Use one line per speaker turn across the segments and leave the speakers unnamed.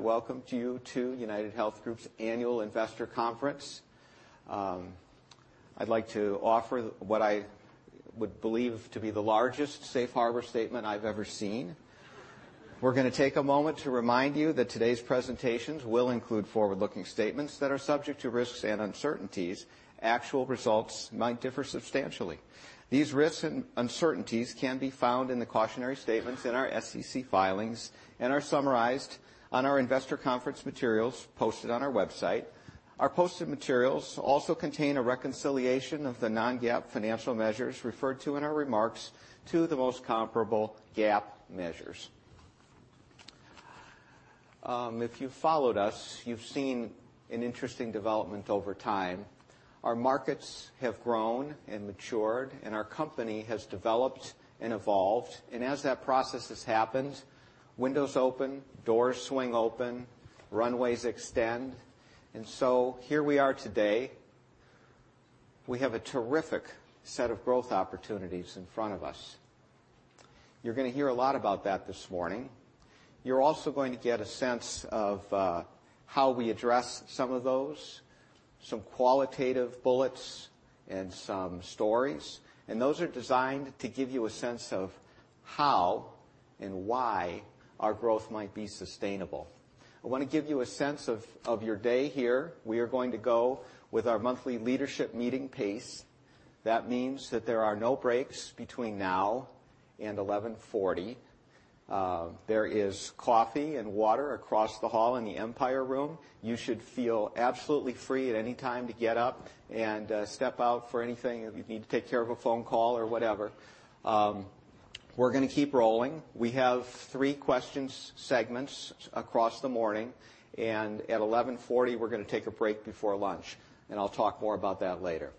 Welcome to you to UnitedHealth Group's Annual Investor Conference. I'd like to offer what I would believe to be the largest safe harbor statement I've ever seen. We're going to take a moment to remind you that today's presentations will include forward-looking statements that are subject to risks and uncertainties. Actual results might differ substantially. These risks and uncertainties can be found in the cautionary statements in our SEC filings and are summarized on our investor conference materials posted on our website. Our posted materials also contain a reconciliation of the non-GAAP financial measures referred to in our remarks to the most comparable GAAP measures. If you've followed us, you've seen an interesting development over time. Our markets have grown and matured, and our company has developed and evolved. As that process has happened, windows open, doors swing open, runways extend. Here we are today. We have a terrific set of growth opportunities in front of us. You're going to hear a lot about that this morning. You're also going to get a sense of how we address some of those, some qualitative bullets, and some stories. Those are designed to give you a sense of how and why our growth might be sustainable. I want to give you a sense of your day here. We are going to go with our monthly leadership meeting pace. That means that there are no breaks between now and 11:40. There is coffee and water across the hall in the Empire Room. You should feel absolutely free at any time to get up and step out for anything if you need to take care of a phone call or whatever. We're going to keep rolling. We have three question segments across the morning, and at 11:40, we're going to take a break before lunch, and I'll talk more about that later.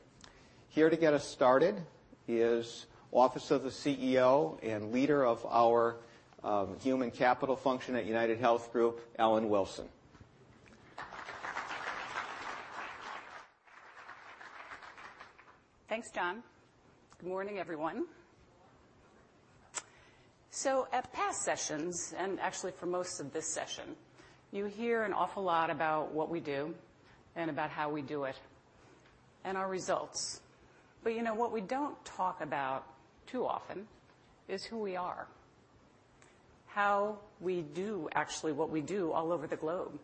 Here to get us started is Office of the CEO and leader of our human capital function at UnitedHealth Group, Ellen Wilson.
Thanks, John. Good morning, everyone.
Good morning.
At past sessions, and actually for most of this session, you hear an awful lot about what we do and about how we do it, and our results. What we don't talk about too often is who we are, how we do actually what we do all over the globe.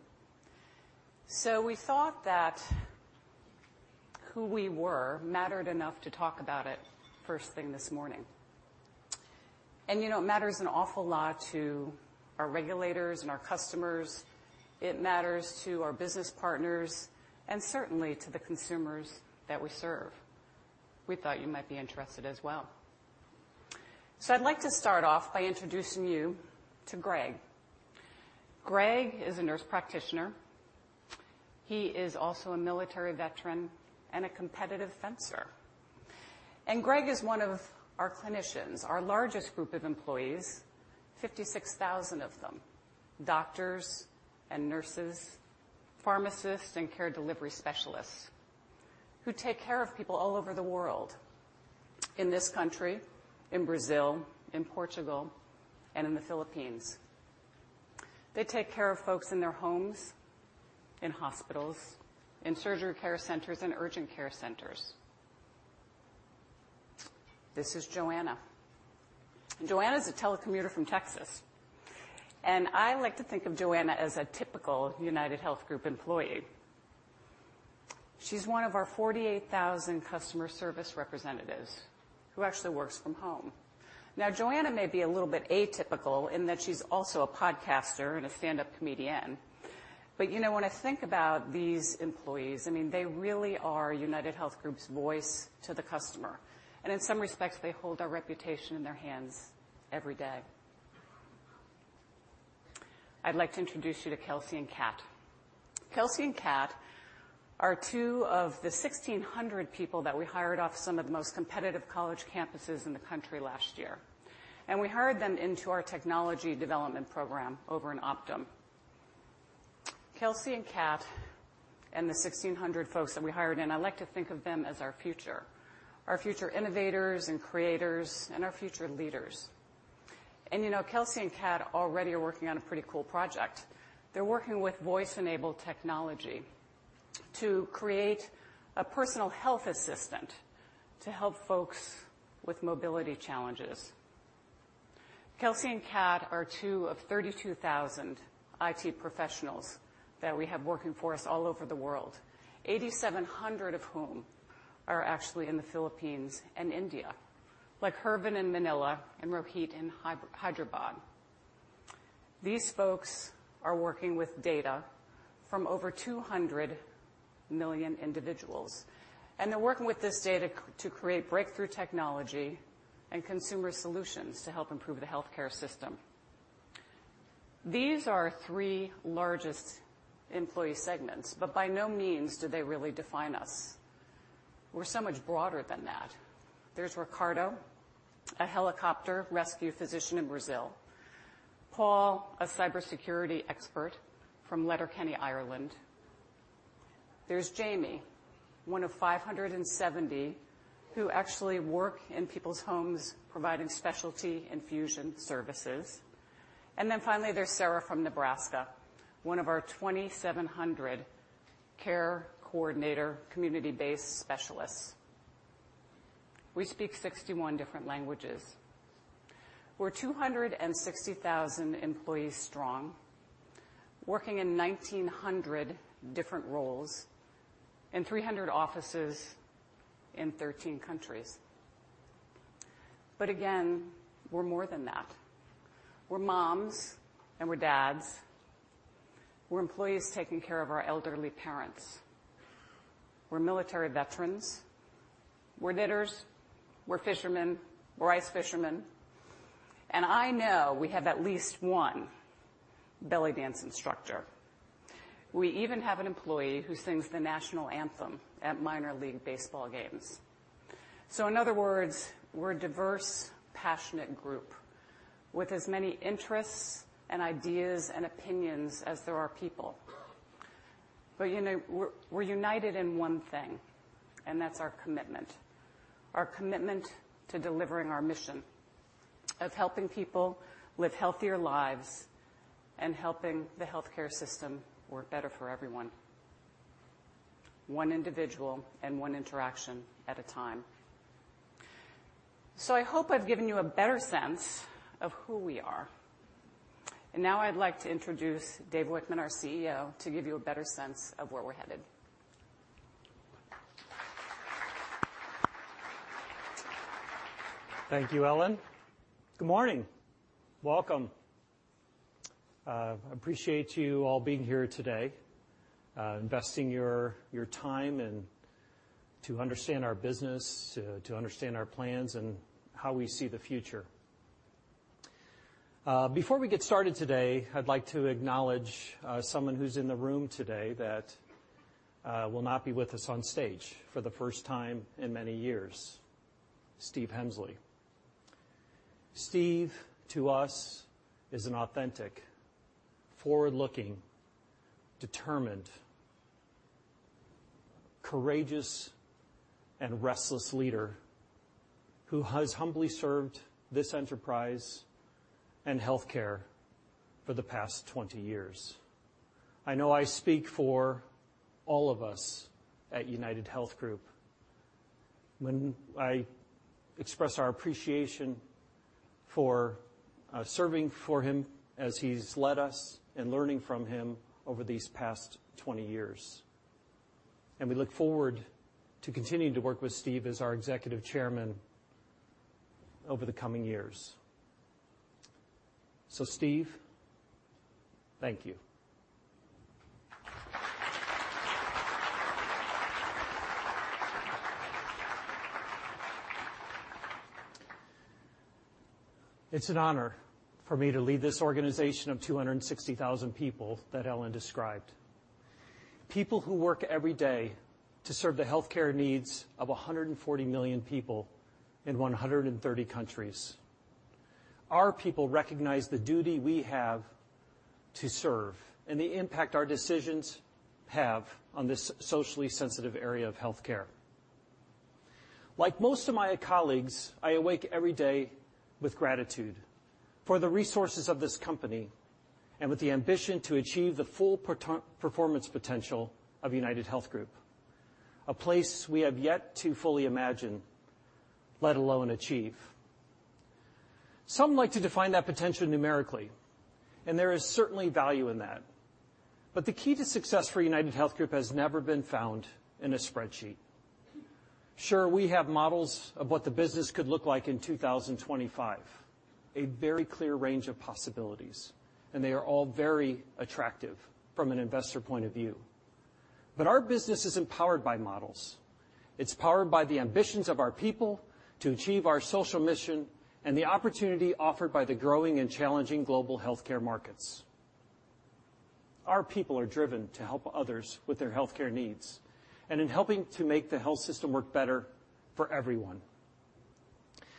We thought that who we were mattered enough to talk about it first thing this morning. It matters an awful lot to our regulators and our customers. It matters to our business partners and certainly to the consumers that we serve. We thought you might be interested as well. I'd like to start off by introducing you to Greg. Greg is a nurse practitioner. He is also a military veteran and a competitive fencer. Greg is one of our clinicians, our largest group of employees, 56,000 of them, doctors and nurses, pharmacists and care delivery specialists, who take care of people all over the world, in this country, in Brazil, in Portugal, and in the Philippines. They take care of folks in their homes, in hospitals, in surgery care centers, and urgent care centers. This is Joanna. Joanna's a telecommuter from Texas. I like to think of Joanna as a typical UnitedHealth Group employee. She's one of our 48,000 customer service representatives who actually works from home. Joanna may be a little bit atypical in that she's also a podcaster and a standup comedian. When I think about these employees, they really are UnitedHealth Group's voice to the customer. In some respects, they hold our reputation in their hands every day. I'd like to introduce you to Kelsey and Kat. Kelsey and Kat are two of the 1,600 people that we hired off some of the most competitive college campuses in the country last year. We hired them into our technology development program over in Optum. Kelsey and Kat, and the 1,600 folks that we hired in, I like to think of them as our future. Our future innovators and creators and our future leaders. Kelsey and Kat already are working on a pretty cool project. They're working with voice-enabled technology to create a personal health assistant to help folks with mobility challenges. Kelsey and Kat are two of 32,000 IT professionals that we have working for us all over the world, 8,700 of whom are actually in the Philippines and India, like Herbin in Manila and Rohit in Hyderabad. These folks are working with data from over 200 million individuals. They're working with this data to create breakthrough technology and consumer solutions to help improve the healthcare system. These are our three largest employee segments, but by no means do they really define us. We're so much broader than that. There's Ricardo, a helicopter rescue physician in Brazil. Paul, a cybersecurity expert from Letterkenny, Ireland. There's Jamie, one of 570 who actually work in people's homes providing specialty infusion services. Then finally, there's Sarah from Nebraska, one of our 2,700 care coordinator community-based specialists. We speak 61 different languages. We're 260,000 employees strong, working in 1,900 different roles in 300 offices in 13 countries. But again, we're more than that. We're moms and we're dads. We're employees taking care of our elderly parents. We're military veterans. We're knitters. We're fishermen. We're rice fishermen. I know we have at least one belly dance instructor. We even have an employee who sings the national anthem at minor league baseball games. In other words, we're a diverse, passionate group with as many interests and ideas and opinions as there are people. But we're united in one thing, that's our commitment, our commitment to delivering our mission of helping people live healthier lives and helping the healthcare system work better for everyone, one individual and one interaction at a time. I hope I've given you a better sense of who we are. Now I'd like to introduce David Wichmann, our CEO, to give you a better sense of where we're headed.
Thank you, Ellen. Good morning. Welcome. I appreciate you all being here today, investing your time to understand our business, to understand our plans, and how we see the future. Before we get started today, I'd like to acknowledge someone who's in the room today that will not be with us on stage for the first time in many years, Stephen Hemsley. Steve, to us, is an authentic, forward-looking, determined, courageous, and restless leader who has humbly served this enterprise and healthcare for the past 20 years. I know I speak for all of us at UnitedHealth Group when I express our appreciation for serving for him as he's led us and learning from him over these past 20 years. We look forward to continuing to work with Steve as our executive chairman over the coming years. Steve, thank you. It's an honor for me to lead this organization of 260,000 people that Ellen described. People who work every day to serve the healthcare needs of 140 million people in 130 countries. Our people recognize the duty we have to serve and the impact our decisions have on this socially sensitive area of healthcare. Like most of my colleagues, I awake every day with gratitude for the resources of this company and with the ambition to achieve the full performance potential of UnitedHealth Group, a place we have yet to fully imagine, let alone achieve. Some like to define that potential numerically, and there is certainly value in that. But the key to success for UnitedHealth Group has never been found in a spreadsheet. Sure, we have models of what the business could look like in 2025, a very clear range of possibilities. They are all very attractive from an investor point of view. Our business isn't powered by models. It's powered by the ambitions of our people to achieve our social mission and the opportunity offered by the growing and challenging global healthcare markets. Our people are driven to help others with their healthcare needs and in helping to make the health system work better for everyone.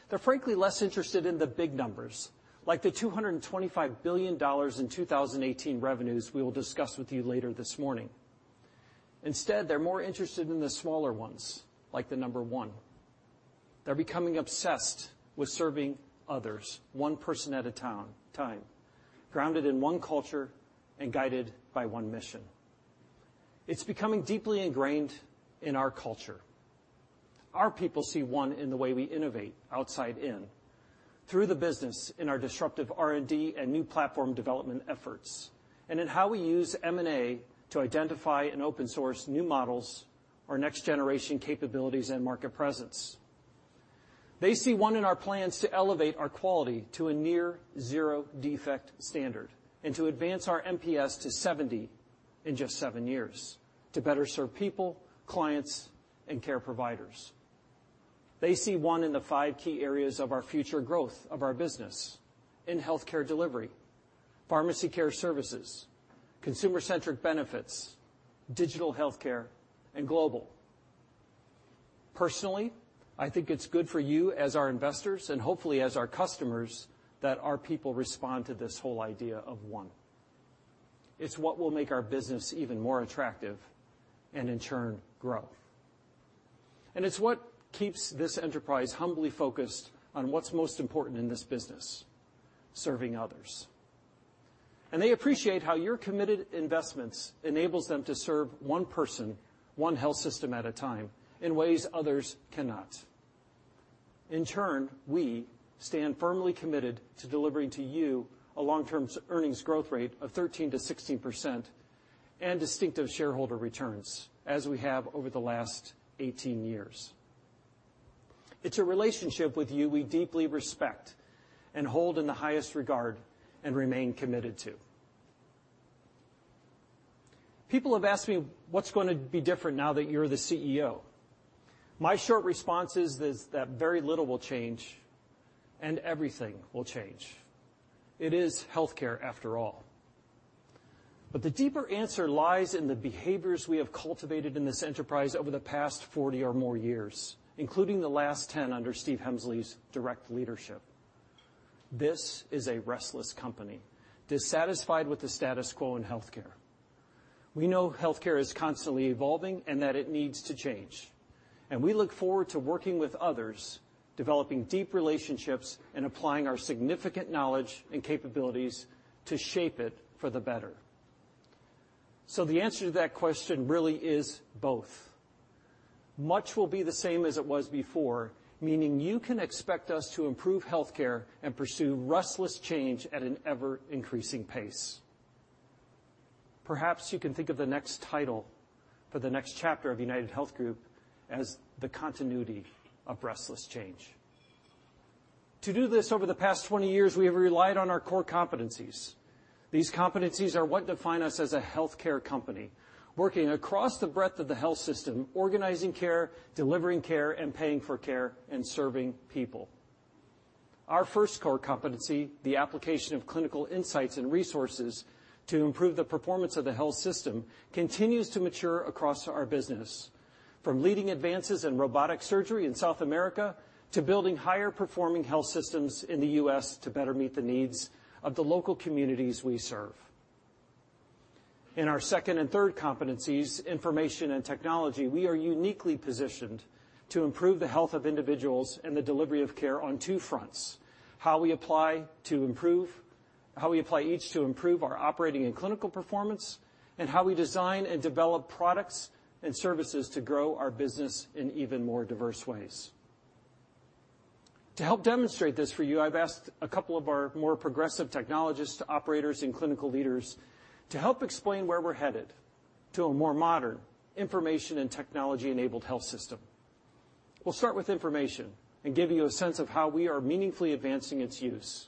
They're frankly less interested in the big numbers, like the $225 billion in 2018 revenues we will discuss with you later this morning. Instead, they're more interested in the smaller ones, like the number one. They're becoming obsessed with serving others, one person at a time, grounded in one culture and guided by one mission. It's becoming deeply ingrained in our culture. Our people see one in the way we innovate outside in through the business in our disruptive R&D and new platform development efforts, in how we use M&A to identify and open source new models or next generation capabilities and market presence. They see one in our plans to elevate our quality to a near zero-defect standard and to advance our NPS to 70 in just seven years to better serve people, clients, and care providers. They see one in the five key areas of our future growth of our business in healthcare delivery, pharmacy care services, consumer-centric benefits, digital healthcare, and global. Personally, I think it's good for you as our investors, and hopefully as our customers, that our people respond to this whole idea of one. It's what will make our business even more attractive and in turn, grow. It's what keeps this enterprise humbly focused on what's most important in this business, serving others. They appreciate how your committed investments enables them to serve one person, one health system at a time, in ways others cannot. In turn, we stand firmly committed to delivering to you a long-term earnings growth rate of 13%-16% and distinctive shareholder returns, as we have over the last 18 years. It's a relationship with you we deeply respect and hold in the highest regard and remain committed to. People have asked me, "What's going to be different now that you're the CEO?" My short response is that very little will change. Everything will change. It is healthcare after all. The deeper answer lies in the behaviors we have cultivated in this enterprise over the past 40 or more years, including the last 10 under Stephen Hemsley's direct leadership. This is a restless company, dissatisfied with the status quo in healthcare. We know healthcare is constantly evolving and that it needs to change. We look forward to working with others, developing deep relationships, and applying our significant knowledge and capabilities to shape it for the better. The answer to that question really is both. Much will be the same as it was before, meaning you can expect us to improve healthcare and pursue restless change at an ever-increasing pace. Perhaps you can think of the next title for the next chapter of UnitedHealth Group as The Continuity of Restless Change. To do this over the past 20 years, we have relied on our core competencies. These competencies are what define us as a healthcare company, working across the breadth of the health system, organizing care, delivering care, and paying for care, and serving people. Our first core competency, the application of clinical insights and resources to improve the performance of the health system, continues to mature across our business. From leading advances in robotic surgery in South America to building higher-performing health systems in the U.S. to better meet the needs of the local communities we serve. In our second and third competencies, information and technology, we are uniquely positioned to improve the health of individuals and the delivery of care on two fronts. How we apply each to improve our operating and clinical performance, How we design and develop products and services to grow our business in even more diverse ways. To help demonstrate this for you, I've asked a couple of our more progressive technologists, operators, and clinical leaders to help explain where we're headed to a more modern information and technology-enabled health system. We'll start with information and give you a sense of how we are meaningfully advancing its use.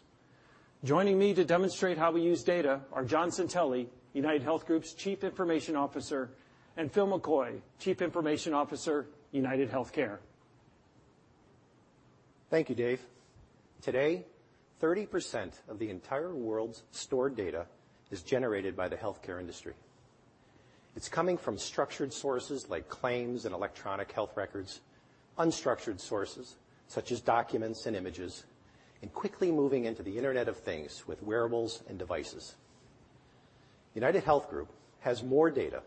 Joining me to demonstrate how we use data are John Santelli, UnitedHealth Group's Chief Information Officer, and Philip Kaufman, Chief Information Officer, UnitedHealthcare.
Thank you, Dave. Today, 30% of the entire world's stored data is generated by the healthcare industry. It's coming from structured sources like claims and electronic health records, unstructured sources such as documents and images, and quickly moving into the Internet of Things with wearables and devices. UnitedHealth Group has more data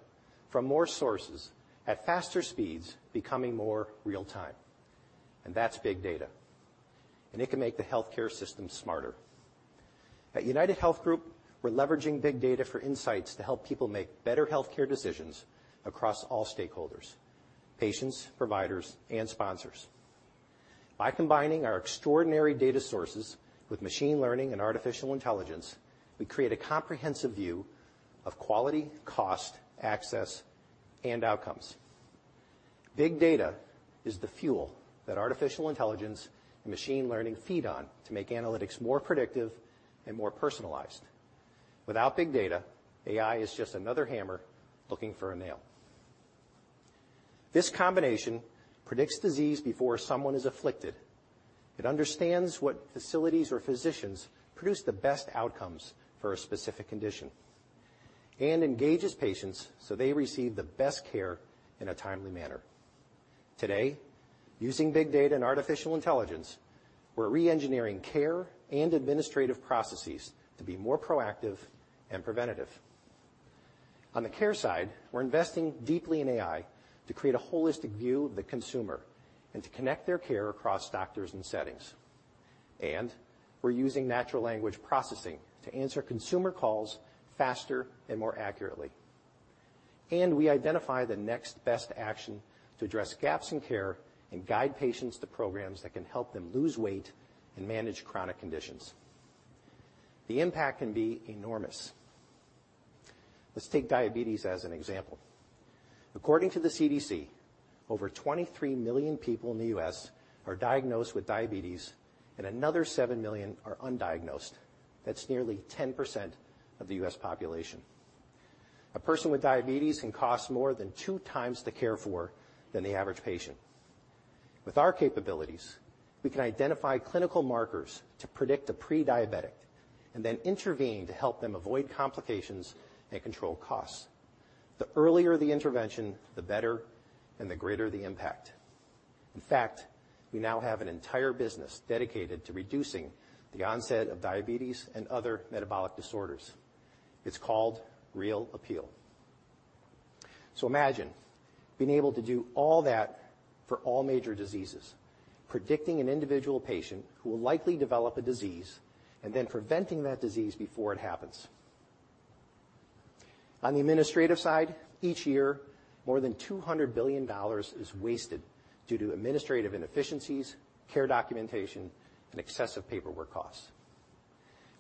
from more sources at faster speeds, becoming more real-time, That's big data, It can make the healthcare system smarter. At UnitedHealth Group, we're leveraging big data for insights to help people make better healthcare decisions across all stakeholders, patients, providers, and sponsors. By combining our extraordinary data sources with machine learning and artificial intelligence, we create a comprehensive view of quality, cost, access, and outcomes. Big data is the fuel that artificial intelligence and machine learning feed on to make analytics more predictive and more personalized. Without big data, AI is just another hammer looking for a nail. This combination predicts disease before someone is afflicted. It understands what facilities or physicians produce the best outcomes for a specific condition It engages patients so they receive the best care in a timely manner. Today, using big data and artificial intelligence, we're re-engineering care and administrative processes to be more proactive and preventative. On the care side, we're investing deeply in AI to create a holistic view of the consumer and to connect their care across doctors and settings. We're using natural language processing to answer consumer calls faster and more accurately. We identify the next-best action to address gaps in care and guide patients to programs that can help them lose weight and manage chronic conditions. The impact can be enormous. Let's take diabetes as an example. According to the CDC, over 23 million people in the U.S. are diagnosed with diabetes, and another 7 million are undiagnosed. That is nearly 10% of the U.S. population. A person with diabetes can cost more than 2 times the care for than the average patient. With our capabilities, we can identify clinical markers to predict a pre-diabetic. Then intervene to help them avoid complications and control costs. The earlier the intervention, the better and the greater the impact. In fact, we now have an entire business dedicated to reducing the onset of diabetes and other metabolic disorders. It is called Real Appeal. Imagine being able to do all that for all major diseases, predicting an individual patient who will likely develop a disease and then preventing that disease before it happens. On the administrative side, each year, more than $200 billion is wasted due to administrative inefficiencies, care documentation, and excessive paperwork costs.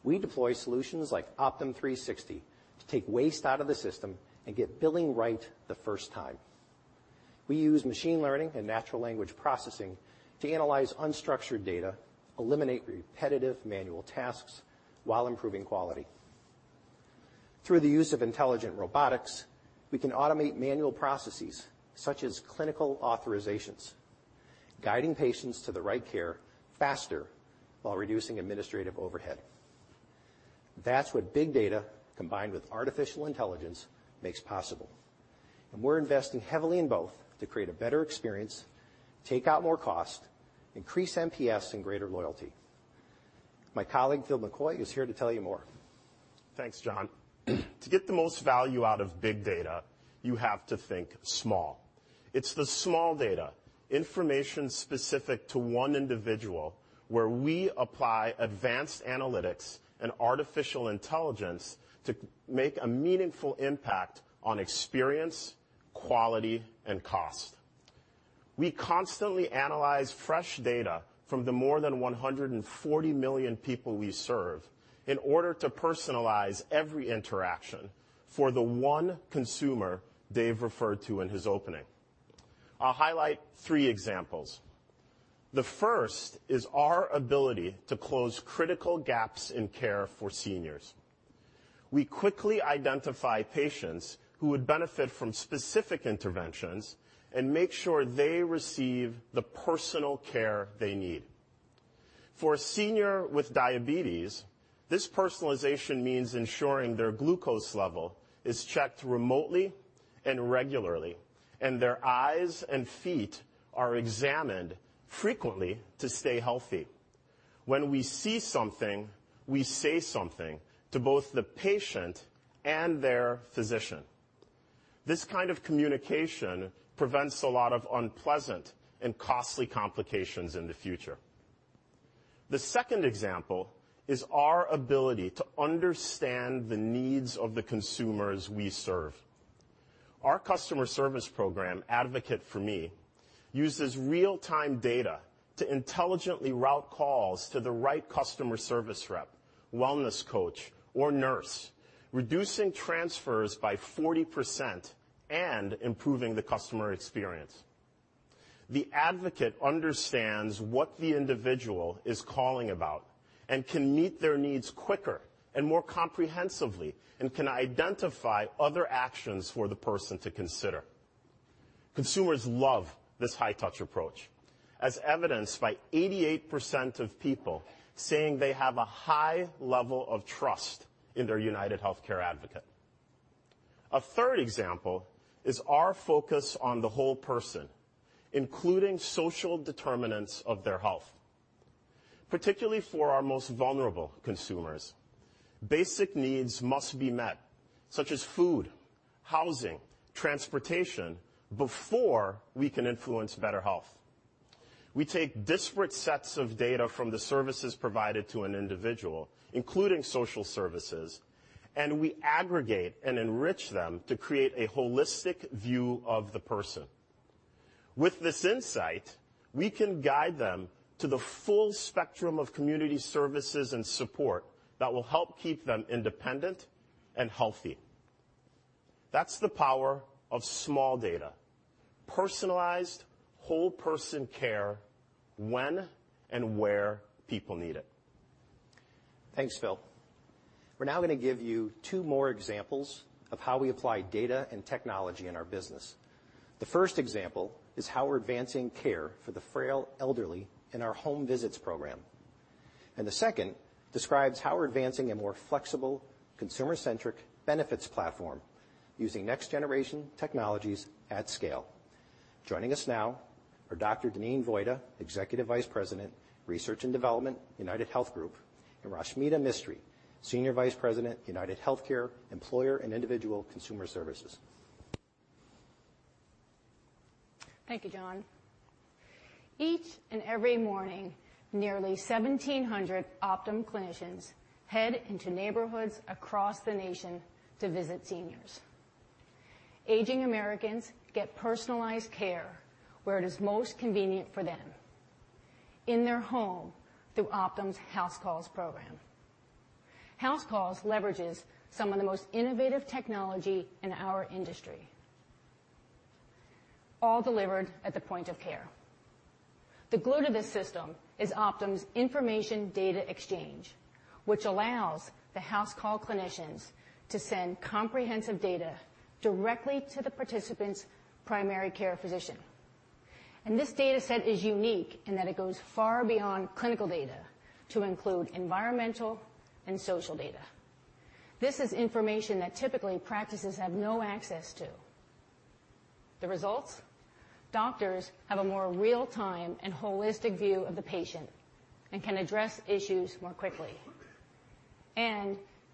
We deploy solutions like Optum360 to take waste out of the system and get billing right the first time. We use machine learning and natural language processing to analyze unstructured data, eliminate repetitive manual tasks while improving quality. Through the use of intelligent robotics, we can automate manual processes such as clinical authorizations, guiding patients to the right care faster while reducing administrative overhead. That is what big data combined with artificial intelligence makes possible, and we are investing heavily in both to create a better experience, take out more cost, increase NPS and greater loyalty. My colleague, Phil Kaufman, is here to tell you more.
Thanks, John. To get the most value out of big data, you have to think small. It is the small data, information specific to one individual, where we apply advanced analytics and artificial intelligence to make a meaningful impact on experience, quality, and cost. We constantly analyze fresh data from the more than 140 million people we serve in order to personalize every interaction for the one consumer Dave referred to in his opening. I will highlight three examples. The first is our ability to close critical gaps in care for seniors. We quickly identify patients who would benefit from specific interventions and make sure they receive the personal care they need. For a senior with diabetes, this personalization means ensuring their glucose level is checked remotely and regularly, and their eyes and feet are examined frequently to stay healthy. When we see something, we say something to both the patient and their physician. This kind of communication prevents a lot of unpleasant and costly complications in the future. The second example is our ability to understand the needs of the consumers we serve. Our customer service program, Advocate4Me, uses real-time data to intelligently route calls to the right customer service rep, wellness coach, or nurse, reducing transfers by 40% and improving the customer experience. The advocate understands what the individual is calling about and can meet their needs quicker and more comprehensively and can identify other actions for the person to consider. Consumers love this high-touch approach, as evidenced by 88% of people saying they have a high level of trust in their UnitedHealthcare advocate. A third example is our focus on the whole person, including social determinants of their health, particularly for our most vulnerable consumers. Basic needs must be met, such as food, housing, transportation, before we can influence better health. We take disparate sets of data from the services provided to an individual, including social services, and we aggregate and enrich them to create a holistic view of the person. With this insight, we can guide them to the full spectrum of community services and support that will help keep them independent and healthy. That's the power of small data. Personalized whole-person care when and where people need it.
Thanks, Phil. We're now going to give you two more examples of how we apply data and technology in our business. The first example is how we're advancing care for the frail elderly in our HouseCalls program, and the second describes how we're advancing a more flexible consumer-centric benefits platform using next-generation technologies at scale. Joining us now are Dr. Deneen Vojta, Executive Vice President, Research and Development, UnitedHealth Group, and Rashmita Mistry, Senior Vice President, UnitedHealthcare Employer and Individual Consumer Services.
Thank you, John. Each and every morning, nearly 1,700 Optum clinicians head into neighborhoods across the nation to visit seniors. Aging Americans get personalized care where it is most convenient for them, in their home through Optum's HouseCalls program. HouseCalls leverages some of the most innovative technology in our industry, all delivered at the point of care. The glue to this system is Optum's Optum Data Exchange, which allows the house call clinicians to send comprehensive data directly to the participant's primary care physician. This data set is unique in that it goes far beyond clinical data to include environmental and social data. This is information that typically practices have no access to. The results? Doctors have a more real-time and holistic view of the patient and can address issues more quickly.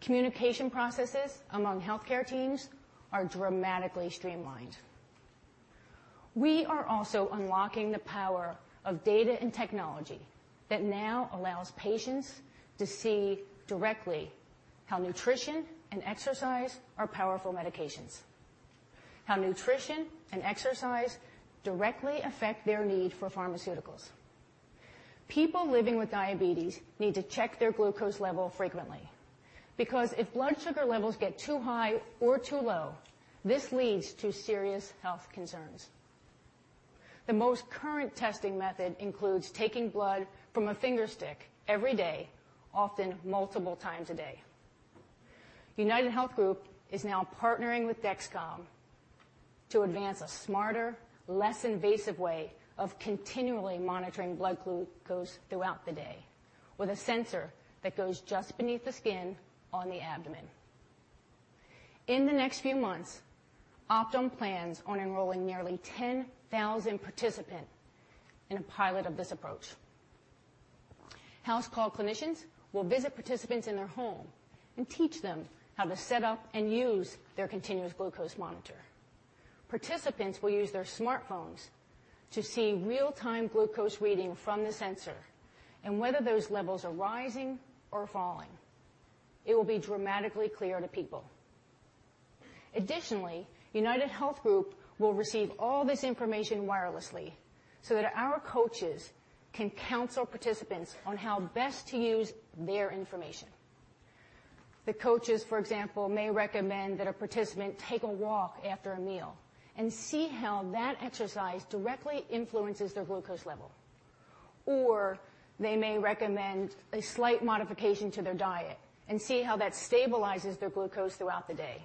Communication processes among healthcare teams are dramatically streamlined. We are also unlocking the power of data and technology that now allows patients to see directly how nutrition and exercise are powerful medications. How nutrition and exercise directly affect their need for pharmaceuticals. People living with diabetes need to check their glucose level frequently, because if blood sugar levels get too high or too low, this leads to serious health concerns. The most current testing method includes taking blood from a finger stick every day, often multiple times a day. UnitedHealth Group is now partnering with Dexcom to advance a smarter, less invasive way of continually monitoring blood glucose throughout the day with a sensor that goes just beneath the skin on the abdomen. In the next few months, Optum plans on enrolling nearly 10,000 participants in a pilot of this approach. HouseCalls clinicians will visit participants in their home and teach them how to set up and use their continuous glucose monitor. Participants will use their smartphones to see real-time glucose reading from the sensor and whether those levels are rising or falling. It will be dramatically clear to people. Additionally, UnitedHealth Group will receive all this information wirelessly so that our coaches can counsel participants on how best to use their information. They may recommend that a participant take a walk after a meal and see how that exercise directly influences their glucose level. They may recommend a slight modification to their diet and see how that stabilizes their glucose throughout the day.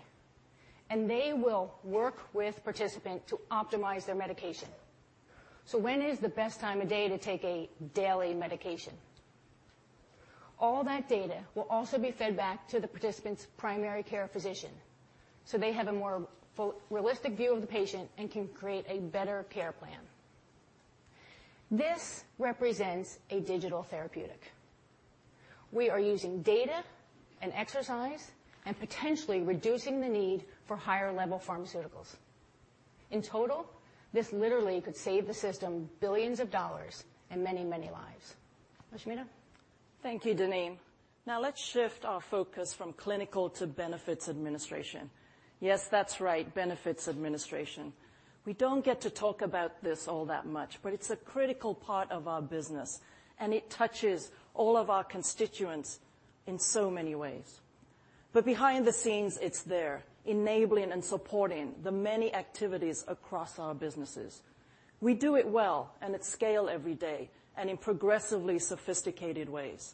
They will work with participants to optimize their medication. When is the best time of day to take a daily medication? All that data will also be fed back to the participant's primary care physician so they have a more realistic view of the patient and can create a better care plan. This represents a digital therapeutic. We are using data and exercise and potentially reducing the need for higher-level pharmaceuticals. In total, this literally could save the system billions of dollars and many, many lives. Rashmita?
Thank you, Deneen. Let's shift our focus from clinical to benefits administration. Yes, that's right, benefits administration. We don't get to talk about this all that much, but it's a critical part of our business, and it touches all of our constituents in so many ways. Behind the scenes, it's there enabling and supporting the many activities across our businesses. We do it well and at scale every day, and in progressively sophisticated ways.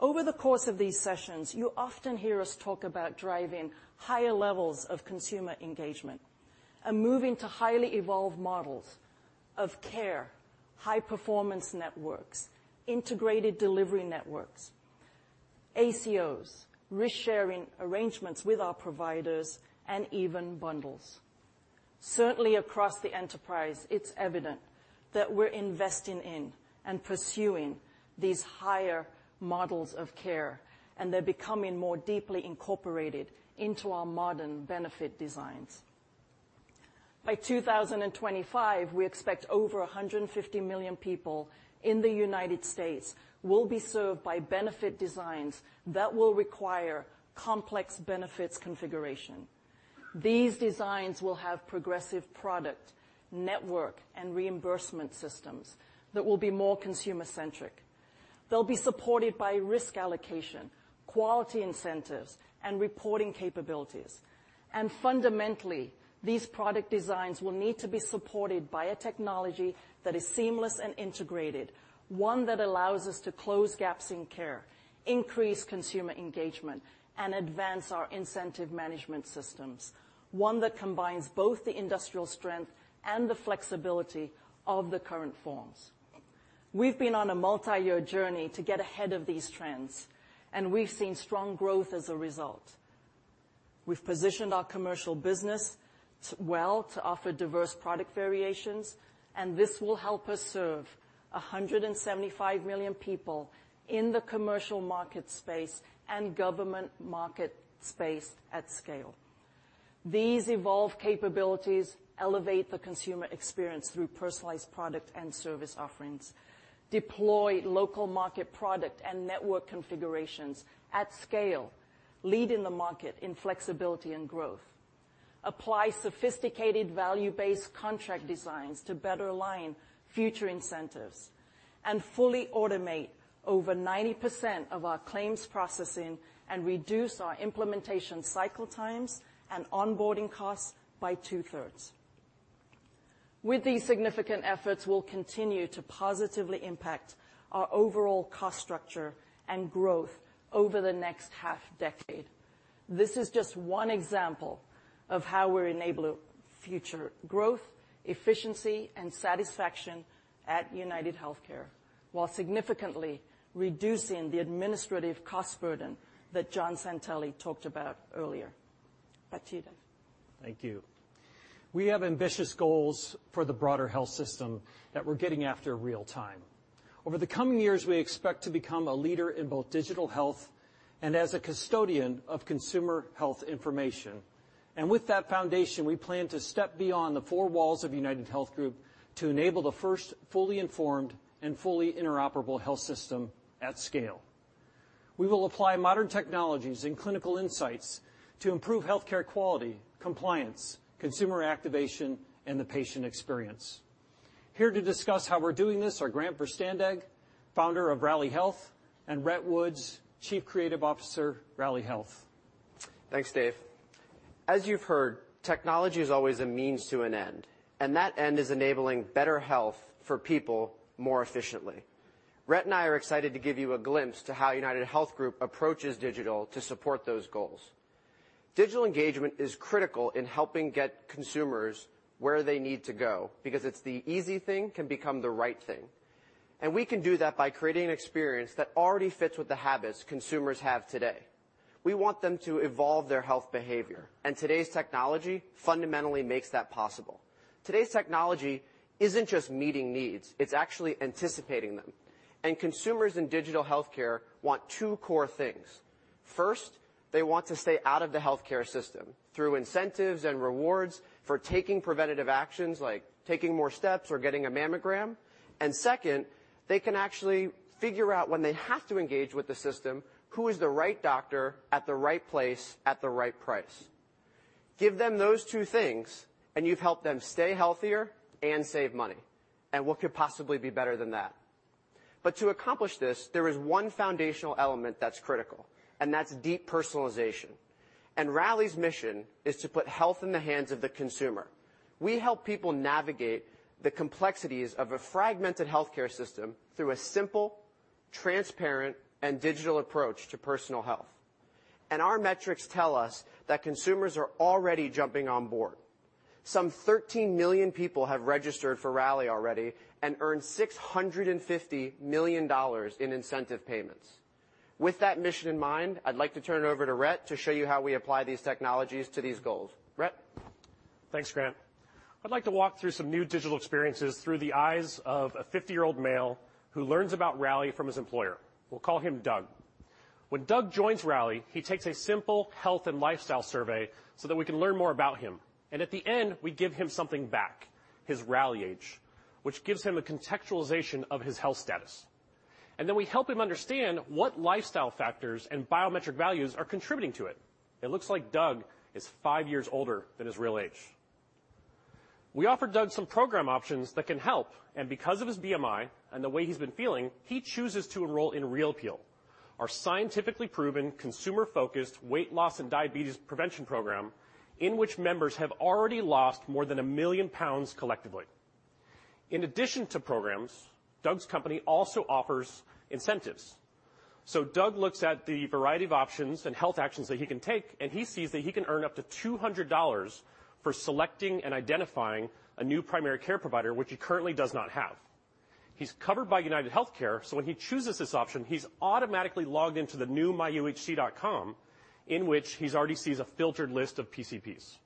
Over the course of these sessions, you often hear us talk about driving higher levels of consumer engagement and moving to highly evolved models of care, high performance networks, integrated delivery networks, ACOs, risk-sharing arrangements with our providers, and even bundles. Across the enterprise, it's evident that we're investing in and pursuing these higher models of care, and they're becoming more deeply incorporated into our modern benefit designs. By 2025, we expect over 150 million people in the United States will be served by benefit designs that will require complex benefits configuration. These designs will have progressive product, network, and reimbursement systems that will be more consumer-centric. They'll be supported by risk allocation, quality incentives, and reporting capabilities. Fundamentally, these product designs will need to be supported by a technology that is seamless and integrated, one that allows us to close gaps in care, increase consumer engagement, and advance our incentive management systems. One that combines both the industrial strength and the flexibility of the current forms. We've been on a multi-year journey to get ahead of these trends, and we've seen strong growth as a result. We've positioned our commercial business well to offer diverse product variations. This will help us serve 175 million people in the commercial market space and government market space at scale. These evolved capabilities elevate the consumer experience through personalized product and service offerings, deploy local market product and network configurations at scale, leading the market in flexibility and growth, apply sophisticated value-based contract designs to better align future incentives, fully automate over 90% of our claims processing and reduce our implementation cycle times and onboarding costs by two-thirds. With these significant efforts, we'll continue to positively impact our overall cost structure and growth over the next half-decade. This is just one example of how we enable future growth, efficiency, and satisfaction at UnitedHealthcare, while significantly reducing the administrative cost burden that John Santelli talked about earlier. Back to you, Dave.
Thank you. We have ambitious goals for the broader health system that we're getting after real-time. Over the coming years, we expect to become a leader in both digital health and as a custodian of consumer health information. With that foundation, we plan to step beyond the four walls of UnitedHealth Group to enable the first fully informed and fully interoperable health system at scale. We will apply modern technologies and clinical insights to improve healthcare quality, compliance, consumer activation, and the patient experience. Here to discuss how we're doing this are Grant Verstandig, founder of Rally Health, and Rhett Woods, chief creative officer, Rally Health.
Thanks, Dave. As you've heard, technology is always a means to an end. That end is enabling better health for people more efficiently. Rhett and I are excited to give you a glimpse to how UnitedHealth Group approaches digital to support those goals. Digital engagement is critical in helping get consumers where they need to go because it's the easy thing can become the right thing. We can do that by creating an experience that already fits with the habits consumers have today. We want them to evolve their health behavior. Today's technology fundamentally makes that possible. Today's technology isn't just meeting needs. It's actually anticipating them. Consumers in digital healthcare want two core things. First, they want to stay out of the healthcare system through incentives and rewards for taking preventative actions like taking more steps or getting a mammogram. Second, they can actually figure out when they have to engage with the system, who is the right doctor at the right place at the right price. Give them those two things, and you've helped them stay healthier and save money. What could possibly be better than that? To accomplish this, there is one foundational element that's critical, and that's deep personalization. Rally's mission is to put health in the hands of the consumer. We help people navigate the complexities of a fragmented healthcare system through a simple, transparent, and digital approach to personal health. Our metrics tell us that consumers are already jumping on board. Some 13 million people have registered for Rally already and earned $650 million in incentive payments. Thanks, Grant. I'd like to turn it over to Rhett to show you how we apply these technologies to these goals. Rhett?
Thanks, Grant. I'd like to walk through some new digital experiences through the eyes of a 50-year-old male who learns about Rally from his employer. We'll call him Doug. When Doug joins Rally, he takes a simple health and lifestyle survey so that we can learn more about him. At the end, we give him something back, his Rally Age, which gives him a contextualization of his health status. Then we help him understand what lifestyle factors and biometric values are contributing to it. It looks like Doug is five years older than his real age. We offer Doug some program options that can help, and because of his BMI and the way he's been feeling, he chooses to enroll in Real Appeal, our scientifically proven consumer-focused weight loss and diabetes prevention program in which members have already lost more than 1 million pounds collectively. In addition to programs, Doug's company also offers incentives. Doug looks at the variety of options and health actions that he can take, and he sees that he can earn up to $200 for selecting and identifying a new primary care provider which he currently does not have. He's covered by UnitedHealthcare, when he chooses this option, he's automatically logged into the new myuhc.com, in which he already sees a filtered list of PCPs.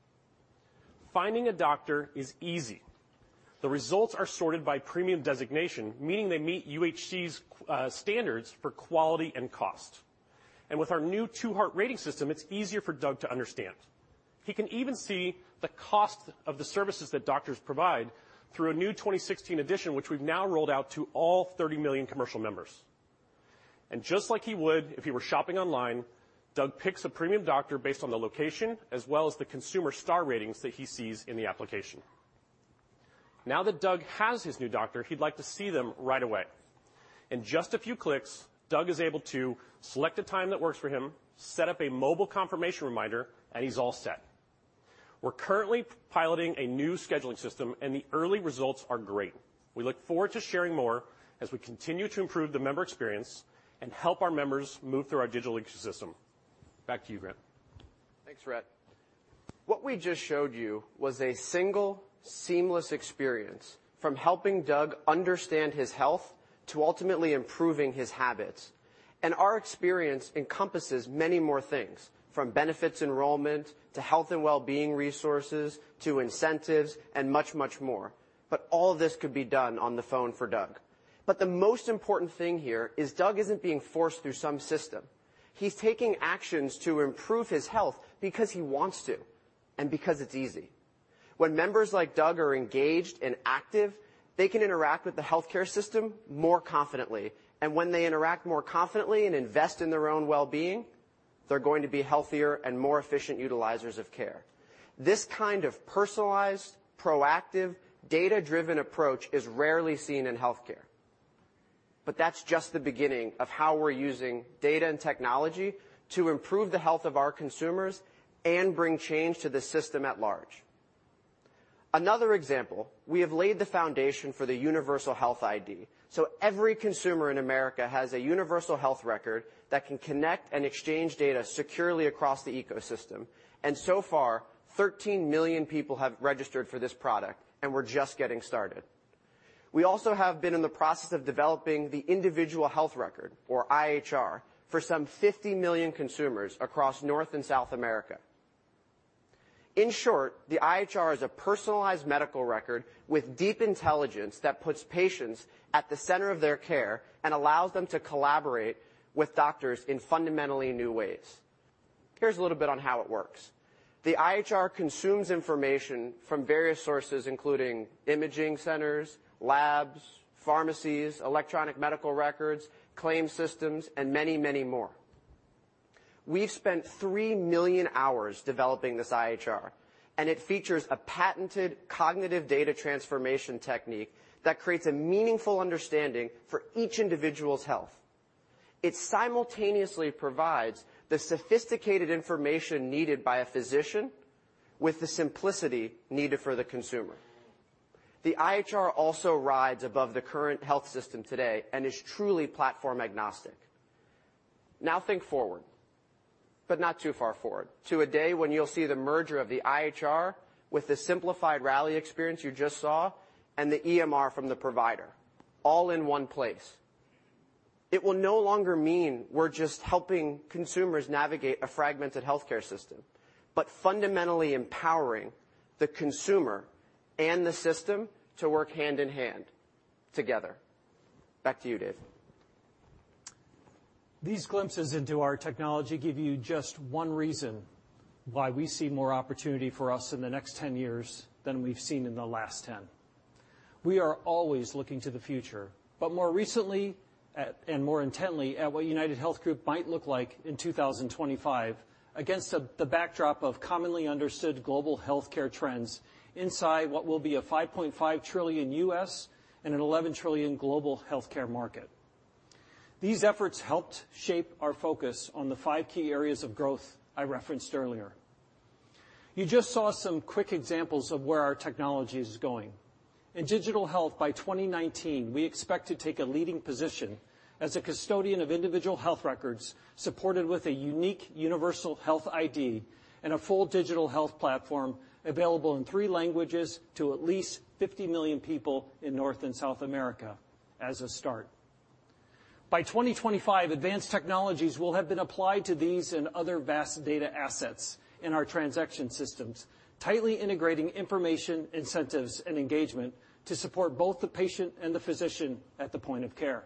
Finding a doctor is easy. The results are sorted by premium designation, meaning they meet UHC's standards for quality and cost. With our new two-heart rating system, it's easier for Doug to understand. He can even see the cost of the services that doctors provide through a new 2016 edition, which we've now rolled out to all 30 million commercial members. Just like he would if he were shopping online, Doug picks a premium doctor based on the location as well as the consumer star ratings that he sees in the application. Now that Doug has his new doctor, he'd like to see them right away. In just a few clicks, Doug is able to select a time that works for him, set up a mobile confirmation reminder, and he's all set. We're currently piloting a new scheduling system, the early results are great. We look forward to sharing more as we continue to improve the member experience and help our members move through our digital ecosystem. Back to you, Grant.
Thanks, Rhett. What we just showed you was a single seamless experience from helping Doug understand his health to ultimately improving his habits. Our experience encompasses many more things, from benefits enrollment to health and wellbeing resources, to incentives and much, much more. All this could be done on the phone for Doug. The most important thing here is Doug isn't being forced through some system. He's taking actions to improve his health because he wants to and because it's easy. When members like Doug are engaged and active, they can interact with the healthcare system more confidently. When they interact more confidently and invest in their own wellbeing, they're going to be healthier and more efficient utilizers of care. This kind of personalized, proactive, data-driven approach is rarely seen in healthcare. That's just the beginning of how we're using data and technology to improve the health of our consumers and bring change to the system at large. Another example, we have laid the foundation for the universal health ID. Every consumer in America has a universal health record that can connect and exchange data securely across the ecosystem. So far, 13 million people have registered for this product, and we're just getting started. We also have been in the process of developing the individual health record, or IHR, for some 50 million consumers across North and South America. In short, the IHR is a personalized medical record with deep intelligence that puts patients at the center of their care and allows them to collaborate with doctors in fundamentally new ways. Here's a little bit on how it works. The IHR consumes information from various sources, including imaging centers, labs, pharmacies, electronic medical records, claims systems, and many, many more. We've spent 3 million hours developing this IHR, it features a patented cognitive data transformation technique that creates a meaningful understanding for each individual's health. It simultaneously provides the sophisticated information needed by a physician with the simplicity needed for the consumer. The IHR also rides above the current health system today and is truly platform agnostic. Now think forward, but not too far forward, to a day when you'll see the merger of the IHR with the simplified Rally experience you just saw and the EMR from the provider all in one place. It will no longer mean we're just helping consumers navigate a fragmented healthcare system, but fundamentally empowering the consumer and the system to work hand in hand together. Back to you, Dave.
These glimpses into our technology give you just one reason why we see more opportunity for us in the next 10 years than we've seen in the last 10. We are always looking to the future, but more recently, and more intently, at what UnitedHealth Group might look like in 2025 against the backdrop of commonly understood global healthcare trends inside what will be a $5.5 trillion U.S. and an $11 trillion global healthcare market. These efforts helped shape our focus on the five key areas of growth I referenced earlier. You just saw some quick examples of where our technology is going. In digital health, by 2019, we expect to take a leading position as a custodian of individual health records supported with a unique universal health ID and a full digital health platform available in three languages to at least 50 million people in North and South America as a start. By 2025, advanced technologies will have been applied to these and other vast data assets in our transaction systems, tightly integrating information, incentives, and engagement to support both the patient and the physician at the point of care.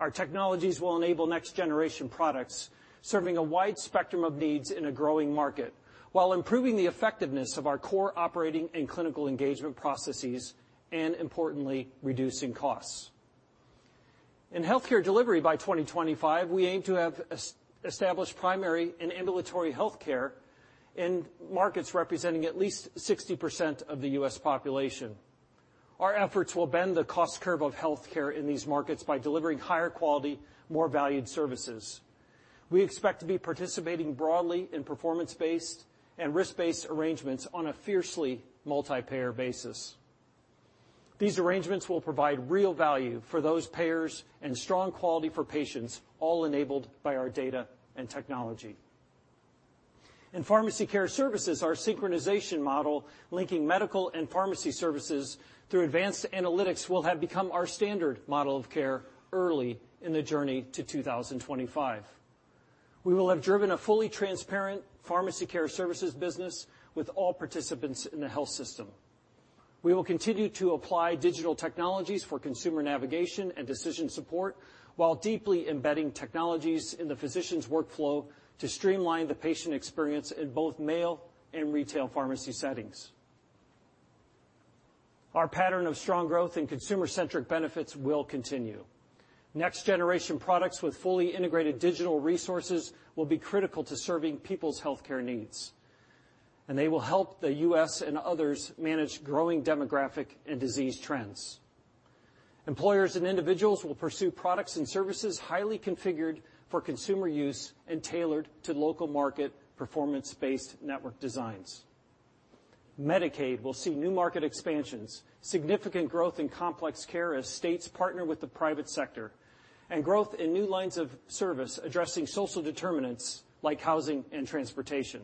Our technologies will enable next-generation products serving a wide spectrum of needs in a growing market while improving the effectiveness of our core operating and clinical engagement processes and importantly, reducing costs. In healthcare delivery by 2025, we aim to have established primary and ambulatory healthcare in markets representing at least 60% of the U.S. population. Our efforts will bend the cost curve of healthcare in these markets by delivering higher quality, more valued services. We expect to be participating broadly in performance-based and risk-based arrangements on a fiercely multi-payer basis. These arrangements will provide real value for those payers and strong quality for patients, all enabled by our data and technology. In pharmacy care services, our synchronization model linking medical and pharmacy services through advanced analytics will have become our standard model of care early in the journey to 2025. We will have driven a fully transparent pharmacy care services business with all participants in the health system. We will continue to apply digital technologies for consumer navigation and decision support while deeply embedding technologies in the physician's workflow to streamline the patient experience in both mail and retail pharmacy settings. Our pattern of strong growth and consumer-centric benefits will continue. Next-generation products with fully integrated digital resources will be critical to serving people's healthcare needs. They will help the U.S. and others manage growing demographic and disease trends. Employers and individuals will pursue products and services highly configured for consumer use and tailored to local market performance-based network designs. Medicaid will see new market expansions, significant growth in complex care as states partner with the private sector, and growth in new lines of service addressing social determinants like housing and transportation.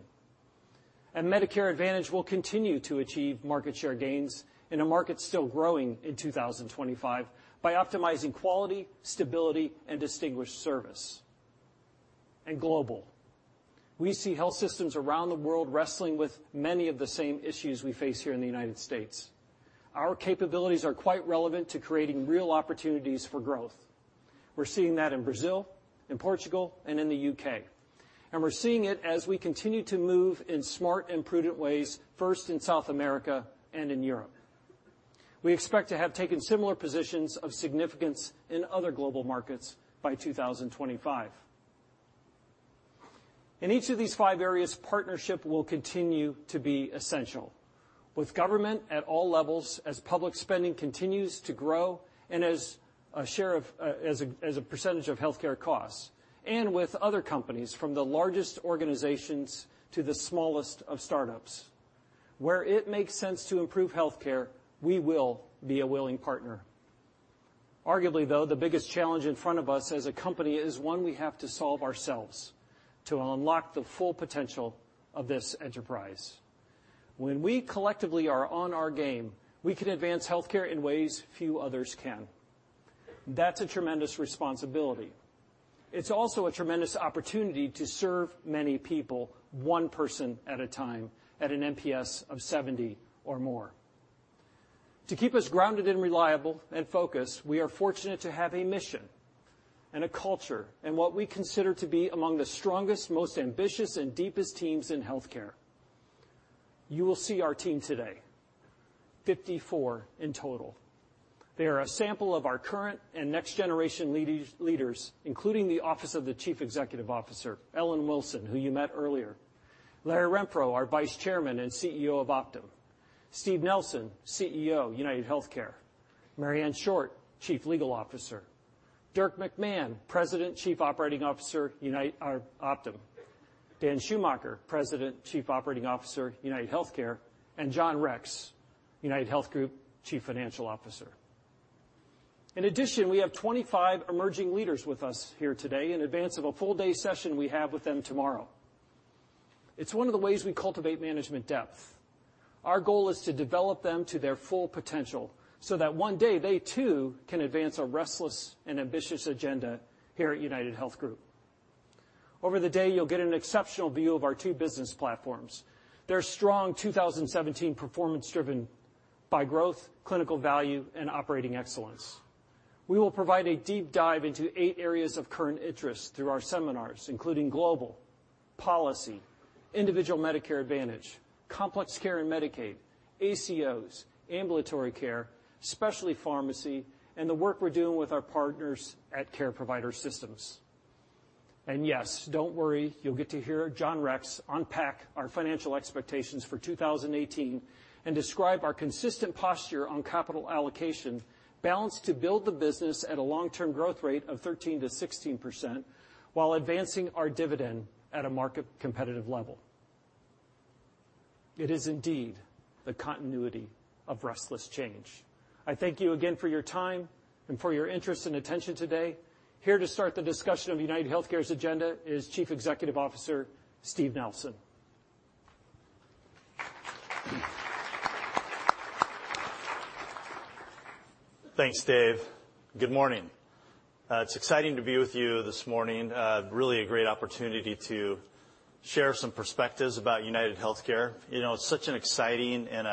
Medicare Advantage will continue to achieve market share gains in a market still growing in 2025 by optimizing quality, stability, and distinguished service. Global. We see health systems around the world wrestling with many of the same issues we face here in the United States. Our capabilities are quite relevant to creating real opportunities for growth. We're seeing that in Brazil, in Portugal, and in the U.K. We're seeing it as we continue to move in smart and prudent ways, first in South America and in Europe. We expect to have taken similar positions of significance in other global markets by 2025. In each of these five areas, partnership will continue to be essential with government at all levels as public spending continues to grow and as a share as a percentage of healthcare costs and with other companies from the largest organizations to the smallest of startups. Where it makes sense to improve healthcare, we will be a willing partner. Arguably though, the biggest challenge in front of us as a company is one we have to solve ourselves to unlock the full potential of this enterprise. When we collectively are on our game, we can advance healthcare in ways few others can. That's a tremendous responsibility. It's also a tremendous opportunity to serve many people, one person at a time, at an NPS of 70 or more. To keep us grounded and reliable and focused, we are fortunate to have a mission and a culture and what we consider to be among the strongest, most ambitious, and deepest teams in healthcare. You will see our team today, 54 in total. They are a sample of our current and next generation leaders, including the Office of the Chief Executive Officer, Ellen Wilson, who you met earlier. Larry Renfro, our Vice Chairman and CEO of Optum. Steve Nelson, CEO, UnitedHealthcare. Marianne Short, Chief Legal Officer. Dirk McMahon, President Chief Operating Officer, Optum. Dan Schumacher, President Chief Operating Officer, UnitedHealthcare, and John Rex, UnitedHealth Group Chief Financial Officer. In addition, we have 25 emerging leaders with us here today in advance of a full day session we have with them tomorrow. It's one of the ways we cultivate management depth. Our goal is to develop them to their full potential so that one day they too can advance a restless and ambitious agenda here at UnitedHealth Group. Over the day, you'll get an exceptional view of our two business platforms. They're strong 2017 performance driven by growth, clinical value, and operating excellence. We will provide a deep dive into eight areas of current interest through our seminars, including global, policy, individual Medicare Advantage, complex care and Medicaid, ACOs, ambulatory care, specialty pharmacy, and the work we're doing with our partners at Care Provider Systems. Yes, don't worry, you'll get to hear John Rex unpack our financial expectations for 2018 and describe our consistent posture on capital allocation balanced to build the business at a long-term growth rate of 13%-16% while advancing our dividend at a market competitive level. It is indeed the continuity of restless change. I thank you again for your time and for your interest and attention today. Here to start the discussion of UnitedHealthcare's agenda is Chief Executive Officer Steve Nelson.
Thanks, Dave. Good morning. It's exciting to be with you this morning. Really a great opportunity to share some perspectives about UnitedHealthcare. It's such an exciting and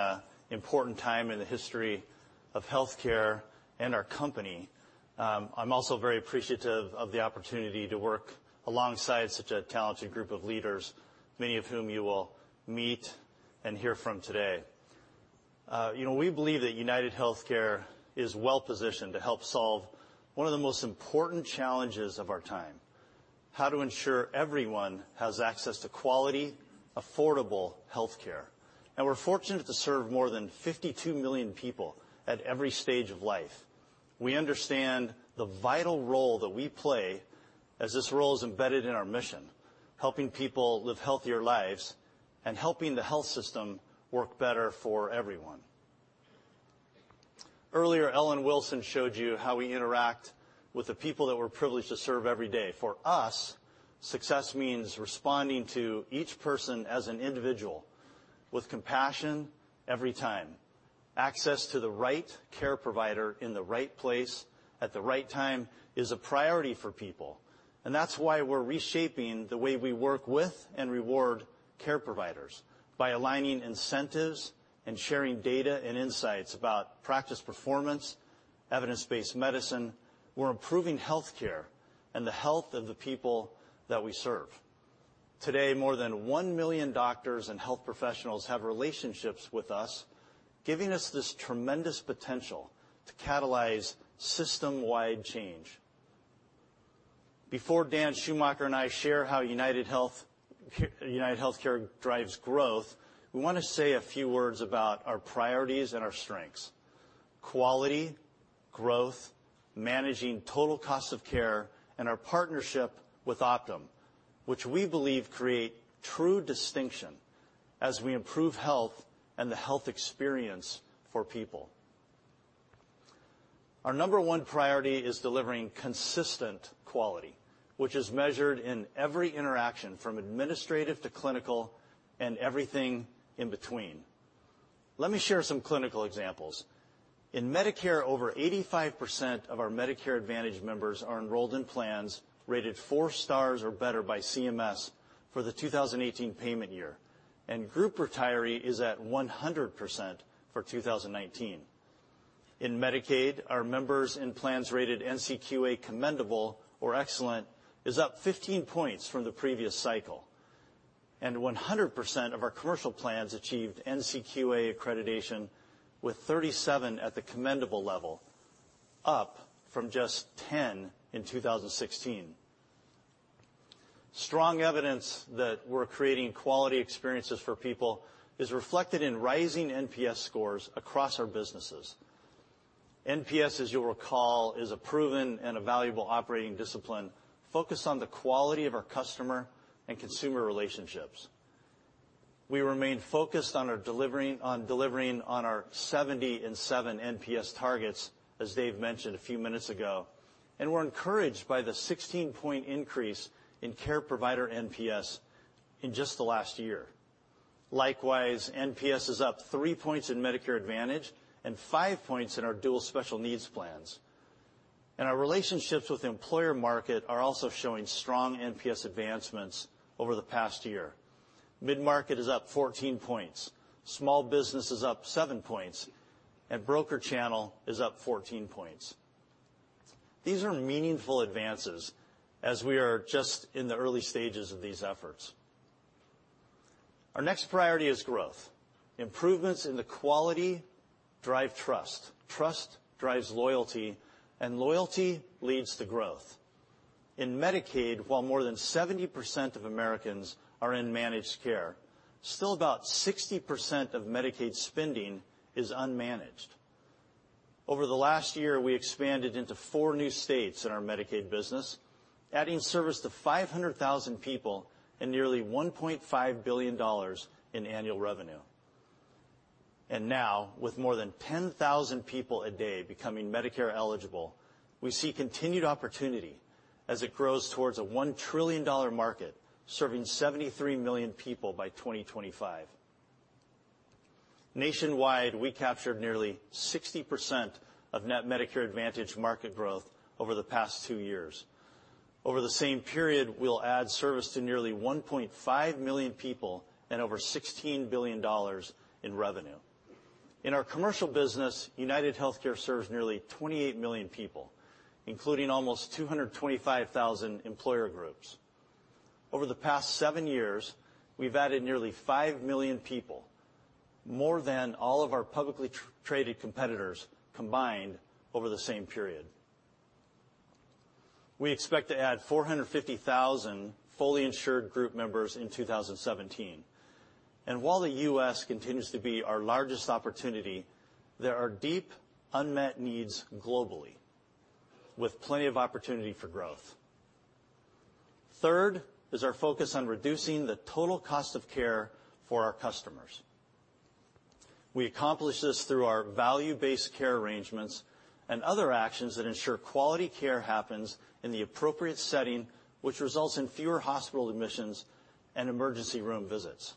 important time in the history of healthcare and our company. I'm also very appreciative of the opportunity to work alongside such a talented group of leaders, many of whom you will meet and hear from today. We believe that UnitedHealthcare is well-positioned to help solve one of the most important challenges of our time. How to ensure everyone has access to quality, affordable healthcare. We're fortunate to serve more than 52 million people at every stage of life. We understand the vital role that we play as this role is embedded in our mission, helping people live healthier lives and helping the health system work better for everyone. Earlier, Ellen Wilson showed you how we interact with the people that we're privileged to serve every day. For us, success means responding to each person as an individual with compassion every time. Access to the right care provider in the right place at the right time is a priority for people, and that's why we're reshaping the way we work with and reward care providers by aligning incentives and sharing data and insights about practice performance, evidence-based medicine. We're improving healthcare and the health of the people that we serve. Today, more than 1 million doctors and health professionals have relationships with us, giving us this tremendous potential to catalyze system-wide change. Before Dan Schumacher and I share how UnitedHealthcare drives growth, we want to say a few words about our priorities and our strengths. Quality, growth, managing total cost of care, and our partnership with Optum, which we believe create true distinction as we improve health and the health experience for people. Our number one priority is delivering consistent quality, which is measured in every interaction from administrative to clinical and everything in between. Let me share some clinical examples. In Medicare, over 85% of our Medicare Advantage members are enrolled in plans rated 4 stars or better by CMS for the 2018 payment year. Group retiree is at 100% for 2019. In Medicaid, our members in plans rated NCQA commendable or excellent is up 15 points from the previous cycle, and 100% of our commercial plans achieved NCQA accreditation with 37 at the commendable level, up from just 10 in 2016. Strong evidence that we're creating quality experiences for people is reflected in rising NPS scores across our businesses. NPS, as you'll recall, is a proven and a valuable operating discipline focused on the quality of our customer and consumer relationships. We remain focused on delivering on our 70 in seven NPS targets, as Dave mentioned a few minutes ago, we're encouraged by the 16-point increase in care provider NPS in just the last year. Likewise, NPS is up 3 points in Medicare Advantage and 5 points in our Dual Special Needs Plans. Our relationships with the employer market are also showing strong NPS advancements over the past year. Mid-market is up 14 points, small business is up 7 points, broker channel is up 14 points. These are meaningful advances as we are just in the early stages of these efforts. Our next priority is growth. Improvements in the quality drive trust drives loyalty leads to growth. In Medicaid, while more than 70% of Americans are in managed care, still about 60% of Medicaid spending is unmanaged. Over the last year, we expanded into four new states in our Medicaid business, adding service to 500,000 people and nearly $1.5 billion in annual revenue. Now, with more than 10,000 people a day becoming Medicare eligible, we see continued opportunity as it grows towards a $1 trillion market serving 73 million people by 2025. Nationwide, we captured nearly 60% of net Medicare Advantage market growth over the past two years. Over the same period, we will add service to nearly 1.5 million people and over $16 billion in revenue. In our commercial business, UnitedHealthcare serves nearly 28 million people, including almost 225,000 employer groups. Over the past seven years, we've added nearly 5 million people, more than all of our publicly traded competitors combined over the same period. We expect to add 450,000 fully insured group members in 2017. While the U.S. continues to be our largest opportunity, there are deep unmet needs globally with plenty of opportunity for growth. Third is our focus on reducing the total cost of care for our customers. We accomplish this through our value-based care arrangements and other actions that ensure quality care happens in the appropriate setting, which results in fewer hospital admissions and emergency room visits.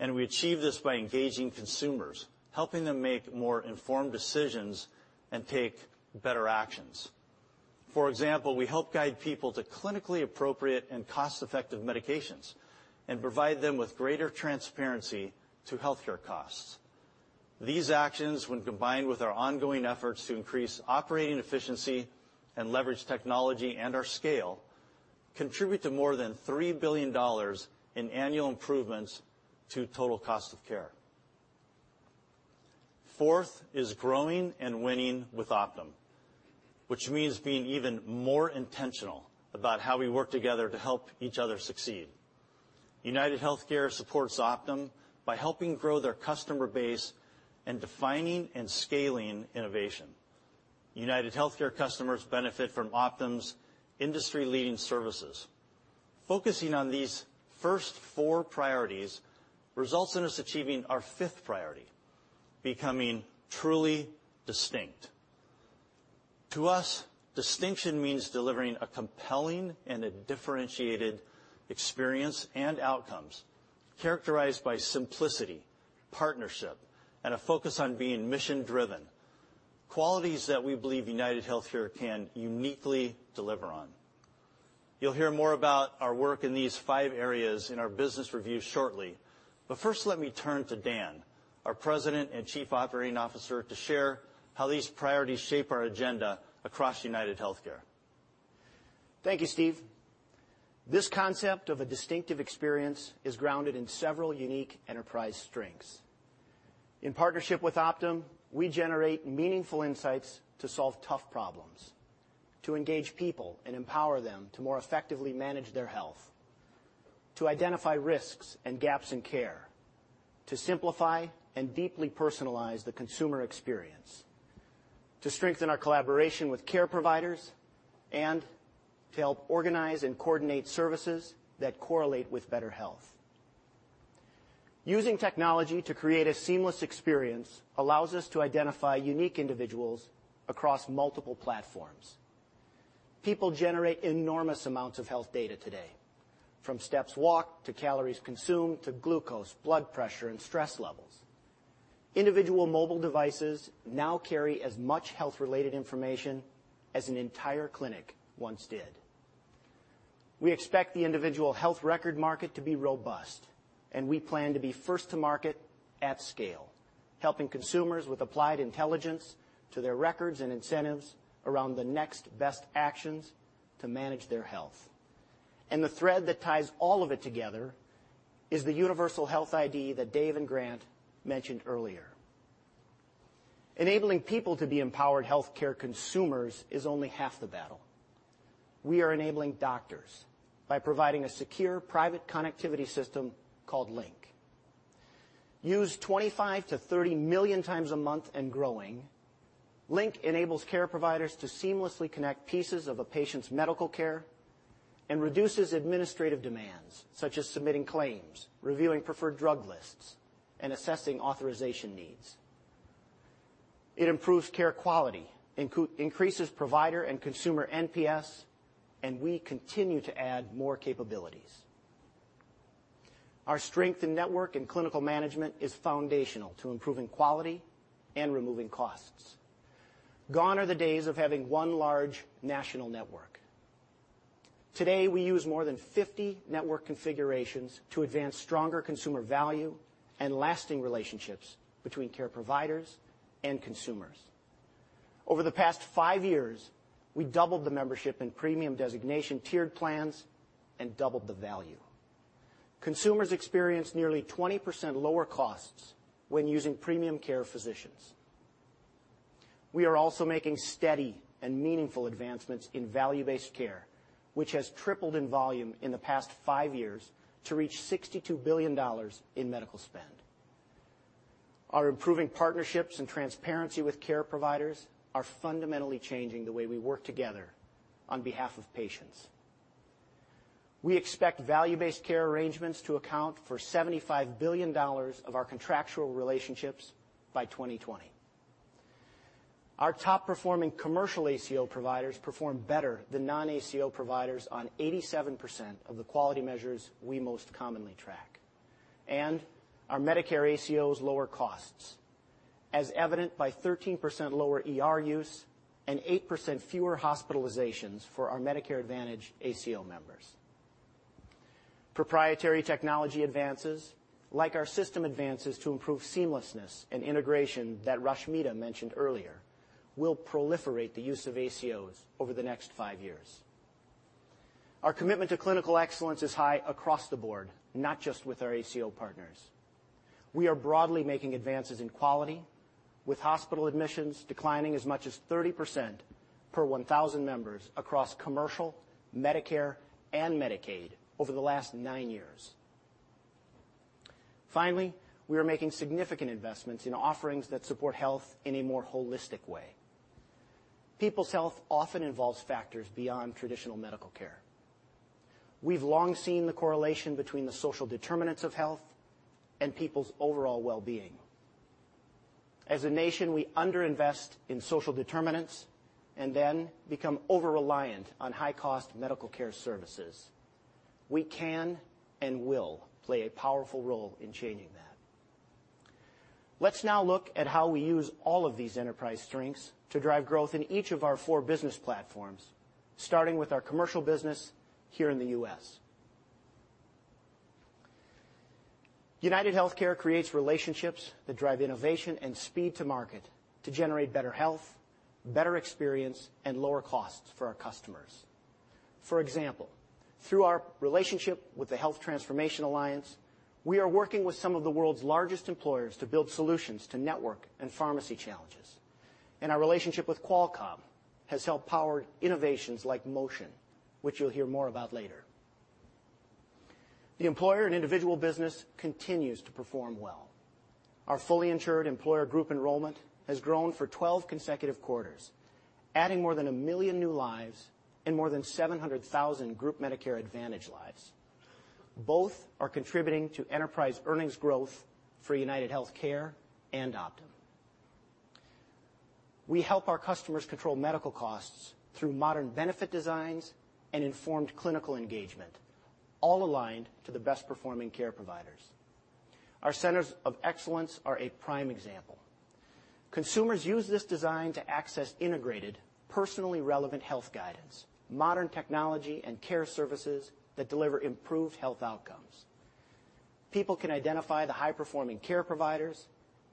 We achieve this by engaging consumers, helping them make more informed decisions and take better actions. For example, we help guide people to clinically appropriate and cost-effective medications and provide them with greater transparency to healthcare costs. These actions, when combined with our ongoing efforts to increase operating efficiency and leverage technology and our scale, contribute to more than $3 billion in annual improvements to total cost of care. Fourth is growing and winning with Optum, which means being even more intentional about how we work together to help each other succeed. UnitedHealthcare supports Optum by helping grow their customer base and defining and scaling innovation. UnitedHealthcare customers benefit from Optum's industry-leading services. Focusing on these first four priorities results in us achieving our fifth priority, becoming truly distinct. To us, distinction means delivering a compelling and a differentiated experience and outcomes characterized by simplicity, partnership, and a focus on being mission-driven, qualities that we believe UnitedHealthcare can uniquely deliver on. You'll hear more about our work in these five areas in our business review shortly. First, let me turn to Dan, our President and Chief Operating Officer, to share how these priorities shape our agenda across UnitedHealthcare.
Thank you, Steve. This concept of a distinctive experience is grounded in several unique enterprise strengths. In partnership with Optum, we generate meaningful insights to solve tough problems, to engage people and empower them to more effectively manage their health, to identify risks and gaps in care, to simplify and deeply personalize the consumer experience, to strengthen our collaboration with care providers, and to help organize and coordinate services that correlate with better health. Using technology to create a seamless experience allows us to identify unique individuals across multiple platforms. People generate enormous amounts of health data today, from steps walked, to calories consumed, to glucose, blood pressure, and stress levels. Individual mobile devices now carry as much health-related information as an entire clinic once did. We expect the individual health record market to be robust. We plan to be first to market at scale, helping consumers with applied intelligence to their records and incentives around the next best actions to manage their health. The thread that ties all of it together is the universal health ID that Dave and Grant mentioned earlier. Enabling people to be empowered healthcare consumers is only half the battle. We are enabling doctors by providing a secure private connectivity system called Link. Used 25 to 30 million times a month and growing, Link enables care providers to seamlessly connect pieces of a patient's medical care and reduces administrative demands, such as submitting claims, reviewing preferred drug lists, and assessing authorization needs. It improves care quality, increases provider and consumer NPS, and we continue to add more capabilities. Our strength in network and clinical management is foundational to improving quality and removing costs. Gone are the days of having one large national network. Today, we use more than 50 network configurations to advance stronger consumer value and lasting relationships between care providers and consumers. Over the past five years, we doubled the membership in premium designation tiered plans and doubled the value. Consumers experience nearly 20% lower costs when using premium care physicians. We are also making steady and meaningful advancements in value-based care, which has tripled in volume in the past five years to reach $62 billion in medical spend. Our improving partnerships and transparency with care providers are fundamentally changing the way we work together on behalf of patients. We expect value-based care arrangements to account for $75 billion of our contractual relationships by 2020. Our top-performing commercial ACO providers perform better than non-ACO providers on 87% of the quality measures we most commonly track. Our Medicare ACOs lower costs, as evident by 13% lower ER use and 8% fewer hospitalizations for our Medicare Advantage ACO members. Proprietary technology advances, like our system advances to improve seamlessness and integration that Rashmita mentioned earlier, will proliferate the use of ACOs over the next five years. Our commitment to clinical excellence is high across the board, not just with our ACO partners. We are broadly making advances in quality, with hospital admissions declining as much as 30% per 1,000 members across commercial, Medicare, and Medicaid over the last nine years. We are making significant investments in offerings that support health in a more holistic way. People's health often involves factors beyond traditional medical care. We've long seen the correlation between the social determinants of health and people's overall wellbeing. As a nation, we under-invest in social determinants and then become over-reliant on high-cost medical care services. We can and will play a powerful role in changing that. Let's now look at how we use all of these enterprise strengths to drive growth in each of our four business platforms, starting with our commercial business here in the U.S. UnitedHealthcare creates relationships that drive innovation and speed to market to generate better health, better experience, and lower costs for our customers. For example, through our relationship with the Health Transformation Alliance, we are working with some of the world's largest employers to build solutions to network and pharmacy challenges. Our relationship with Qualcomm has helped power innovations like Motion, which you'll hear more about later. The employer and individual business continues to perform well. Our fully insured employer group enrollment has grown for 12 consecutive quarters, adding more than 1 million new lives and more than 700,000 group Medicare Advantage lives. Both are contributing to enterprise earnings growth for UnitedHealthcare and Optum. We help our customers control medical costs through modern benefit designs and informed clinical engagement, all aligned to the best-performing care providers. Our centers of excellence are a prime example. Consumers use this design to access integrated, personally relevant health guidance, modern technology, and care services that deliver improved health outcomes. People can identify the high-performing care providers,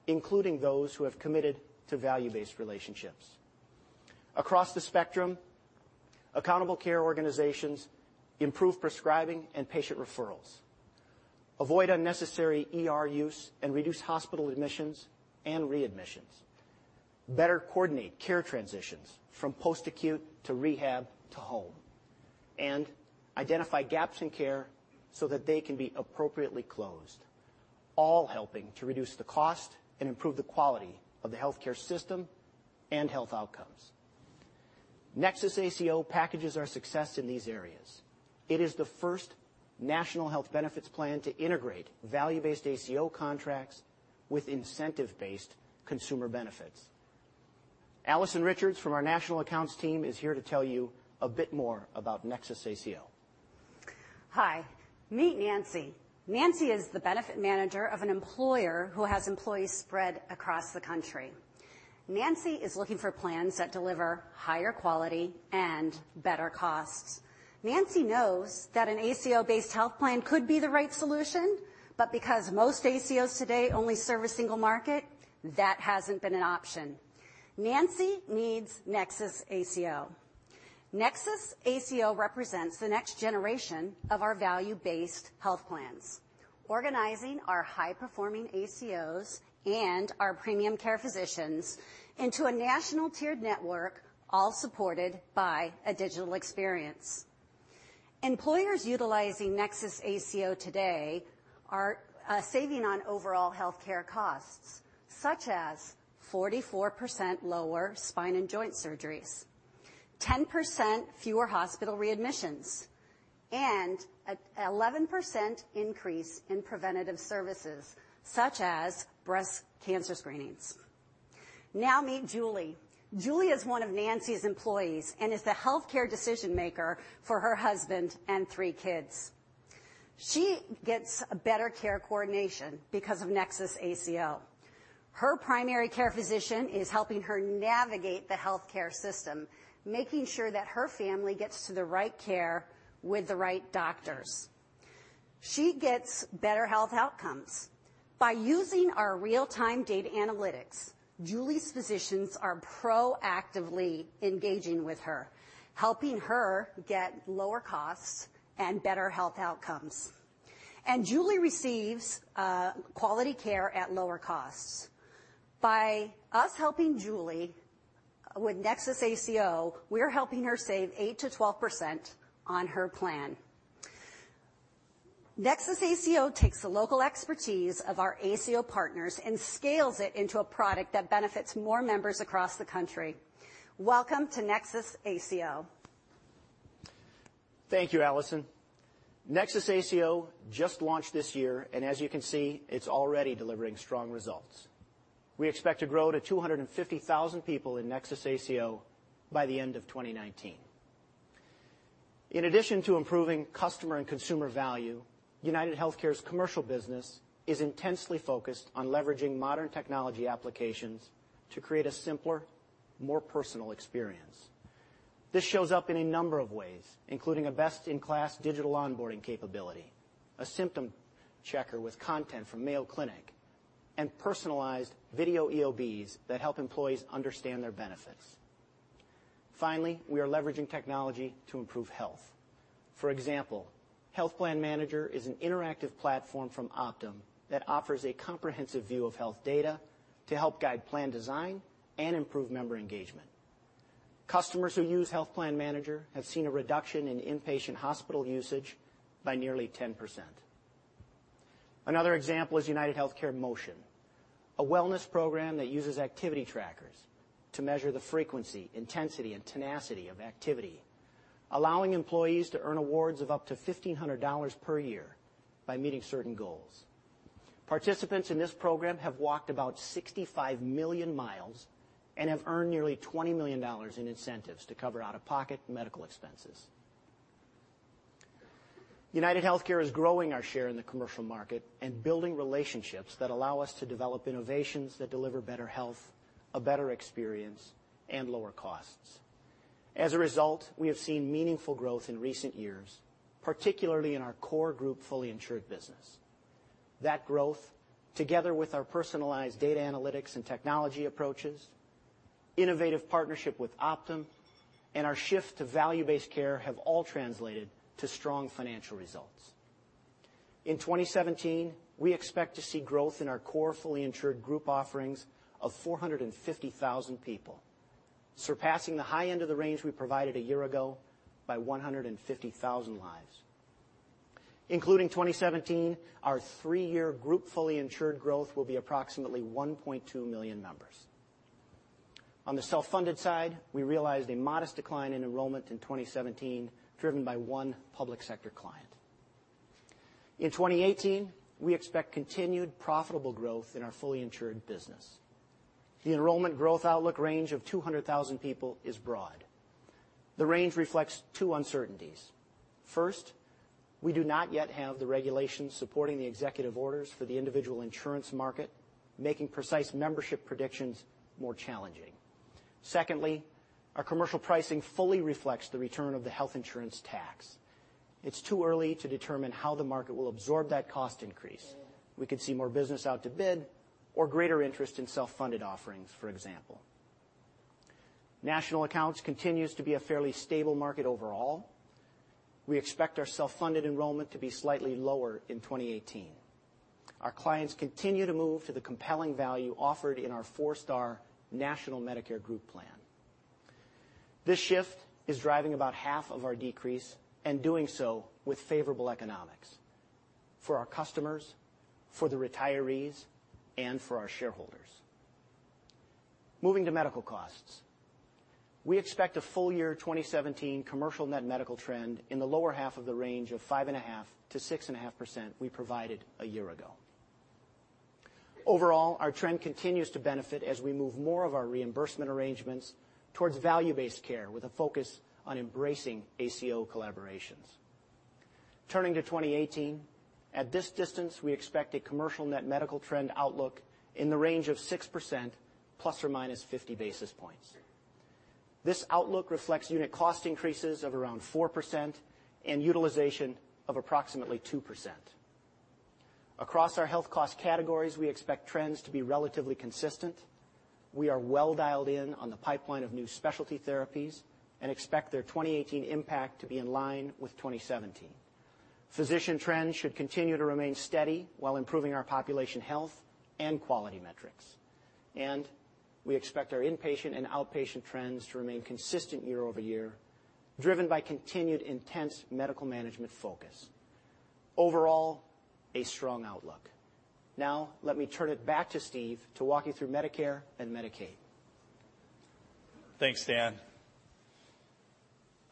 including those who have committed to value-based relationships. Across the spectrum, accountable care organizations improve prescribing and patient referrals, avoid unnecessary ER use, and reduce hospital admissions and readmissions, better coordinate care transitions from post-acute to rehab to home, and identify gaps in care so that they can be appropriately closed, all helping to reduce the cost and improve the quality of the healthcare system and health outcomes. NexusACO packages our success in these areas. It is the first national health benefits plan to integrate value-based ACO contracts with incentive-based consumer benefits. Alison Richards from our national accounts team is here to tell you a bit more about NexusACO.
Hi. Meet Nancy. Nancy is the benefit manager of an employer who has employees spread across the country. Nancy is looking for plans that deliver higher quality and better costs. Nancy knows that an ACO-based health plan could be the right solution, but because most ACOs today only serve a single market, that hasn't been an option. Nancy needs NexusACO. NexusACO represents the next generation of our value-based health plans, organizing our high-performing ACOs and our premium care physicians into a national tiered network, all supported by a digital experience. Employers utilizing NexusACO today are saving on overall healthcare costs, such as 44% lower spine and joint surgeries, 10% fewer hospital readmissions, and an 11% increase in preventative services such as breast cancer screenings. Meet Julie. Julie is one of Nancy's employees and is the healthcare decision-maker for her husband and three kids. She gets better care coordination because of NexusACO. Her primary care physician is helping her navigate the healthcare system, making sure that her family gets to the right care with the right doctors. She gets better health outcomes. By using our real-time data analytics, Julie's physicians are proactively engaging with her, helping her get lower costs and better health outcomes. Julie receives quality care at lower costs. By us helping Julie with NexusACO, we're helping her save 8%-12% on her plan. NexusACO takes the local expertise of our ACO partners and scales it into a product that benefits more members across the country. Welcome to NexusACO.
Thank you, Alison. NexusACO just launched this year, as you can see, it's already delivering strong results. We expect to grow to 250,000 people in NexusACO by the end of 2019. In addition to improving customer and consumer value, UnitedHealthcare's commercial business is intensely focused on leveraging modern technology applications to create a simpler, more personal experience. This shows up in a number of ways, including a best-in-class digital onboarding capability, a symptom checker with content from Mayo Clinic, and personalized video EOBs that help employees understand their benefits. Finally, we are leveraging technology to improve health. For example, Benefits Analytic Manager is an interactive platform from Optum that offers a comprehensive view of health data to help guide plan design and improve member engagement. Customers who use Benefits Analytic Manager have seen a reduction in inpatient hospital usage by nearly 10%. Another example is UnitedHealthcare Motion, a wellness program that uses activity trackers to measure the frequency, intensity, and tenacity of activity, allowing employees to earn awards of up to $1,500 per year by meeting certain goals. Participants in this program have walked about 65 million miles and have earned nearly $20 million in incentives to cover out-of-pocket medical expenses. UnitedHealthcare is growing our share in the commercial market and building relationships that allow us to develop innovations that deliver better health, a better experience, and lower costs. As a result, we have seen meaningful growth in recent years, particularly in our core group fully insured business. That growth, together with our personalized data analytics and technology approaches, innovative partnership with Optum, and our shift to value-based care have all translated to strong financial results. In 2017, we expect to see growth in our core fully insured group offerings of 450,000 people, surpassing the high end of the range we provided a year ago by 150,000 lives. Including 2017, our three-year group fully insured growth will be approximately 1.2 million members. On the self-funded side, we realized a modest decline in enrollment in 2017, driven by one public sector client. In 2018, we expect continued profitable growth in our fully insured business. The enrollment growth outlook range of 200,000 people is broad. The range reflects two uncertainties. We do not yet have the regulations supporting the executive orders for the individual insurance market, making precise membership predictions more challenging. Our commercial pricing fully reflects the return of the health insurance tax. It's too early to determine how the market will absorb that cost increase. We could see more business out to bid or greater interest in self-funded offerings, for example. National accounts continues to be a fairly stable market overall. We expect our self-funded enrollment to be slightly lower in 2018. Our clients continue to move to the compelling value offered in our four-star national Medicare group plan. This shift is driving about half of our decrease and doing so with favorable economics for our customers, for the retirees, and for our shareholders. Moving to medical costs. We expect a full year 2017 commercial net medical trend in the lower half of the range of 5.5%-6.5% we provided a year ago. Overall, our trend continues to benefit as we move more of our reimbursement arrangements towards value-based care with a focus on embracing ACO collaborations. Turning to 2018, at this distance, we expect a commercial net medical trend outlook in the range of 6% plus or minus 50 basis points. This outlook reflects unit cost increases of around 4% and utilization of approximately 2%. Across our health cost categories, we expect trends to be relatively consistent. We are well dialed in on the pipeline of new specialty therapies and expect their 2018 impact to be in line with 2017. Physician trends should continue to remain steady while improving our population health and quality metrics. We expect our inpatient and outpatient trends to remain consistent year-over-year, driven by continued intense medical management focus. Overall, a strong outlook. Let me turn it back to Steve to walk you through Medicare and Medicaid.
Thanks, Dan.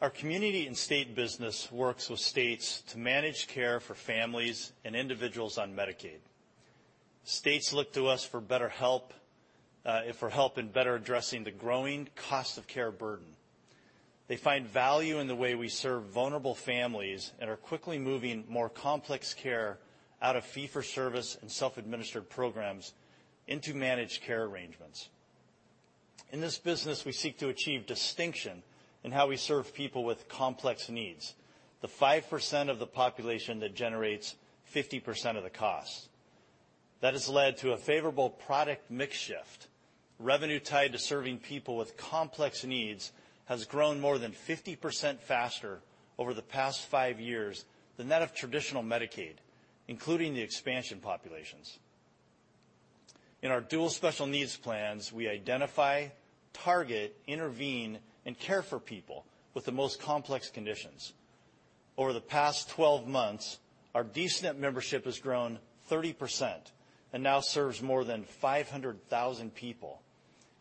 Our community and state business works with states to manage care for families and individuals on Medicaid. States look to us for help in better addressing the growing cost of care burden. They find value in the way we serve vulnerable families and are quickly moving more complex care out of fee-for-service and self-administered programs into managed care arrangements. In this business, we seek to achieve distinction in how we serve people with complex needs, the 5% of the population that generates 50% of the cost. That has led to a favorable product mix shift. Revenue tied to serving people with complex needs has grown more than 50% faster over the past five years than that of traditional Medicaid, including the expansion populations. In our Dual Special Needs Plans, we identify, target, intervene, and care for people with the most complex conditions. Over the past 12 months, our D-SNP membership has grown 30% and now serves more than 500,000 people.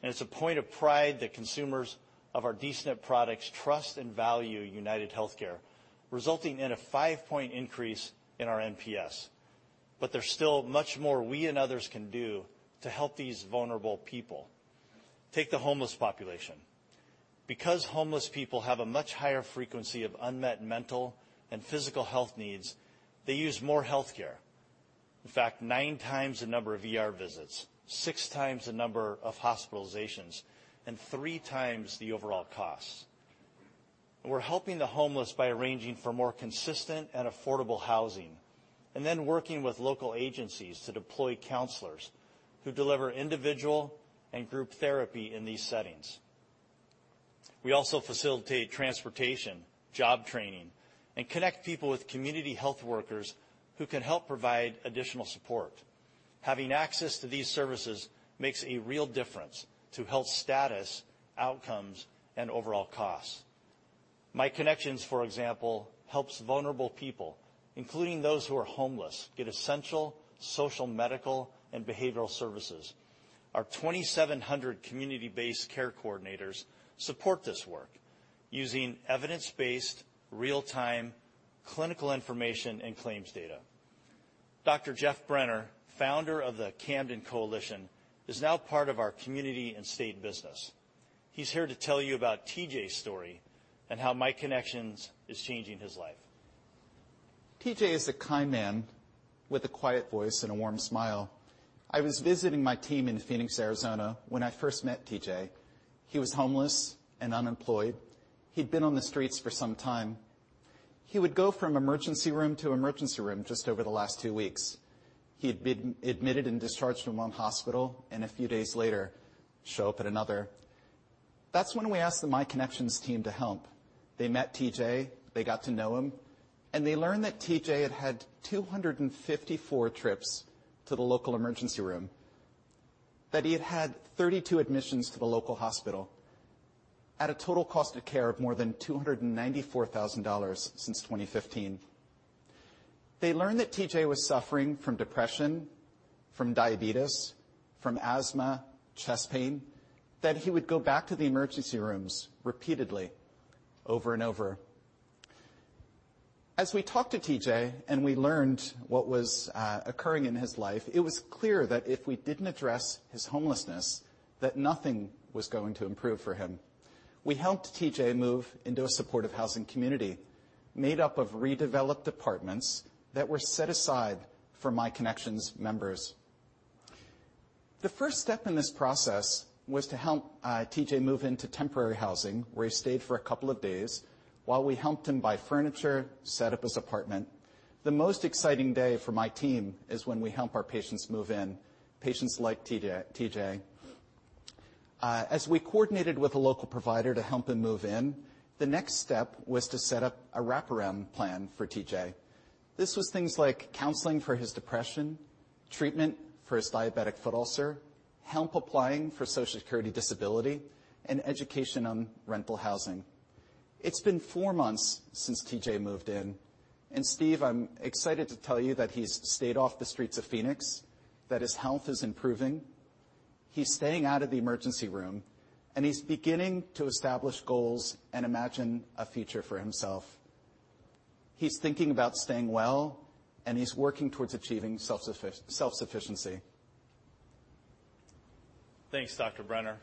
It's a point of pride that consumers of our D-SNP products trust and value UnitedHealthcare, resulting in a five-point increase in our NPS. There's still much more we and others can do to help these vulnerable people. Take the homeless population. Because homeless people have a much higher frequency of unmet mental and physical health needs, they use more healthcare. In fact, nine times the number of ER visits, six times the number of hospitalizations, and three times the overall cost. We're helping the homeless by arranging for more consistent and affordable housing, and then working with local agencies to deploy counselors who deliver individual and group therapy in these settings. We also facilitate transportation, job training, and connect people with community health workers who can help provide additional support. Having access to these services makes a real difference to health status, outcomes, and overall costs. MyConnections, for example, helps vulnerable people, including those who are homeless, get essential social, medical, and behavioral services. Our 2,700 community-based care coordinators support this work using evidence-based, real-time clinical information and claims data. Dr. Jeff Brenner, founder of the Camden Coalition, is now part of our community and state business. He's here to tell you about TJ's story and how MyConnections is changing his life.
TJ is a kind man with a quiet voice and a warm smile. I was visiting my team in Phoenix, Arizona, when I first met TJ. He was homeless and unemployed. He'd been on the streets for some time. He would go from emergency room to emergency room just over the last two weeks. He had been admitted and discharged from one hospital, and a few days later, show up at another. That's when we asked the MyConnections team to help. They met TJ, they got to know him, and they learned that TJ had had 254 trips to the local emergency room, that he had had 32 admissions to the local hospital at a total cost of care of more than $294,000 since 2015. They learned that TJ was suffering from depression, from diabetes, from asthma, chest pain, that he would go back to the emergency rooms repeatedly, over and over. As we talked to TJ and we learned what was occurring in his life, it was clear that if we didn't address his homelessness, that nothing was going to improve for him. We helped TJ move into a supportive housing community made up of redeveloped apartments that were set aside for MyConnections members. The first step in this process was to help TJ move into temporary housing where he stayed for a couple of days while we helped him buy furniture, set up his apartment. The most exciting day for my team is when we help our patients move in, patients like TJ. As we coordinated with a local provider to help him move in, the next step was to set up a wraparound plan for TJ. This was things like counseling for his depression, treatment for his diabetic foot ulcer, help applying for Social Security disability, and education on rental housing. It's been four months since TJ moved in, and Steve, I'm excited to tell you that he's stayed off the streets of Phoenix, that his health is improving. He's staying out of the emergency room, and he's beginning to establish goals and imagine a future for himself. He's thinking about staying well, and he's working towards achieving self-sufficiency.
Thanks, Dr. Brenner.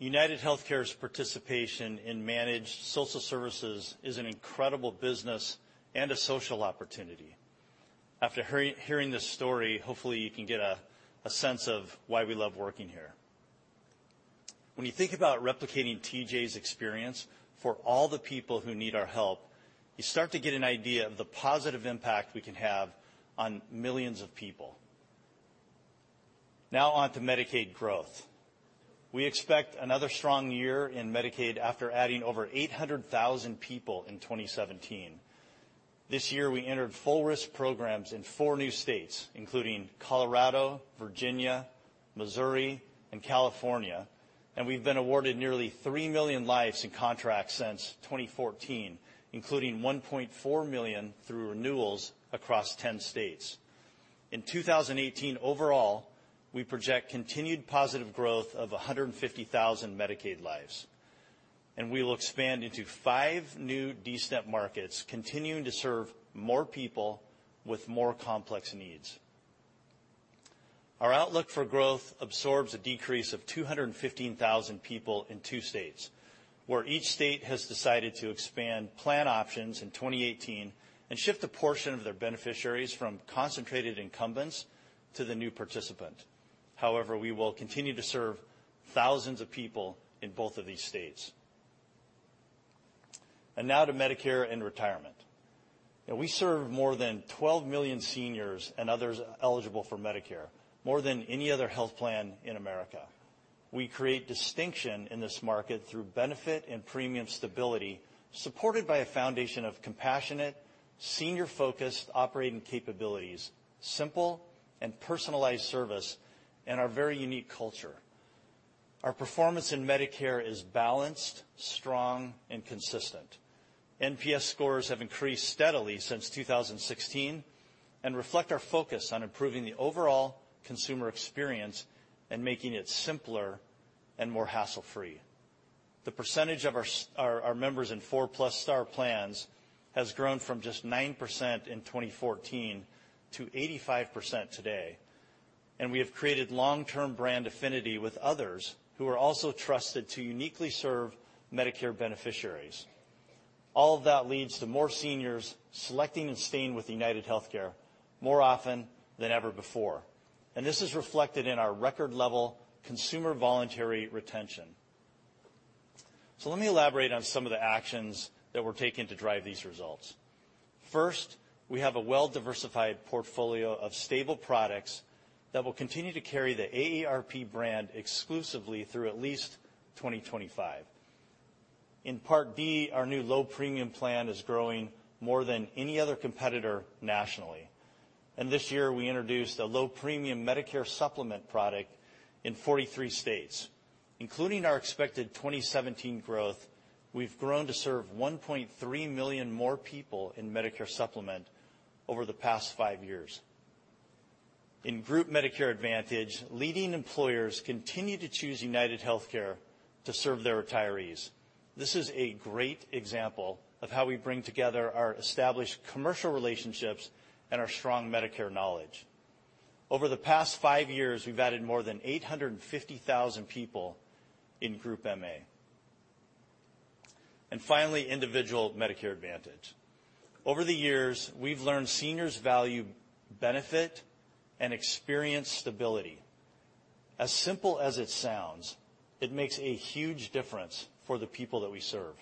UnitedHealthcare's participation in managed social services is an incredible business and a social opportunity. After hearing this story, hopefully you can get a sense of why we love working here. When you think about replicating TJ's experience for all the people who need our help, you start to get an idea of the positive impact we can have on millions of people. Now on to Medicaid growth. We expect another strong year in Medicaid after adding over 800,000 people in 2017. This year, we entered full risk programs in four new states, including Colorado, Virginia, Missouri, and California, and we've been awarded nearly 3 million lives in contracts since 2014, including 1.4 million through renewals across 10 states. In 2018 overall, we project continued positive growth of 150,000 Medicaid lives. We will expand into five new D-SNP markets, continuing to serve more people with more complex needs. Our outlook for growth absorbs a decrease of 215,000 people in two states, where each state has decided to expand plan options in 2018 and shift a portion of their beneficiaries from concentrated incumbents to the new participant. However, we will continue to serve thousands of people in both of these states. Now to Medicare & Retirement. We serve more than 12 million seniors and others eligible for Medicare, more than any other health plan in America. We create distinction in this market through benefit and premium stability, supported by a foundation of compassionate, senior-focused operating capabilities, simple and personalized service, and our very unique culture. Our performance in Medicare is balanced, strong, and consistent. NPS scores have increased steadily since 2016 and reflect our focus on improving the overall consumer experience and making it simpler and more hassle-free. The percentage of our members in four-plus star plans has grown from just 9% in 2014 to 85% today, and we have created long-term brand affinity with others who are also trusted to uniquely serve Medicare beneficiaries. All of that leads to more seniors selecting and staying with UnitedHealthcare more often than ever before. This is reflected in our record level consumer voluntary retention. Let me elaborate on some of the actions that we're taking to drive these results. First, we have a well-diversified portfolio of stable products that will continue to carry the AARP brand exclusively through at least 2025. In Part D, our new low premium plan is growing more than any other competitor nationally. This year, we introduced a low premium Medicare Supplement product in 43 states. Including our expected 2017 growth, we've grown to serve 1.3 million more people in Medicare Supplement over the past five years. In Group Medicare Advantage, leading employers continue to choose UnitedHealthcare to serve their retirees. This is a great example of how we bring together our established commercial relationships and our strong Medicare knowledge. Over the past five years, we've added more than 850,000 people in Group MA. Finally, Individual Medicare Advantage. Over the years, we've learned seniors value benefit and experience stability. As simple as it sounds, it makes a huge difference for the people that we serve.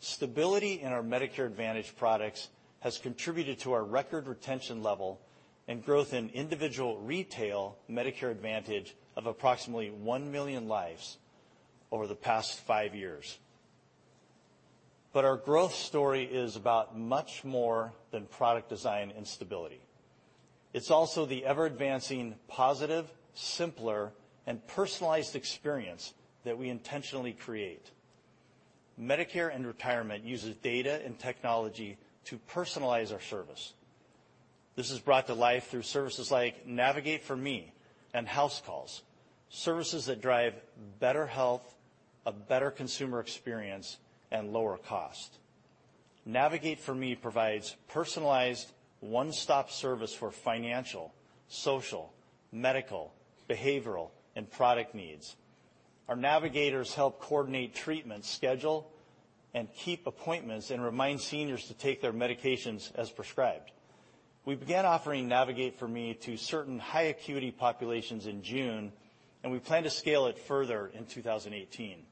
Stability in our Medicare Advantage products has contributed to our record retention level and growth in individual retail Medicare Advantage of approximately 1 million lives over the past five years. Our growth story is about much more than product design and stability. It's also the ever-advancing positive, simpler, and personalized experience that we intentionally create. Medicare & Retirement uses data and technology to personalize our service. This is brought to life through services like Navigate4Me and HouseCalls, services that drive better health, a better consumer experience, and lower cost. Navigate4Me provides personalized one-stop service for financial, social, medical, behavioral, and product needs. Our navigators help coordinate treatment schedule and keep appointments and remind seniors to take their medications as prescribed. We began offering Navigate4Me to certain high acuity populations in June, and we plan to scale it further in 2018.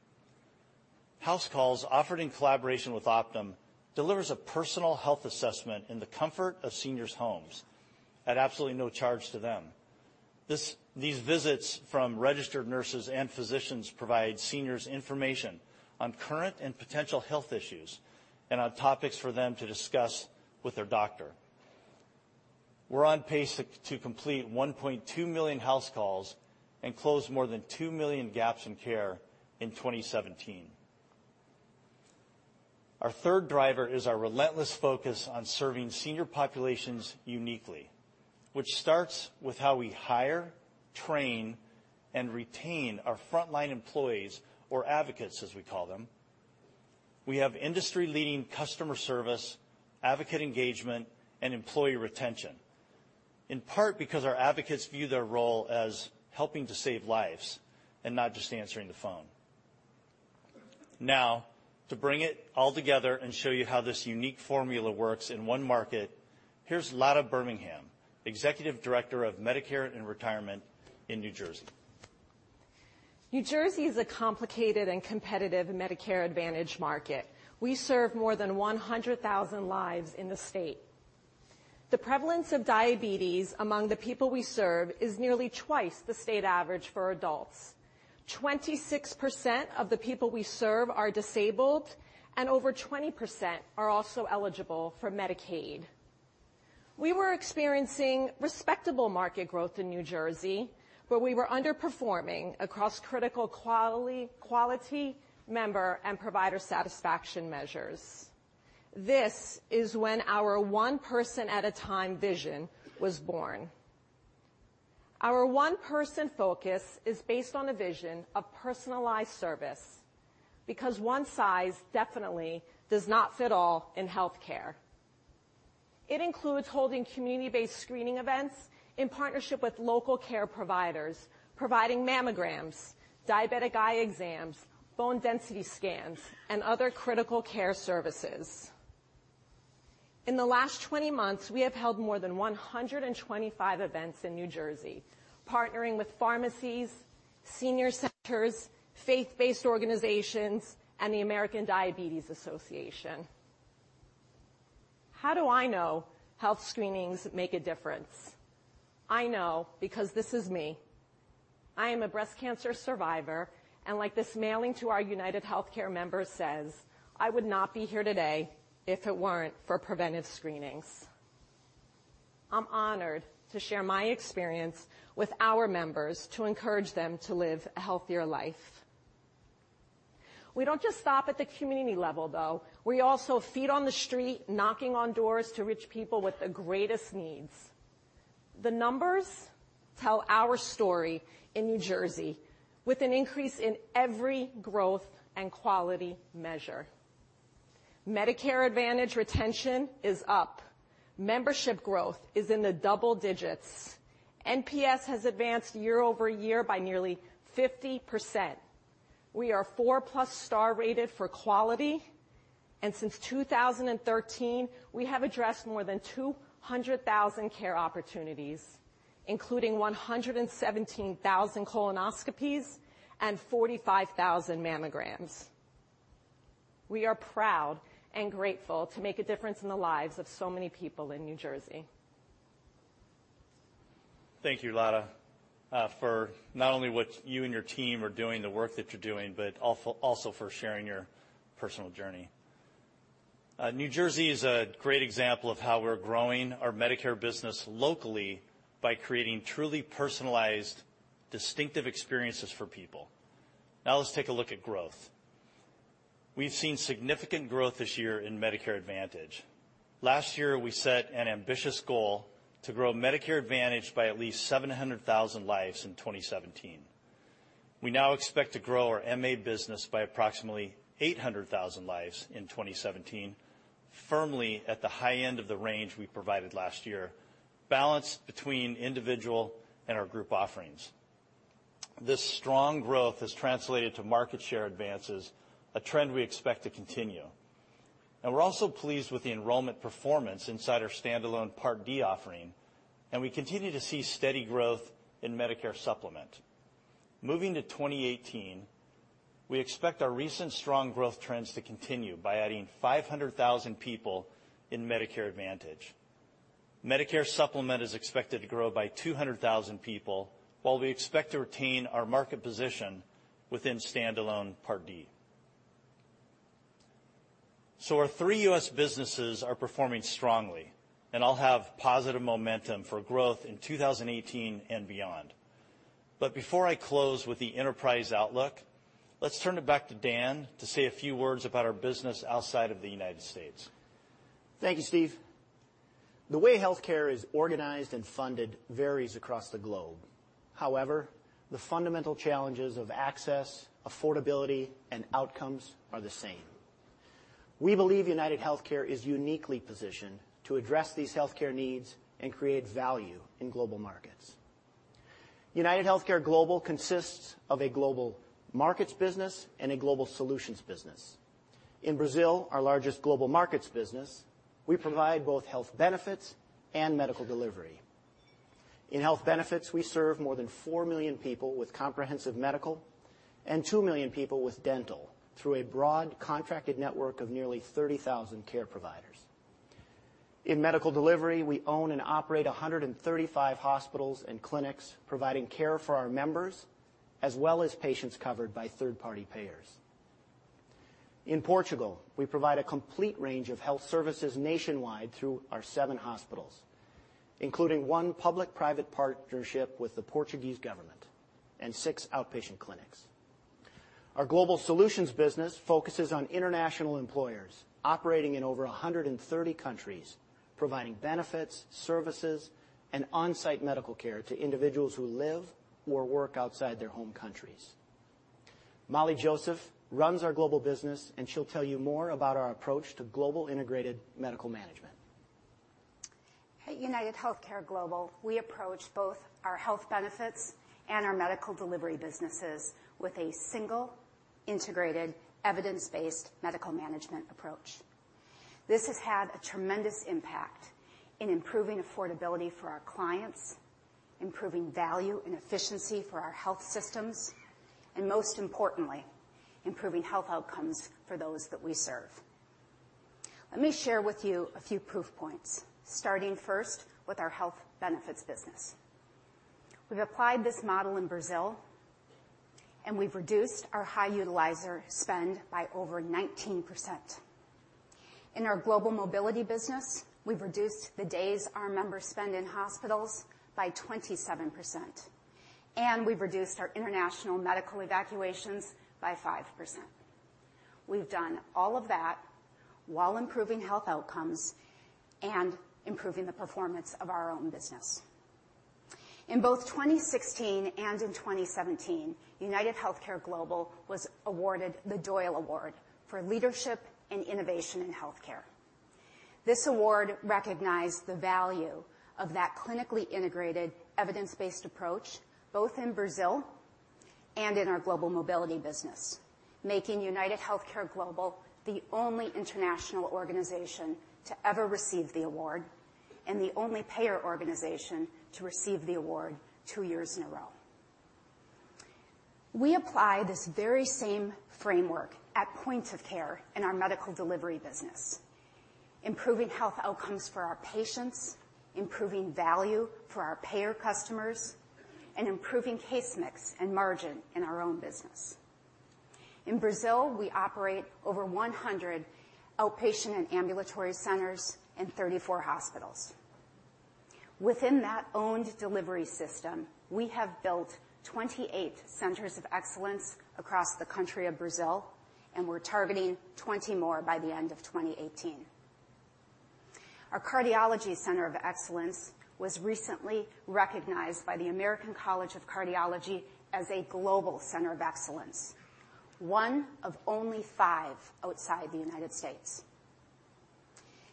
HouseCalls, offered in collaboration with Optum, delivers a personal health assessment in the comfort of seniors' homes at absolutely no charge to them. These visits from registered nurses and physicians provide seniors information on current and potential health issues and on topics for them to discuss with their doctor. We are on pace to complete 1.2 million HouseCalls and close more than 2 million gaps in care in 2017. Our third driver is our relentless focus on serving senior populations uniquely, which starts with how we hire, train, and retain our frontline employees or advocates, as we call them. We have industry-leading customer service, advocate engagement, and employee retention, in part because our advocates view their role as helping to save lives and not just answering the phone. To bring it all together and show you how this unique formula works in one market, here is Lada Birmingham, Executive Director of Medicare and Retirement in New Jersey.
New Jersey is a complicated and competitive Medicare Advantage market. We serve more than 100,000 lives in the state. The prevalence of diabetes among the people we serve is nearly twice the state average for adults. 26% of the people we serve are disabled, and over 20% are also eligible for Medicaid. We were experiencing respectable market growth in New Jersey, but we were underperforming across critical quality, member, and provider satisfaction measures. This is when our one person at a time vision was born. Our one person focus is based on a vision of personalized service, because one size definitely does not fit all in healthcare. It includes holding community-based screening events in partnership with local care providers, providing mammograms, diabetic eye exams, bone density scans, and other critical care services. In the last 20 months, we have held more than 125 events in New Jersey, partnering with pharmacies, senior centers, faith-based organizations, and the American Diabetes Association. How do I know health screenings make a difference? I know because this is me. I am a breast cancer survivor, and like this mailing to our UnitedHealthcare member says, I would not be here today if it were not for preventive screenings. I am honored to share my experience with our members to encourage them to live a healthier life. We do not just stop at the community level, though. We also feet on the street, knocking on doors to reach people with the greatest needs. The numbers tell our story in New Jersey with an increase in every growth and quality measure. Medicare Advantage retention is up. Membership growth is in the double digits. NPS has advanced year-over-year by nearly 50%. We are four-plus star rated for quality. Since 2013, we have addressed more than 200,000 care opportunities, including 117,000 colonoscopies and 45,000 mammograms. We are proud and grateful to make a difference in the lives of so many people in New Jersey.
Thank you, Lada, for not only what you and your team are doing, the work that you're doing, but also for sharing your personal journey. New Jersey is a great example of how we're growing our Medicare business locally by creating truly personalized, distinctive experiences for people. Let's take a look at growth. We've seen significant growth this year in Medicare Advantage. Last year, we set an ambitious goal to grow Medicare Advantage by at least 700,000 lives in 2017. We now expect to grow our MA business by approximately 800,000 lives in 2017, firmly at the high end of the range we provided last year, balanced between individual and our group offerings. This strong growth has translated to market share advances, a trend we expect to continue. We're also pleased with the enrollment performance inside our standalone Part D offering, and we continue to see steady growth in Medicare Supplement. Moving to 2018, we expect our recent strong growth trends to continue by adding 500,000 people in Medicare Advantage. Medicare Supplement is expected to grow by 200,000 people, while we expect to retain our market position within standalone Part D. Our three U.S. businesses are performing strongly and all have positive momentum for growth in 2018 and beyond. Before I close with the enterprise outlook, let's turn it back to Dan to say a few words about our business outside of the U.S.
Thank you, Steve. The way healthcare is organized and funded varies across the globe. However, the fundamental challenges of access, affordability, and outcomes are the same. We believe UnitedHealthcare is uniquely positioned to address these healthcare needs and create value in global markets. UnitedHealthcare Global consists of a global markets business and a global solutions business. In Brazil, our largest global markets business, we provide both health benefits and medical delivery. In health benefits, we serve more than 4 million people with comprehensive medical and 2 million people with dental through a broad contracted network of nearly 30,000 care providers. In medical delivery, we own and operate 135 hospitals and clinics providing care for our members, as well as patients covered by third-party payers. In Portugal, we provide a complete range of health services nationwide through our seven hospitals, including one public-private partnership with the Portuguese government and six outpatient clinics. Our global solutions business focuses on international employers operating in over 130 countries, providing benefits, services, and on-site medical care to individuals who live or work outside their home countries. Molly Joseph runs our global business, she'll tell you more about our approach to global integrated medical management
At UnitedHealthcare Global, we approach both our health benefits and our medical delivery businesses with a single, integrated, evidence-based medical management approach. This has had a tremendous impact in improving affordability for our clients, improving value and efficiency for our health systems, and most importantly, improving health outcomes for those that we serve. Let me share with you a few proof points, starting first with our health benefits business. We've applied this model in Brazil, and we've reduced our high utilizer spend by over 19%. In our global mobility business, we've reduced the days our members spend in hospitals by 27%, and we've reduced our international medical evacuations by 5%. We've done all of that while improving health outcomes and improving the performance of our own business. In both 2016 and in 2017, UnitedHealthcare Global was awarded the Dorenfest Award for leadership and innovation in healthcare. This award recognized the value of that clinically integrated, evidence-based approach, both in Brazil and in our global mobility business, making UnitedHealthcare Global the only international organization to ever receive the award, and the only payer organization to receive the award two years in a row. We apply this very same framework at point of care in our medical delivery business, improving health outcomes for our patients, improving value for our payer customers, and improving case mix and margin in our own business. In Brazil, we operate over 100 outpatient and ambulatory centers and 34 hospitals. Within that owned delivery system, we have built 28 centers of excellence across the country of Brazil, and we're targeting 20 more by the end of 2018. Our cardiology center of excellence was recently recognized by the American College of Cardiology as a global center of excellence, one of only five outside the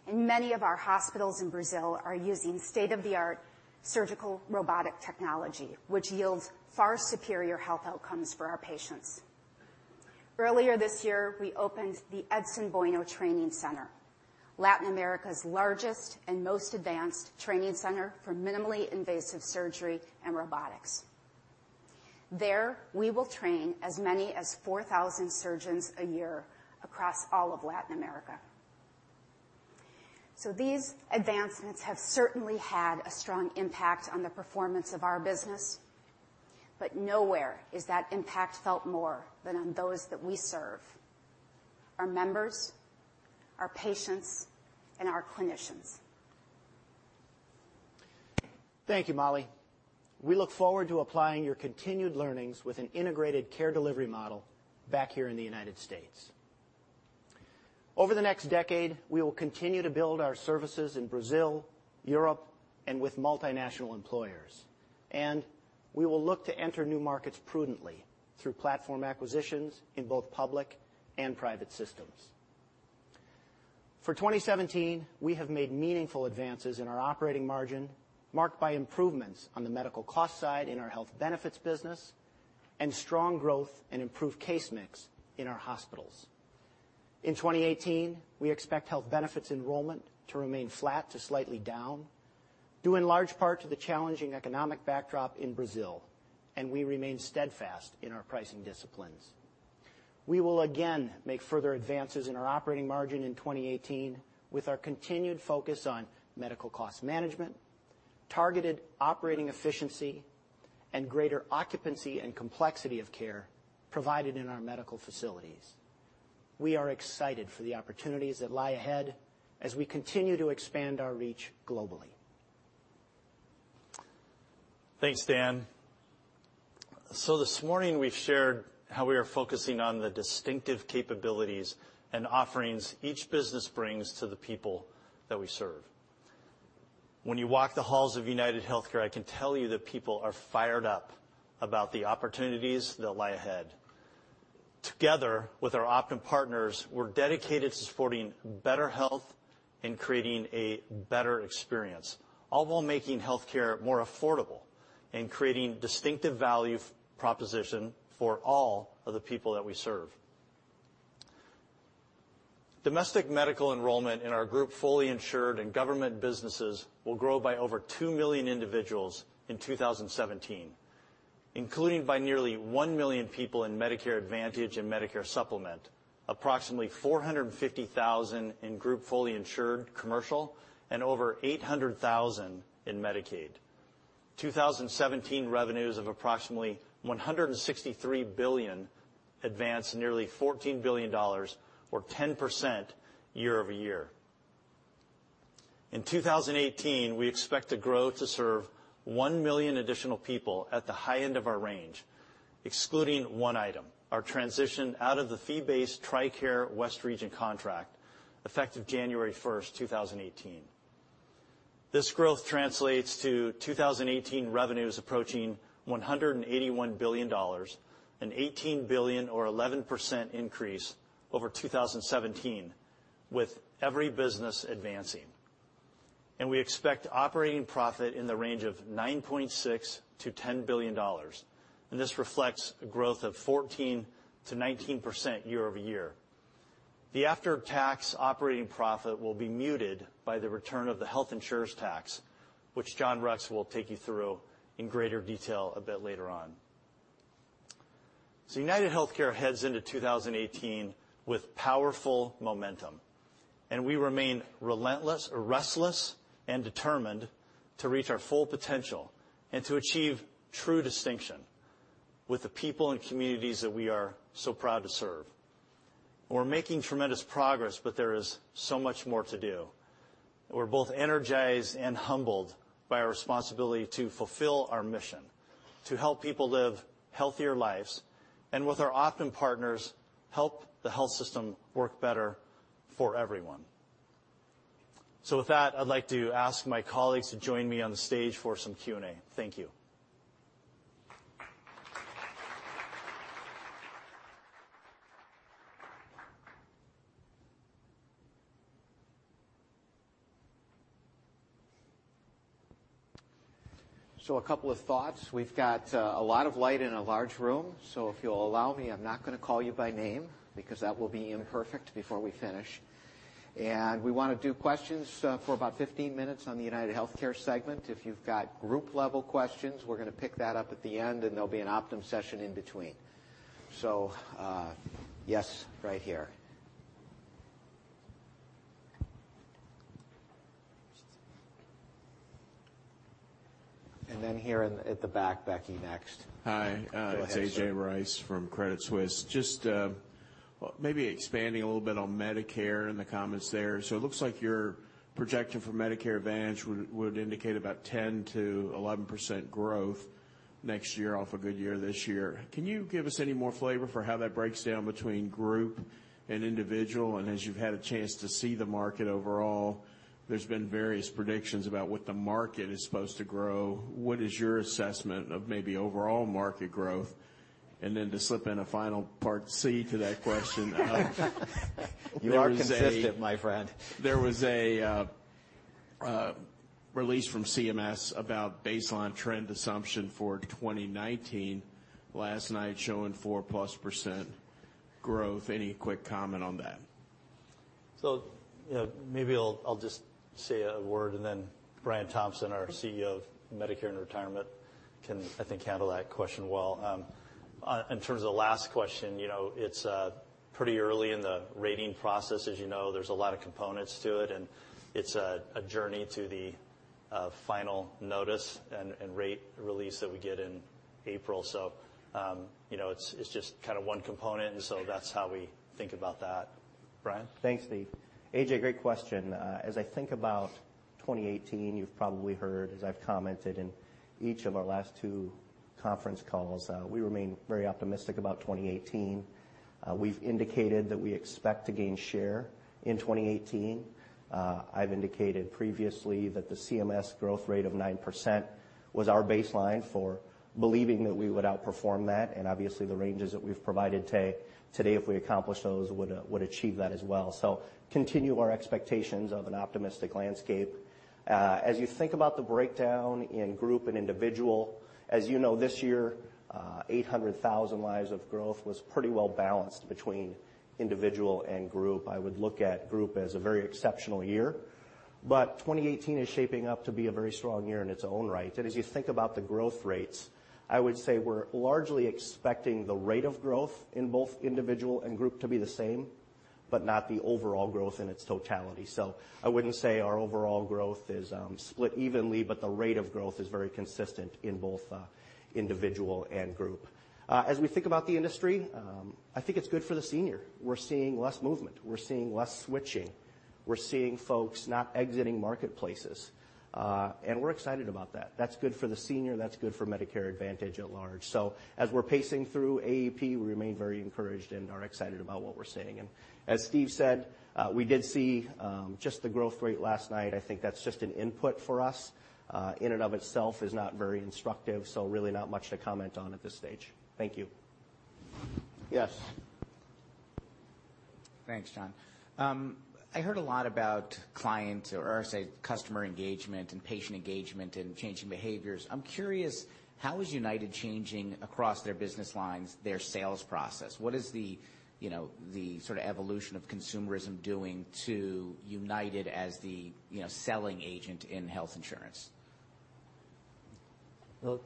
U.S. Many of our hospitals in Brazil are using state-of-the-art surgical robotic technology, which yields far superior health outcomes for our patients. Earlier this year, we opened the Edson Bueno Training Center, Latin America's largest and most advanced training center for minimally invasive surgery and robotics. There, we will train as many as 4,000 surgeons a year across all of Latin America. These advancements have certainly had a strong impact on the performance of our business, but nowhere is that impact felt more than on those that we serve, our members, our patients, and our clinicians.
Thank you, Molly. We look forward to applying your continued learnings with an integrated care delivery model back here in the U.S. Over the next decade, we will continue to build our services in Brazil, Europe, and with multinational employers. We will look to enter new markets prudently through platform acquisitions in both public and private systems. For 2017, we have made meaningful advances in our operating margin, marked by improvements on the medical cost side in our health benefits business and strong growth and improved case mix in our hospitals. In 2018, we expect health benefits enrollment to remain flat to slightly down, due in large part to the challenging economic backdrop in Brazil, and we remain steadfast in our pricing disciplines. We will again make further advances in our operating margin in 2018 with our continued focus on medical cost management, targeted operating efficiency, and greater occupancy and complexity of care provided in our medical facilities. We are excited for the opportunities that lie ahead as we continue to expand our reach globally.
Thanks, Dan. This morning, we've shared how we are focusing on the distinctive capabilities and offerings each business brings to the people that we serve. When you walk the halls of UnitedHealthcare, I can tell you that people are fired up about the opportunities that lie ahead. Together with our Optum partners, we're dedicated to supporting better health and creating a better experience, all while making healthcare more affordable and creating distinctive value proposition for all of the people that we serve. Domestic medical enrollment in our group, fully insured and government businesses will grow by over 2 million individuals in 2017, including by nearly 1 million people in Medicare Advantage and Medicare Supplement, approximately 450,000 in group fully insured commercial, and over 800,000 in Medicaid. 2017 revenues of approximately $163 billion advanced nearly $14 billion, or 10% year-over-year. In 2018, we expect to grow to serve 1 million additional people at the high end of our range, excluding one item, our transition out of the fee-based TRICARE West Region contract effective January 1st, 2018. This growth translates to 2018 revenues approaching $181 billion, an $18 billion or 11% increase over 2017, with every business advancing. We expect operating profit in the range of $9.6 billion to $10 billion. This reflects a growth of 14% to 19% year-over-year. The after-tax operating profit will be muted by the return of the health insurance tax, which John Rex will take you through in greater detail a bit later on. UnitedHealthcare heads into 2018 with powerful momentum, and we remain relentless, restless, and determined to reach our full potential and to achieve true distinction with the people and communities that we are so proud to serve. We're making tremendous progress, but there is so much more to do. We're both energized and humbled by our responsibility to fulfill our mission to help people live healthier lives, and with our Optum partners, help the health system work better for everyone. With that, I'd like to ask my colleagues to join me on the stage for some Q&A. Thank you.
A couple of thoughts. We've got a lot of light in a large room. If you'll allow me, I'm not going to call you by name because that will be imperfect before we finish. We want to do questions for about 15 minutes on the UnitedHealthcare segment. If you've got group-level questions, we're going to pick that up at the end. There'll be an Optum session in between. Yes, right here. Here at the back, Becky, next.
Hi.
Go ahead, sir.
It's A.J. Rice from Credit Suisse. Maybe expanding a little bit on Medicare and the comments there. It looks like your projection for Medicare Advantage would indicate about 10%-11% growth next year off a good year this year. Can you give us any more flavor for how that breaks down between group and individual? As you've had a chance to see the market overall, there's been various predictions about what the market is supposed to grow. What is your assessment of maybe overall market growth? To slip in a final Part C to that question, there was a-
You are consistent, my friend.
There was a release from CMS about baseline trend assumption for 2019 last night showing four plus % growth. Any quick comment on that?
Maybe I'll just say a word and then Brian Thompson, our CEO of Medicare & Retirement, can, I think, handle that question well. In terms of the last question, it's pretty early in the rating process. As you know, there's a lot of components to it, and it's a journey to the final notice and rate release that we get in April. It's just one component, that's how we think about that. Brian?
Thanks, Steve. A.J., great question. As I think about 2018, you've probably heard, as I've commented in each of our last two conference calls, we remain very optimistic about 2018. We've indicated that we expect to gain share in 2018. I've indicated previously that the CMS growth rate of 9% was our baseline for believing that we would outperform that, and obviously the ranges that we've provided today, if we accomplish those, would achieve that as well. Continue our expectations of an optimistic landscape. As you think about the breakdown in group and individual, as you know, this year, 800,000 lives of growth was pretty well balanced between individual and group. I would look at group as a very exceptional year. 2018 is shaping up to be a very strong year in its own right. As you think about the growth rates, I would say we're largely expecting the rate of growth in both individual and group to be the same, but not the overall growth in its totality. I wouldn't say our overall growth is split evenly, but the rate of growth is very consistent in both individual and group. As we think about the industry, I think it's good for the senior. We're seeing less movement. We're seeing less switching. We're seeing folks not exiting marketplaces. We're excited about that. That's good for the senior, that's good for Medicare Advantage at large. As we're pacing through AEP, we remain very encouraged and are excited about what we're seeing. As Steve said, we did see just the growth rate last night. I think that's just an input for us. In and of itself is not very instructive. Really not much to comment on at this stage. Thank you.
Yes.
Thanks, John. I heard a lot about client or, say, customer engagement and patient engagement and changing behaviors. I'm curious, how is United changing across their business lines, their sales process? What is the evolution of consumerism doing to United as the selling agent in health insurance?
Well,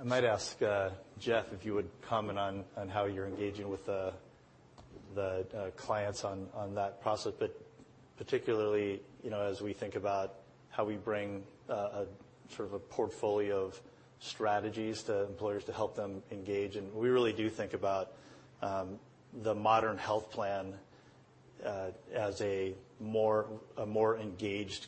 I might ask Jeff if you would comment on how you're engaging with the clients on that process, particularly as we think about how we bring a portfolio of strategies to employers to help them engage. We really do think about the modern health plan as a more engaged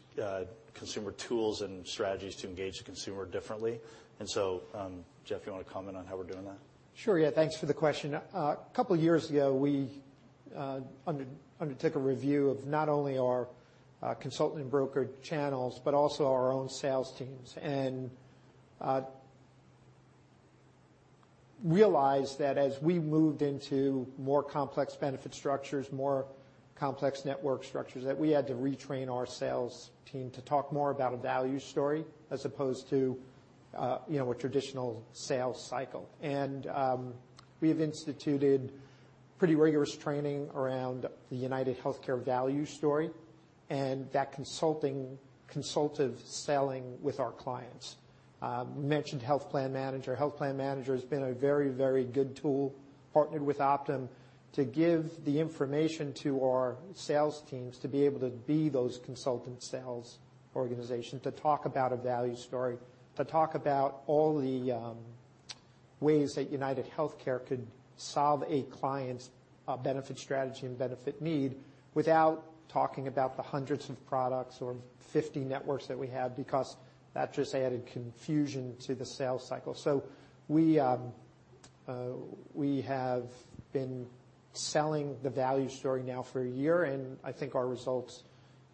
consumer tools and strategies to engage the consumer differently. Jeff, you want to comment on how we're doing that?
Sure, yeah. Thanks for the question. A couple of years ago, we undertook a review of not only our consulting broker channels, but also our own sales teams. Realized that as we moved into more complex benefit structures, more complex network structures, that we had to retrain our sales team to talk more about a value story as opposed to a traditional sales cycle. We have instituted pretty rigorous training around the UnitedHealthcare value story and that consultive selling with our clients. Mentioned Benefits Analytic Manager. Benefits Analytic Manager has been a very, very good tool, partnered with Optum, to give the information to our sales teams to be able to be those consultant sales organization, to talk about a value story, to talk about all the ways that UnitedHealthcare could solve a client's benefit strategy and benefit need without talking about the hundreds of products or 50 networks that we have because that just added confusion to the sales cycle. We have been selling the value story now for a year, and I think our results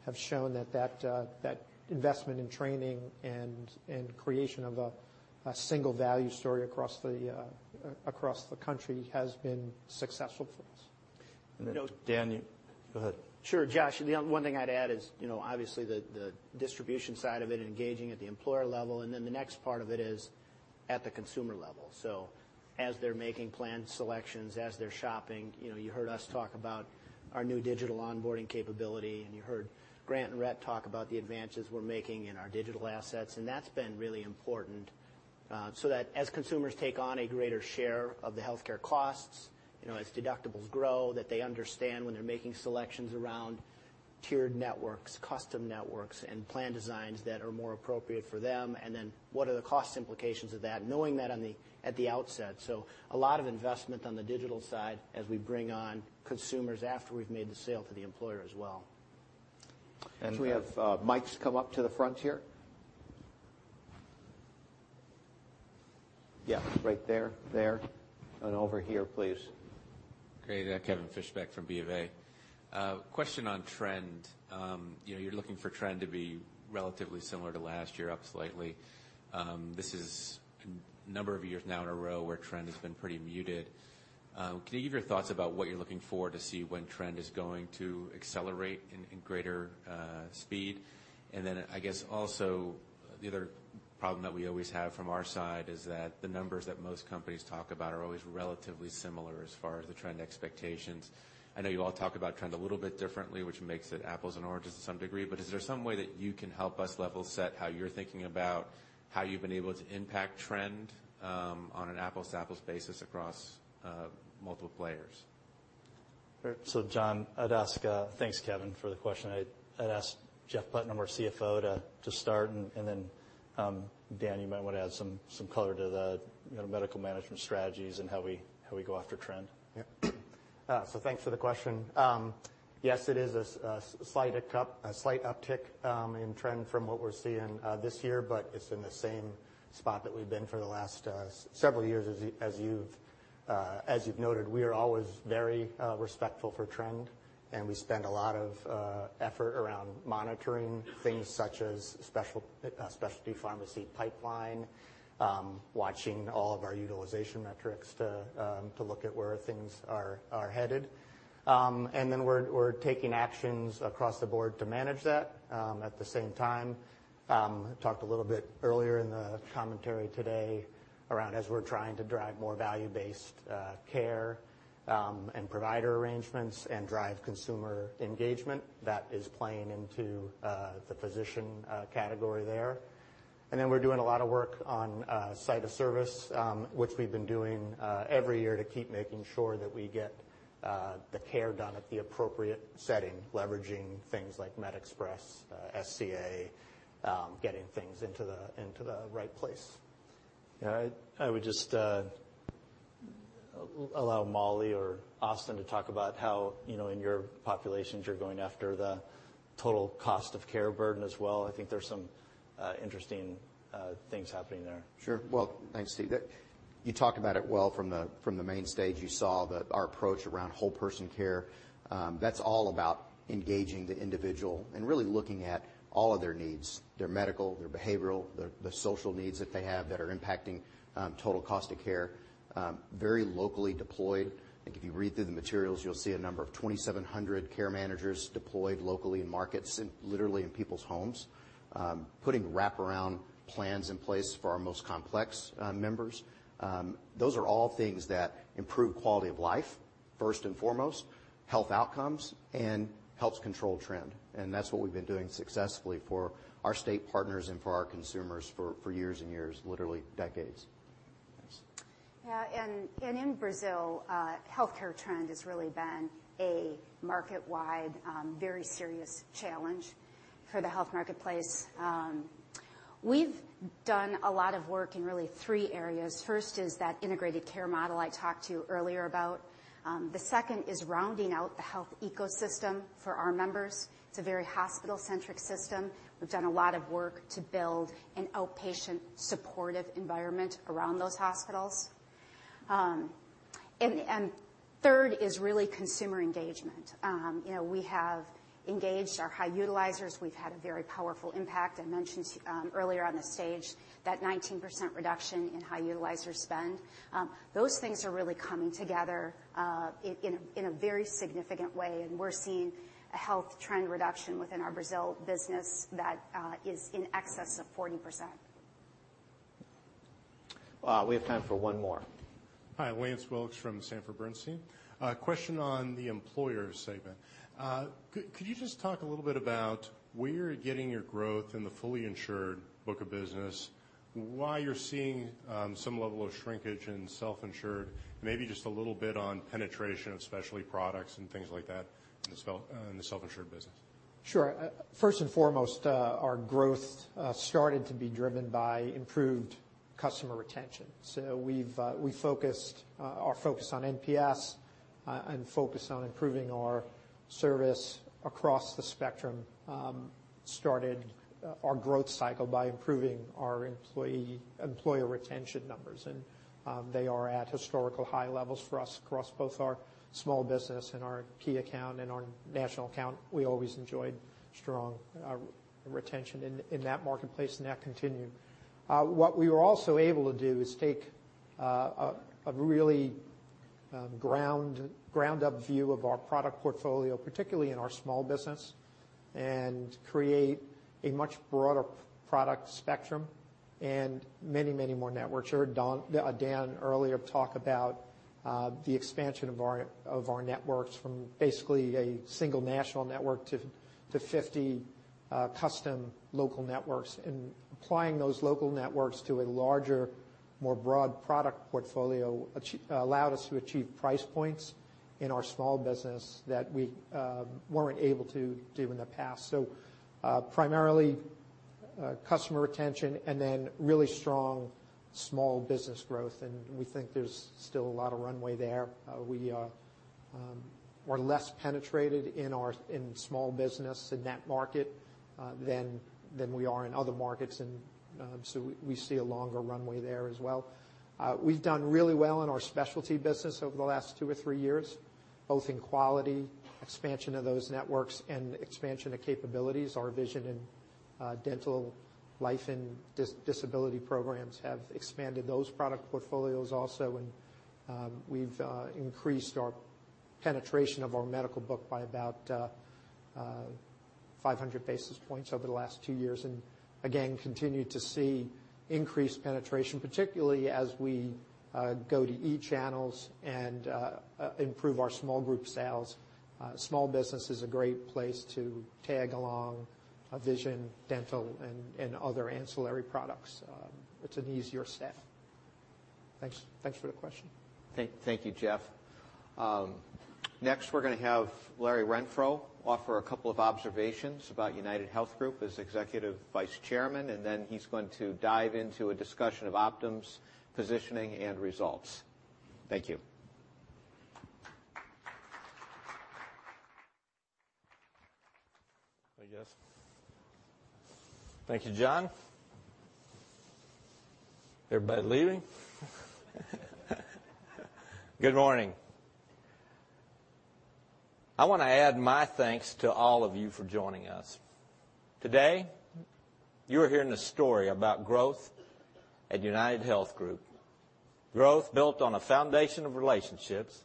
have shown that that investment in training and creation of a single value story across the country has been successful for us.
Dan, you go ahead.
Sure. Josh, the one thing I'd add is, obviously the distribution side of it, engaging at the employer level, the next part of it is at the consumer level. As they're making plan selections, as they're shopping, you heard us talk about our new digital onboarding capability, and you heard Grant and Rhett talk about the advances we're making in our digital assets, and that's been really important. That as consumers take on a greater share of the healthcare costs, as deductibles grow, that they understand when they're making selections around tiered networks, custom networks, and plan designs that are more appropriate for them. What are the cost implications of that, knowing that at the outset. A lot of investment on the digital side as we bring on consumers after we've made the sale to the employer as well.
Can we have mics come up to the front here? Yeah, right there, and over here, please.
Great. Kevin Fischbeck from Bank of America. Question on trend. You're looking for trend to be relatively similar to last year, up slightly. This is a number of years now in a row where trend has been pretty muted. Can you give your thoughts about what you're looking for to see when trend is going to accelerate in greater speed? I guess also the other problem that we always have from our side is that the numbers that most companies talk about are always relatively similar as far as the trend expectations. I know you all talk about trend a little bit differently, which makes it apples and oranges to some degree, is there some way that you can help us level set how you're thinking about how you've been able to impact trend, on an apples-to-apples basis across multiple players?
John, thanks Kevin for the question. I'd ask Jeff Putnam, our CFO, to start and then Dan, you might want to add some color to the medical management strategies and how we go after trend.
Yep. Thanks for the question. Yes, it is a slight uptick in trend from what we're seeing this year, but it's in the same spot that we've been for the last several years as you've noted. We are always very respectful for trend, and we spend a lot of effort around monitoring things such as specialty pharmacy pipeline, watching all of our utilization metrics to look at where things are headed. We're taking actions across the board to manage that. At the same time, talked a little bit earlier in the commentary today around as we're trying to drive more value-based care, and provider arrangements, and drive consumer engagement, that is playing into the physician category there. We're doing a lot of work on site of service, which we've been doing every year to keep making sure that we get the care done at the appropriate setting, leveraging things like MedExpress, SCA, getting things into the right place.
Yeah. I would just allow Molly or Austin to talk about how, in your populations, you're going after the total cost of care burden as well. I think there's some interesting things happening there.
Sure. Well, thanks, Steve. You talked about it well from the main stage. You saw that our approach around whole person care, that's all about engaging the individual and really looking at all of their needs, their medical, their behavioral, their social needs that they have that are impacting total cost of care, very locally deployed. I think if you read through the materials, you'll see a number of 2,700 care managers deployed locally in markets and literally in people's homes. Putting wraparound plans in place for our most complex members. Those are all things that improve quality of life, first and foremost, health outcomes, and helps control trend. That's what we've been doing successfully for our state partners and for our consumers for years and years, literally decades.
Thanks.
Yeah. In Brazil, healthcare trend has really been a market-wide, very serious challenge for the health marketplace. We've done a lot of work in really three areas. First is that integrated care model I talked to you earlier about. The second is rounding out the health ecosystem for our members. It's a very hospital-centric system. We've done a lot of work to build an outpatient supportive environment around those hospitals. Third is really consumer engagement. We have engaged our high utilizers. We've had a very powerful impact. I mentioned earlier on the stage that 19% reduction in high utilizer spend. Those things are really coming together in a very significant way, and we're seeing a health trend reduction within our Brazil business that is in excess of 40%.
We have time for one more.
Hi, Lance Wilkes from Sanford Bernstein. A question on the employer segment. Could you just talk a little bit about where you're getting your growth in the fully insured book of business, why you're seeing some level of shrinkage in self-insured, maybe just a little bit on penetration of specialty products and things like that in the self-insured business?
Sure. First and foremost, our growth started to be driven by improved customer retention. We focused on NPS and focused on improving our service across the spectrum, started our growth cycle by improving our employer retention numbers. They are at historical high levels for us across both our small business and our key account and our national account. We always enjoyed strong retention in that marketplace, and that continued. What we were also able to do is take a really ground-up view of our product portfolio, particularly in our small business, and create a much broader product spectrum and many, many more networks. You heard Dan earlier talk about the expansion of our networks from basically a single national network to 50 custom local networks. Applying those local networks to a larger, more broad product portfolio allowed us to achieve price points in our small business that we weren't able to do in the past. Primarily customer retention and then really strong small business growth, and we think there's still a lot of runway there. We are less penetrated in small business in that market than we are in other markets, we see a longer runway there as well. We've done really well in our specialty business over the last two or three years, both in quality, expansion of those networks, and expansion of capabilities. Our vision in dental, life, and disability programs have expanded those product portfolios also, we've increased our penetration of our medical book by about 500 basis points over the last two years and again, continue to see increased penetration, particularly as we go to e-channels and improve our small group sales. Small business is a great place to tag along vision, dental, and other ancillary products. It's an easier step. Thanks for the question.
Thank you, Jeff. Next we're going to have Larry Renfro offer a couple of observations about UnitedHealth Group as Executive Vice Chairman, then he's going to dive into a discussion of Optum's positioning and results. Thank you.
Hi, guys. Thank you, John. Everybody leaving? Good morning. I want to add my thanks to all of you for joining us. Today, you're hearing a story about growth at UnitedHealth Group. Growth built on a foundation of relationships.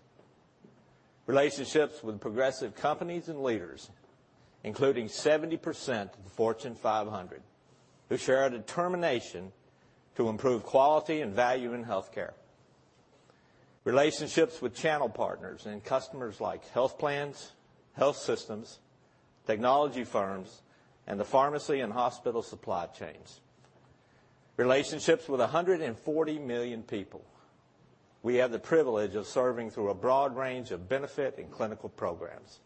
Relationships with progressive companies and leaders, including 70% of the Fortune 500, who share a determination to improve quality and value in healthcare. Relationships with channel partners and customers like health plans, health systems, technology firms, and the pharmacy and hospital supply chains. Relationships with 140 million people we have the privilege of serving through a broad range of benefit and clinical programs.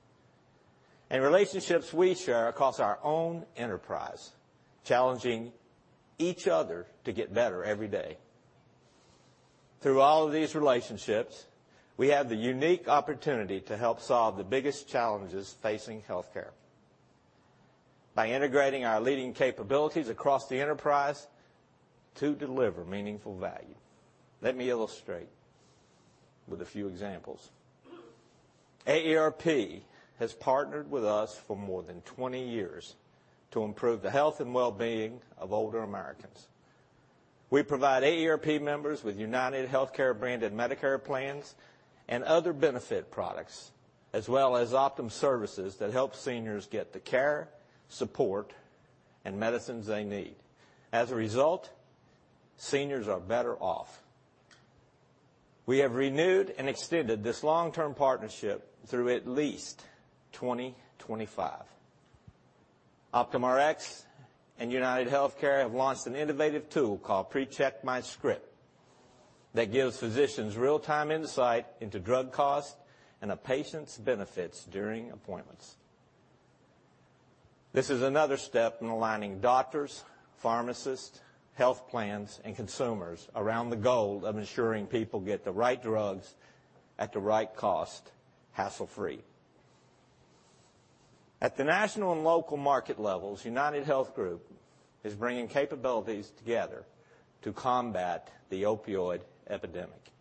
Relationships we share across our own enterprise, challenging each other to get better every day. Through all of these relationships, we have the unique opportunity to help solve the biggest challenges facing healthcare by integrating our leading capabilities across the enterprise to deliver meaningful value. Let me illustrate with a few examples. AARP has partnered with us for more than 20 years to improve the health and wellbeing of older Americans. We provide AARP members with UnitedHealthcare-branded Medicare plans and other benefit products, as well as Optum services that help seniors get the care, support, and medicines they need. As a result, seniors are better off. We have renewed and extended this long-term partnership through at least 2025. Optum Rx and UnitedHealthcare have launched an innovative tool called PreCheck MyScript that gives physicians real-time insight into drug costs and a patient's benefits during appointments. This is another step in aligning doctors, pharmacists, health plans, and consumers around the goal of ensuring people get the right drugs at the right cost, hassle-free. At the national and local market levels, UnitedHealth Group is bringing capabilities together to combat the opioid epidemic.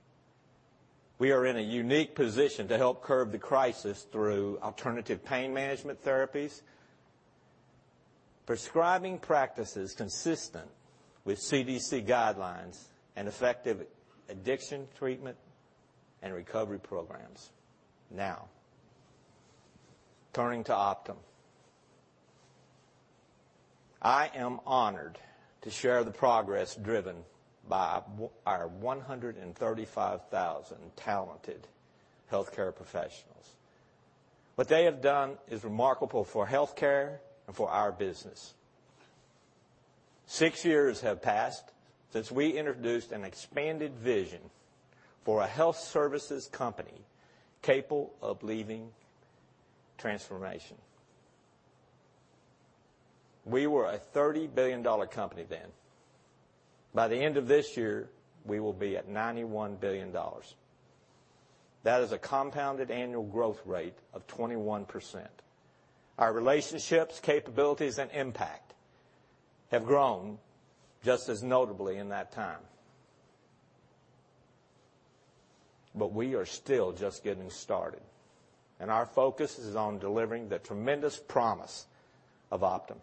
We are in a unique position to help curb the crisis through alternative pain management therapies, prescribing practices consistent with CDC guidelines, and effective addiction treatment and recovery programs. Turning to Optum. I am honored to share the progress driven by our 135,000 talented healthcare professionals. What they have done is remarkable for healthcare and for our business. Six years have passed since we introduced an expanded vision for a health services company capable of leading transformation. We were a $30 billion company then. By the end of this year, we will be at $91 billion. That is a compounded annual growth rate of 21%. Our relationships, capabilities, and impact have grown just as notably in that time. We are still just getting started, and our focus is on delivering the tremendous promise of Optum.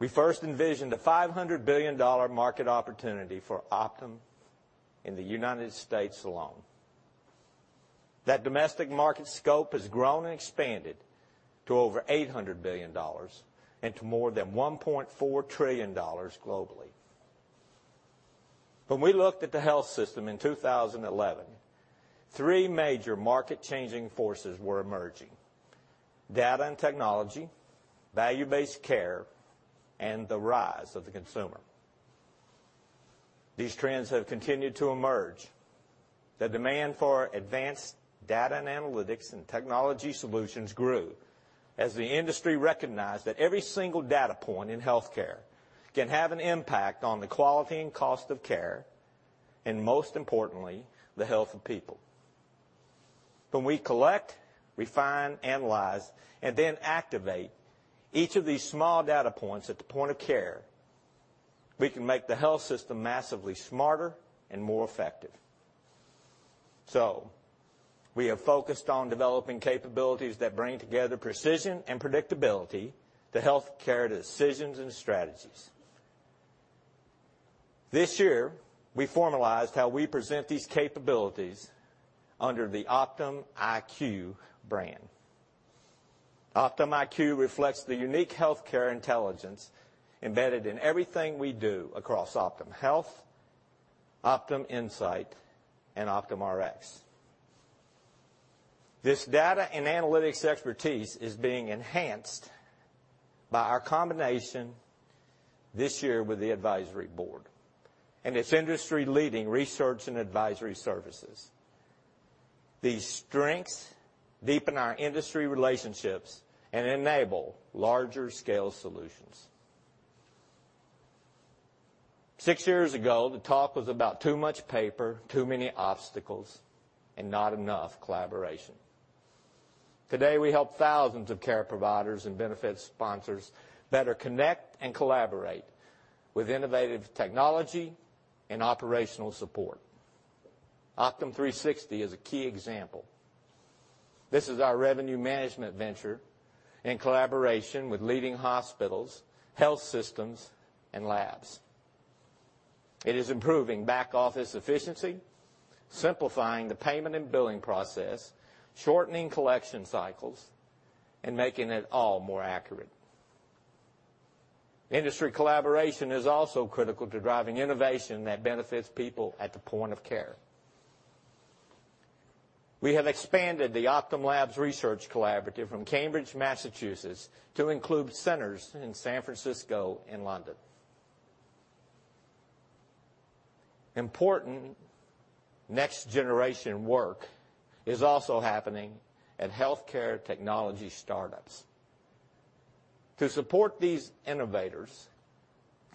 We first envisioned a $500 billion market opportunity for Optum in the U.S. alone. That domestic market scope has grown and expanded to over $800 billion and to more than $1.4 trillion globally. When we looked at the health system in 2011, three major market-changing forces were emerging: data and technology, value-based care, and the rise of the consumer. These trends have continued to emerge. The demand for advanced data and analytics and technology solutions grew as the industry recognized that every single data point in healthcare can have an impact on the quality and cost of care and, most importantly, the health of people. When we collect, refine, analyze, and activate each of these small data points at the point of care, we can make the health system massively smarter and more effective. We have focused on developing capabilities that bring together precision and predictability to healthcare decisions and strategies. This year, we formalized how we present these capabilities under the OptumIQ brand. OptumIQ reflects the unique healthcare intelligence embedded in everything we do across Optum Health, Optum Insight, and Optum Rx. This data and analytics expertise is being enhanced by our combination this year with the Advisory Board and its industry-leading research and advisory services. These strengths deepen our industry relationships and enable larger-scale solutions. Six years ago, the talk was about too much paper, too many obstacles, and not enough collaboration. Today, we help thousands of care providers and benefit sponsors better connect and collaborate with innovative technology and operational support. Optum360 is a key example. This is our revenue management venture in collaboration with leading hospitals, health systems, and labs. It is improving back-office efficiency, simplifying the payment and billing process, shortening collection cycles, and making it all more accurate. Industry collaboration is also critical to driving innovation that benefits people at the point of care. We have expanded the Optum Labs research collaborative from Cambridge, Massachusetts, to include centers in San Francisco and London. Important next-generation work is also happening at healthcare technology startups. To support these innovators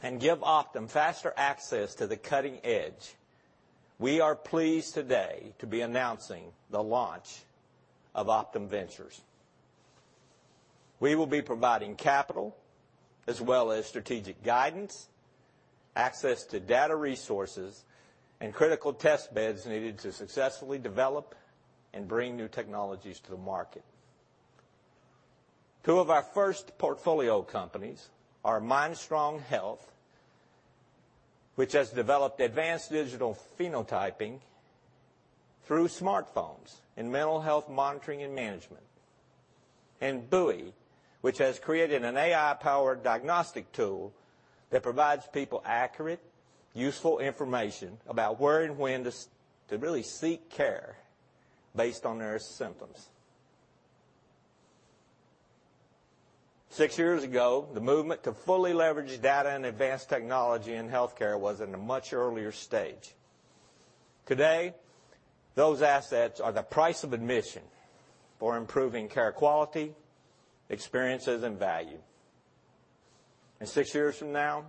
and give Optum faster access to the cutting edge, we are pleased today to be announcing the launch of Optum Ventures. We will be providing capital as well as strategic guidance, access to data resources, and critical testbeds needed to successfully develop and bring new technologies to the market. Two of our first portfolio companies are Mindstrong Health, which has developed advanced digital phenotyping through smartphones in mental health monitoring and management, and Buoy, which has created an AI-powered diagnostic tool that provides people accurate, useful information about where and when to really seek care based on their symptoms. Six years ago, the movement to fully leverage data and advanced technology in healthcare was at a much earlier stage. Today, those assets are the price of admission for improving care quality, experiences, and value. Six years from now,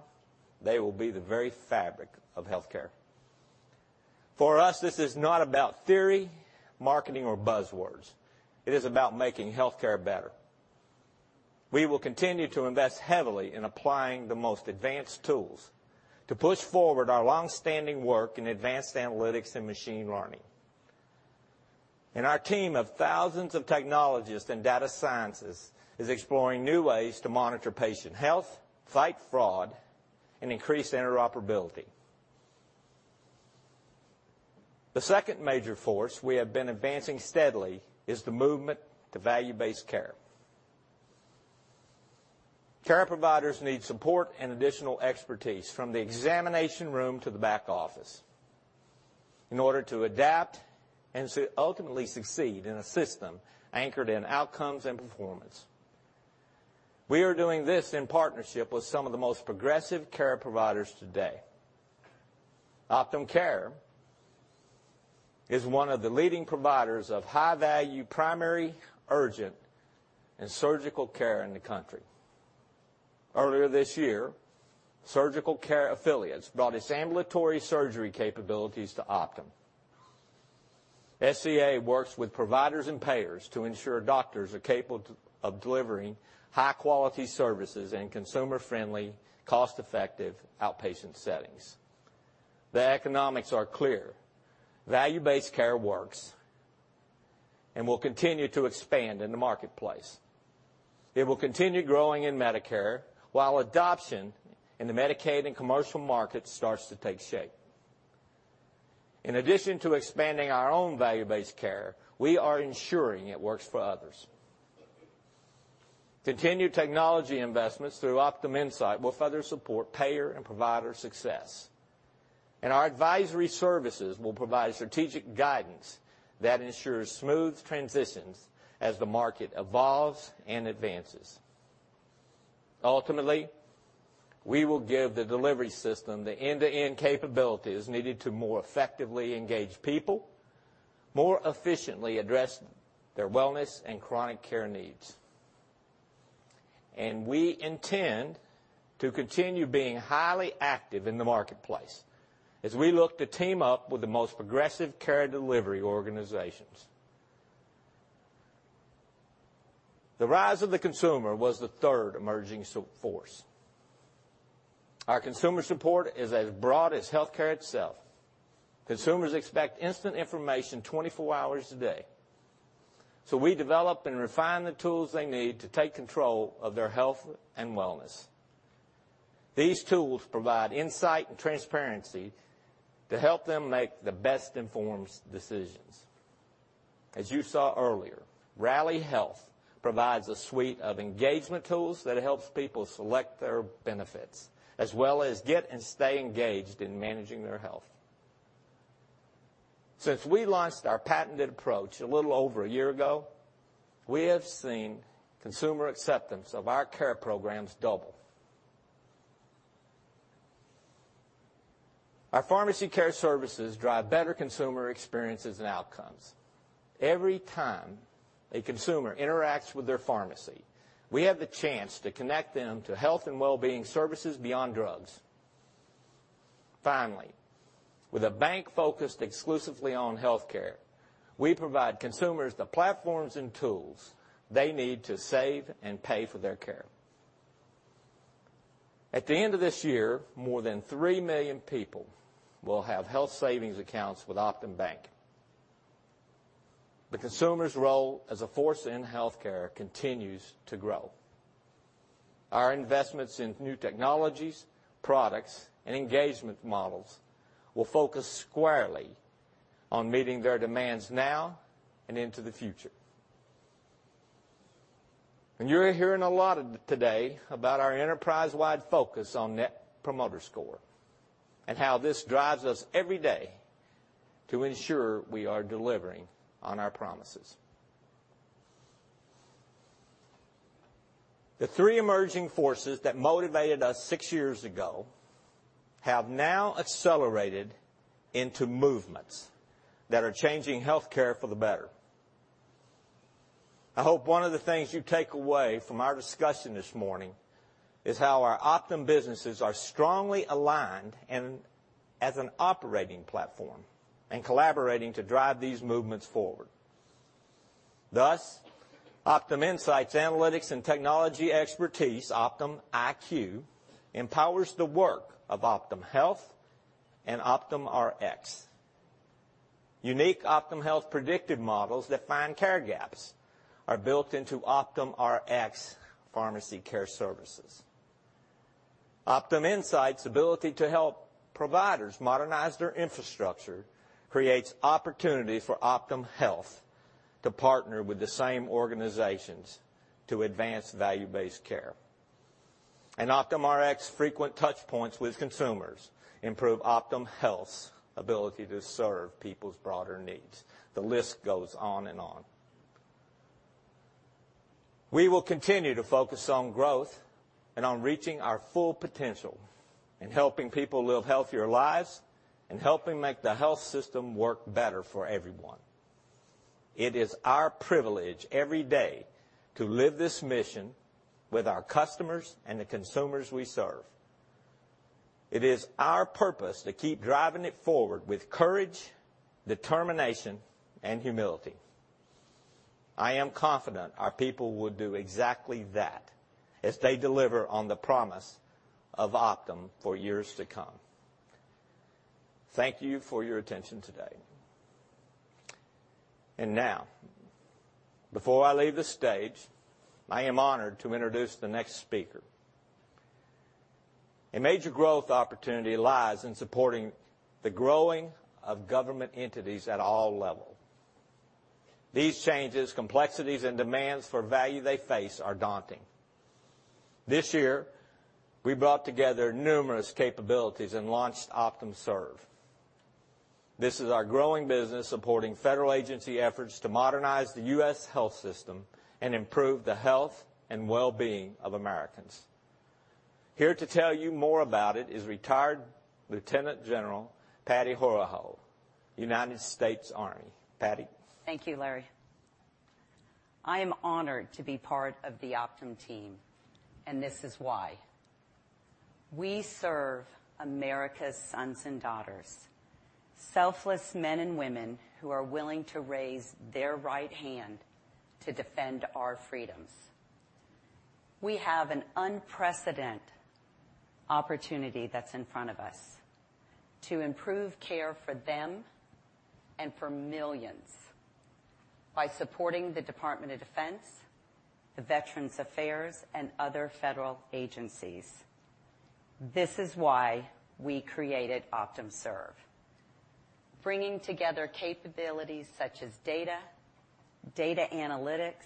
they will be the very fabric of healthcare. For us, this is not about theory, marketing, or buzzwords. It is about making healthcare better. We will continue to invest heavily in applying the most advanced tools to push forward our longstanding work in advanced analytics and machine learning. Our team of thousands of technologists and data scientists is exploring new ways to monitor patient health, fight fraud, and increase interoperability. The second major force we have been advancing steadily is the movement to value-based care. Care providers need support and additional expertise from the examination room to the back office in order to adapt and to ultimately succeed in a system anchored in outcomes and performance. We are doing this in partnership with some of the most progressive care providers today. Optum Care is one of the leading providers of high-value primary, urgent, and surgical care in the country. Earlier this year, Surgical Care Affiliates brought its ambulatory surgery capabilities to Optum. SCA works with providers and payers to ensure doctors are capable of delivering high-quality services in consumer-friendly, cost-effective outpatient settings. The economics are clear. Value-based care works and will continue to expand in the marketplace. It will continue growing in Medicare, while adoption in the Medicaid and commercial market starts to take shape. In addition to expanding our own value-based care, we are ensuring it works for others. Continued technology investments through Optum Insight will further support payer and provider success. Our advisory services will provide strategic guidance that ensures smooth transitions as the market evolves and advances. Ultimately, we will give the delivery system the end-to-end capabilities needed to more effectively engage people, more efficiently address their wellness and chronic care needs. We intend to continue being highly active in the marketplace as we look to team up with the most progressive care delivery organizations. The rise of the consumer was the third emerging force. Our consumer support is as broad as healthcare itself. Consumers expect instant information 24 hours a day, we develop and refine the tools they need to take control of their health and wellness. These tools provide insight and transparency to help them make the best informed decisions. As you saw earlier, Rally Health provides a suite of engagement tools that helps people select their benefits, as well as get and stay engaged in managing their health. Since we launched our patented approach a little over a year ago, we have seen consumer acceptance of our care programs double. Our pharmacy care services drive better consumer experiences and outcomes. Every time a consumer interacts with their pharmacy, we have the chance to connect them to health and wellbeing services beyond drugs. Finally, with a bank focused exclusively on healthcare, we provide consumers the platforms and tools they need to save and pay for their care. At the end of this year, more than 3 million people will have health savings accounts with Optum Bank. The consumer's role as a force in healthcare continues to grow. Our investments in new technologies, products, and engagement models will focus squarely on meeting their demands now and into the future. You're hearing a lot today about our enterprise-wide focus on net promoter score and how this drives us every day to ensure we are delivering on our promises. The 3 emerging forces that motivated us 6 years ago have now accelerated into movements that are changing healthcare for the better. I hope one of the things you take away from our discussion this morning is how our Optum businesses are strongly aligned as an operating platform and collaborating to drive these movements forward. Thus, OptumInsight's analytics and technology expertise, OptumIQ, empowers the work of Optum Health and OptumRx. Unique Optum Health predictive models that find care gaps are built into OptumRx pharmacy care services. OptumInsight's ability to help providers modernize their infrastructure creates opportunities for Optum Health to partner with the same organizations to advance value-based care. OptumRx frequent touchpoints with consumers improve Optum Health's ability to serve people's broader needs. The list goes on and on. We will continue to focus on growth and on reaching our full potential in helping people live healthier lives and helping make the health system work better for everyone. It is our privilege every day to live this mission with our customers and the consumers we serve. It is our purpose to keep driving it forward with courage, determination, and humility. I am confident our people will do exactly that as they deliver on the promise of Optum for years to come. Thank you for your attention today. Now, before I leave the stage, I am honored to introduce the next speaker. A major growth opportunity lies in supporting the growing of government entities at all level. These changes, complexities, and demands for value they face are daunting. This year, we brought together numerous capabilities and launched Optum Serve. This is our growing business supporting federal agency efforts to modernize the U.S. health system and improve the health and well-being of Americans. Here to tell you more about it is retired Lieutenant General Patty Horoho, United States Army. Patty.
Thank you, Larry. I am honored to be part of the Optum team, and this is why. We serve America's sons and daughters, selfless men and women who are willing to raise their right hand to defend our freedoms. We have an unprecedented opportunity that's in front of us to improve care for them and for millions by supporting the Department of Defense, the Veterans Affairs, and other federal agencies. This is why we created Optum Serve, bringing together capabilities such as data analytics,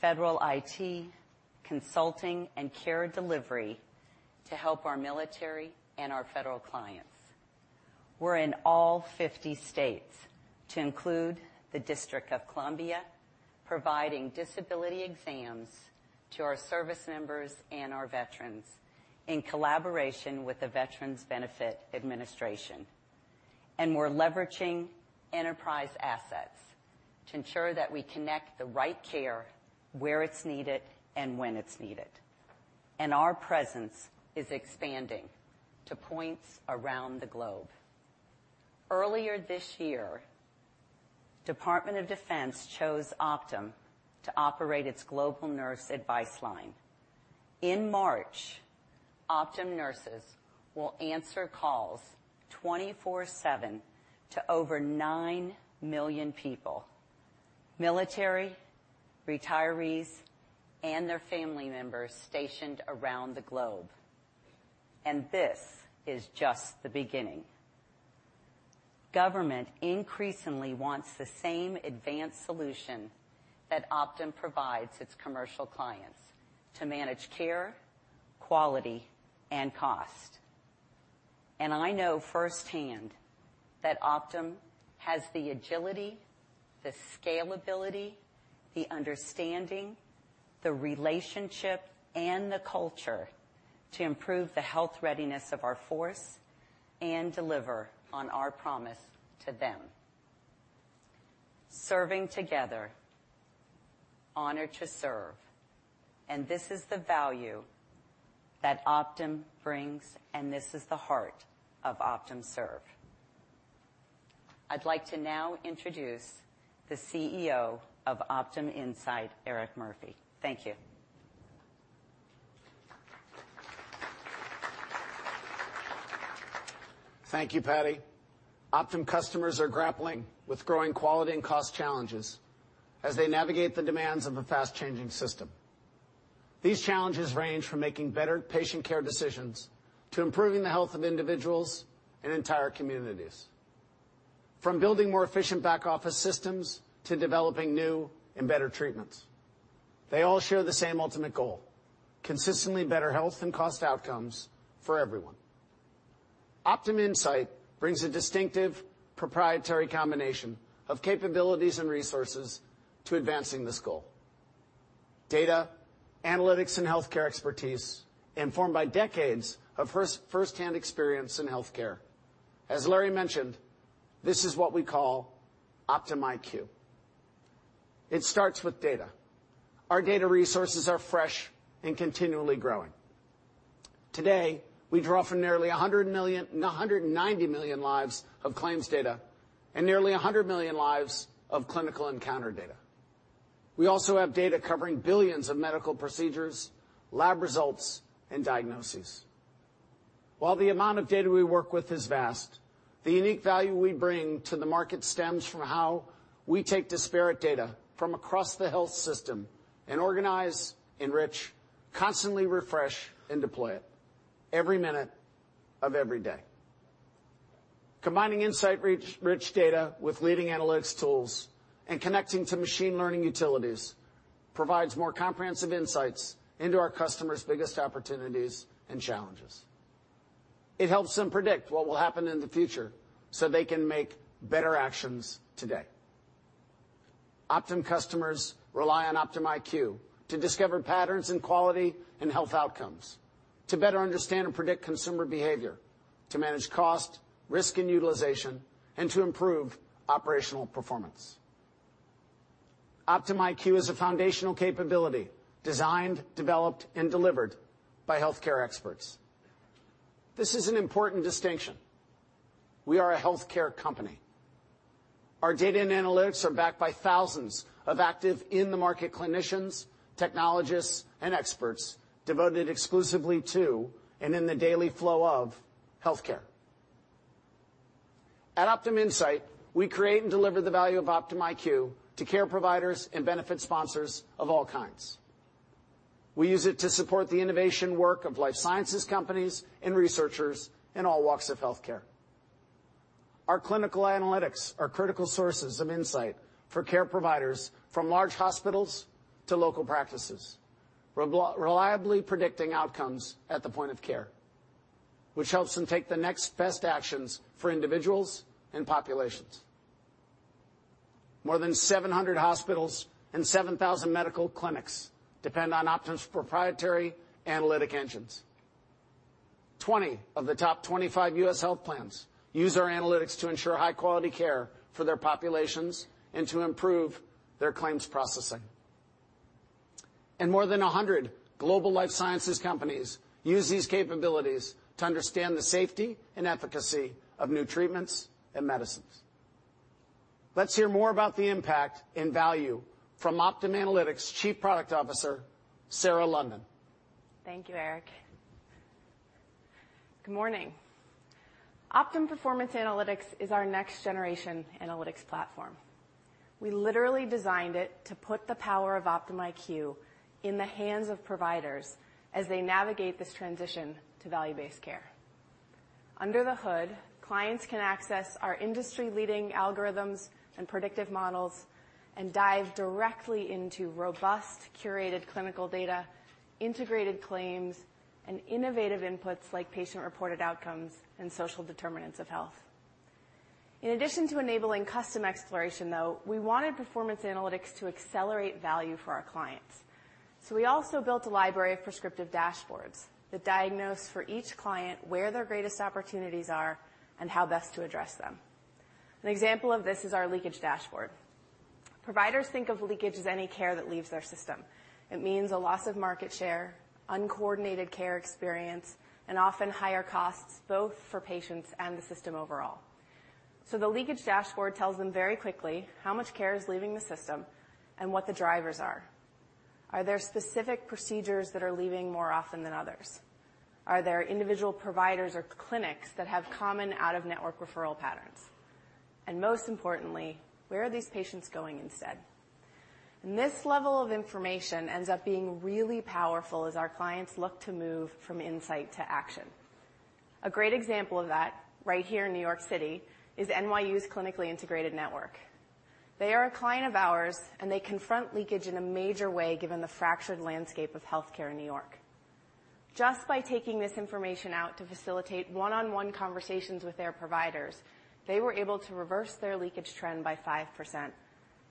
federal IT, consulting, and care delivery to help our military and our federal clients. We're in all 50 states to include the District of Columbia, providing disability exams to our service members and our veterans in collaboration with the Veterans Benefits Administration. We're leveraging enterprise assets to ensure that we connect the right care where it's needed and when it's needed. Our presence is expanding to points around the globe. Earlier this year, Department of Defense chose Optum to operate its global nurse advice line. In March, Optum nurses will answer calls twenty-four seven to over 9 million people, military, retirees, and their family members stationed around the globe. This is just the beginning. Government increasingly wants the same advanced solution that Optum provides its commercial clients to manage care, quality, and cost. I know firsthand that Optum has the agility, the scalability, the understanding, the relationship, and the culture to improve the health readiness of our force and deliver on our promise to them. Serving together, honored to serve, this is the value that Optum brings, this is the heart of Optum Serve. I'd like to now introduce the CEO of Optum Insight, Eric Murphy. Thank you.
Thank you, Patty. Optum customers are grappling with growing quality and cost challenges as they navigate the demands of a fast-changing system. These challenges range from making better patient care decisions to improving the health of individuals and entire communities. From building more efficient back office systems to developing new and better treatments. They all share the same ultimate goal, consistently better health and cost outcomes for everyone. Optum Insight brings a distinctive proprietary combination of capabilities and resources to advancing this goal. Data, analytics, and healthcare expertise informed by decades of first-hand experience in healthcare. As Larry mentioned, this is what we call OptumIQ. It starts with data. Our data resources are fresh and continually growing. Today, we draw from nearly 190 million lives of claims data and nearly 100 million lives of clinical encounter data. We also have data covering billions of medical procedures, lab results, and diagnoses. While the amount of data we work with is vast, the unique value we bring to the market stems from how we take disparate data from across the health system and organize, enrich, constantly refresh, and deploy it every minute of every day. Combining insight-rich data with leading analytics tools and connecting to machine learning utilities provides more comprehensive insights into our customers' biggest opportunities and challenges. It helps them predict what will happen in the future so they can make better actions today. Optum customers rely on OptumIQ to discover patterns in quality and health outcomes, to better understand and predict consumer behavior, to manage cost, risk, and utilization, and to improve operational performance. OptumIQ is a foundational capability designed, developed, and delivered by healthcare experts. This is an important distinction. We are a healthcare company. Our data and analytics are backed by thousands of active in-the-market clinicians, technologists, and experts devoted exclusively to, and in the daily flow of, healthcare. At OptumInsight, we create and deliver the value of OptumIQ to care providers and benefit sponsors of all kinds. We use it to support the innovation work of life sciences companies and researchers in all walks of healthcare. Our clinical analytics are critical sources of insight for care providers from large hospitals to local practices, reliably predicting outcomes at the point of care, which helps them take the next best actions for individuals and populations. More than 700 hospitals and 7,000 medical clinics depend on Optum's proprietary analytic engines. 20 of the top 25 U.S. health plans use our analytics to ensure high-quality care for their populations and to improve their claims processing. More than 100 global life sciences companies use these capabilities to understand the safety and efficacy of new treatments and medicines. Let's hear more about the impact and value from Optum Analytics Chief Product Officer, Sarah London.
Thank you, Eric. Good morning. Optum Performance Analytics is our next generation analytics platform. We literally designed it to put the power of OptumIQ in the hands of providers as they navigate this transition to value-based care. Under the hood, clients can access our industry leading algorithms and predictive models and dive directly into robust, curated clinical data, integrated claims, and innovative inputs like patient reported outcomes and social determinants of health. In addition to enabling custom exploration, though, we wanted performance analytics to accelerate value for our clients, so we also built a library of prescriptive dashboards that diagnose for each client where their greatest opportunities are and how best to address them. An example of this is our leakage dashboard. Providers think of leakage as any care that leaves their system. It means a loss of market share, uncoordinated care experience, and often higher costs both for patients and the system overall. The leakage dashboard tells them very quickly how much care is leaving the system and what the drivers are. Are there specific procedures that are leaving more often than others? Are there individual providers or clinics that have common out-of-network referral patterns? Most importantly, where are these patients going instead? This level of information ends up being really powerful as our clients look to move from insight to action. A great example of that right here in New York City is NYU's Clinically Integrated Network. They are a client of ours, and they confront leakage in a major way given the fractured landscape of healthcare in New York. Just by taking this information out to facilitate one-on-one conversations with their providers, they were able to reverse their leakage trend by 5%,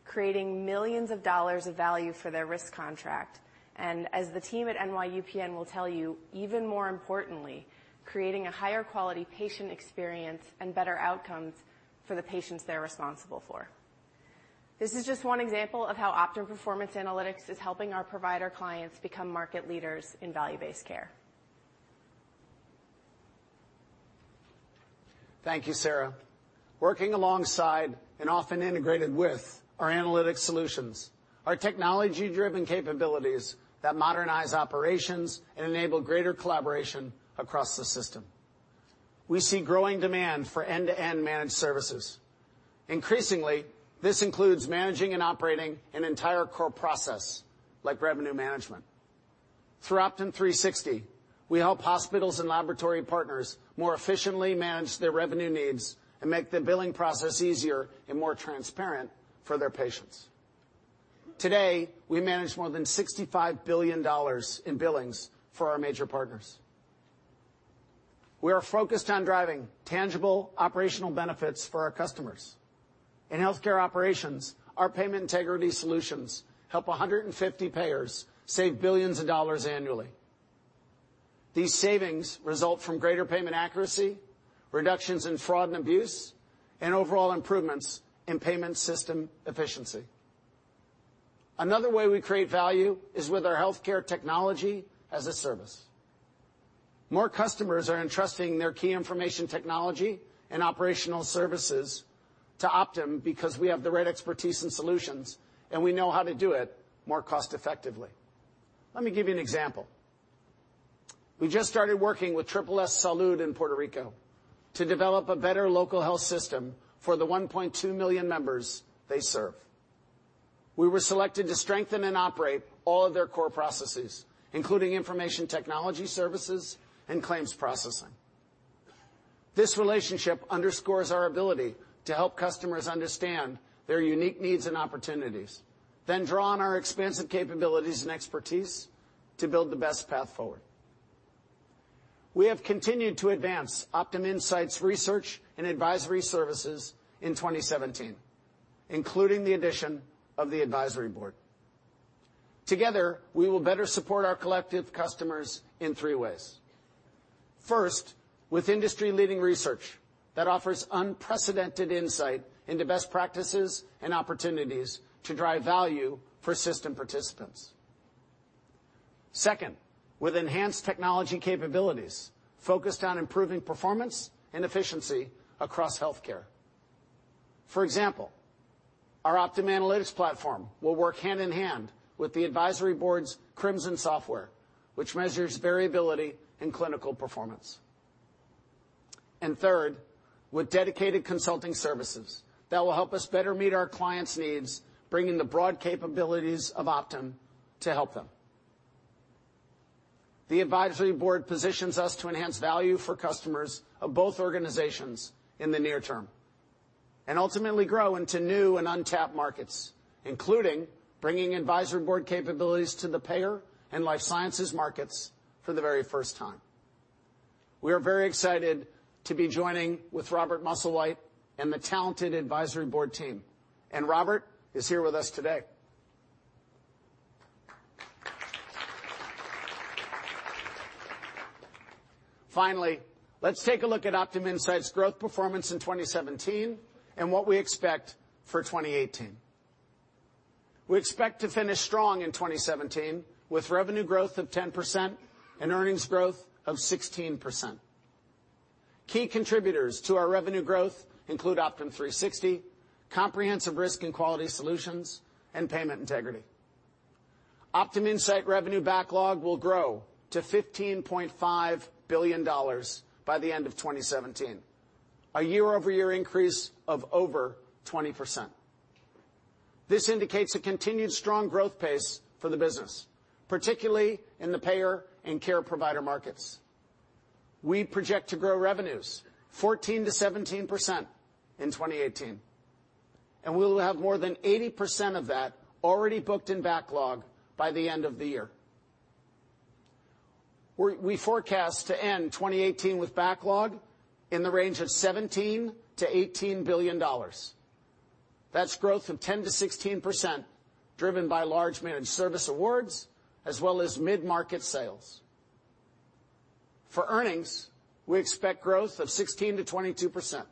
creating millions of dollars of value for their risk contract and, as the team at NYUPN will tell you, even more importantly, creating a higher quality patient experience and better outcomes for the patients they're responsible for. This is just one example of how Optum Performance Analytics is helping our provider clients become market leaders in value-based care.
Thank you, Sarah. Working alongside, and often integrated with, our analytic solutions are technology driven capabilities that modernize operations and enable greater collaboration across the system. We see growing demand for end-to-end managed services. Increasingly, this includes managing and operating an entire core process like revenue management. Through Optum360, we help hospitals and laboratory partners more efficiently manage their revenue needs and make the billing process easier and more transparent for their patients. Today, we manage more than $65 billion in billings for our major partners. We are focused on driving tangible operational benefits for our customers. In healthcare operations, our payment integrity solutions help 150 payers save billions of dollars annually. These savings result from greater payment accuracy, reductions in fraud and abuse, and overall improvements in payment system efficiency. Another way we create value is with our healthcare technology as a service. More customers are entrusting their key information technology and operational services to Optum because we have the right expertise and solutions. We know how to do it more cost effectively. Let me give you an example. We just started working with Triple-S Salud in Puerto Rico to develop a better local health system for the 1.2 million members they serve. We were selected to strengthen and operate all of their core processes, including information technology services and claims processing. This relationship underscores our ability to help customers understand their unique needs and opportunities. Draw on our expansive capabilities and expertise to build the best path forward. We have continued to advance Optum Insight's research and advisory services in 2017, including the addition of The Advisory Board. Together, we will better support our collective customers in three ways. First, with industry-leading research that offers unprecedented insight into best practices and opportunities to drive value for system participants. Second, with enhanced technology capabilities focused on improving performance and efficiency across healthcare. For example, our Optum Analytics platform will work hand in hand with The Advisory Board's Crimson software, which measures variability in clinical performance. Third, with dedicated consulting services that will help us better meet our clients' needs, bringing the broad capabilities of Optum to help them. The Advisory Board positions us to enhance value for customers of both organizations in the near term and ultimately grow into new and untapped markets, including bringing Advisory Board capabilities to the payer and life sciences markets for the very first time. We are very excited to be joining with Robert Musselwhite and the talented Advisory Board team. Robert is here with us today. Finally, let's take a look at Optum Insight's growth performance in 2017 and what we expect for 2018. We expect to finish strong in 2017 with revenue growth of 10% and earnings growth of 16%. Key contributors to our revenue growth include Optum360, comprehensive risk and quality solutions, and payment integrity. Optum Insight revenue backlog will grow to $15.5 billion by the end of 2017, a year-over-year increase of over 20%. This indicates a continued strong growth pace for the business, particularly in the payer and care provider markets. We project to grow revenues 14%-17% in 2018, and we'll have more than 80% of that already booked in backlog by the end of the year. We forecast to end 2018 with backlog in the range of $17 billion-$18 billion. That's growth of 10%-16% driven by large managed service awards as well as mid-market sales. For earnings, we expect growth of 16%-22%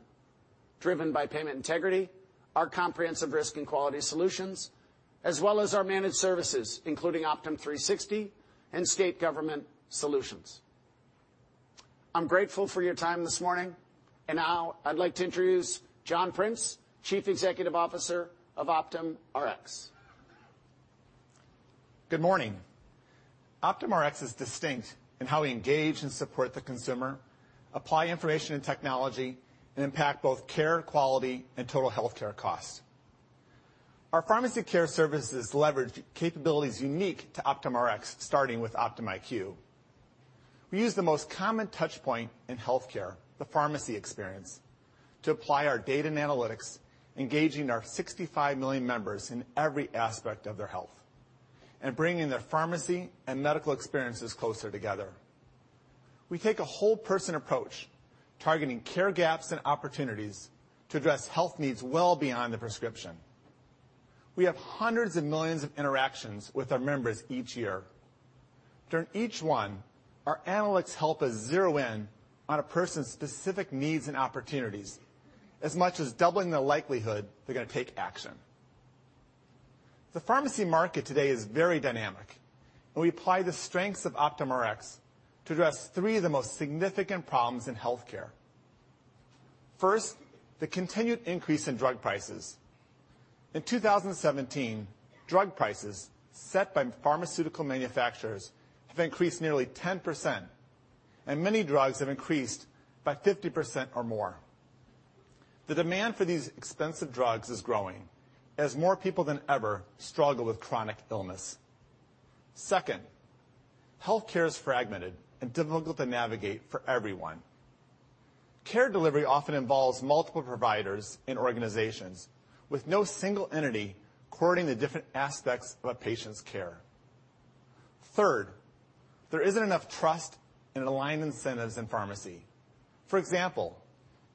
driven by payment integrity, our comprehensive risk and quality solutions, as well as our managed services, including Optum360 and state government solutions. I'm grateful for your time this morning. Now I'd like to introduce John Prince, Chief Executive Officer of OptumRx.
Good morning. OptumRx is distinct in how we engage and support the consumer, apply information and technology, and impact both care quality and total healthcare costs. Our pharmacy care services leverage capabilities unique to OptumRx, starting with OptumIQ. We use the most common touch point in healthcare, the pharmacy experience, to apply our data and analytics, engaging our 65 million members in every aspect of their health and bringing their pharmacy and medical experiences closer together. We take a whole-person approach, targeting care gaps and opportunities to address health needs well beyond the prescription. We have hundreds of millions of interactions with our members each year. During each one, our analytics help us zero in on a person's specific needs and opportunities, as much as doubling the likelihood they're going to take action. The pharmacy market today is very dynamic. We apply the strengths of OptumRx to address three of the most significant problems in healthcare. First, the continued increase in drug prices. In 2017, drug prices set by pharmaceutical manufacturers have increased nearly 10%, and many drugs have increased by 50% or more. The demand for these expensive drugs is growing as more people than ever struggle with chronic illness. Second, healthcare is fragmented and difficult to navigate for everyone. Care delivery often involves multiple providers and organizations with no single entity coordinating the different aspects of a patient's care. Third, there isn't enough trust and aligned incentives in pharmacy. For example,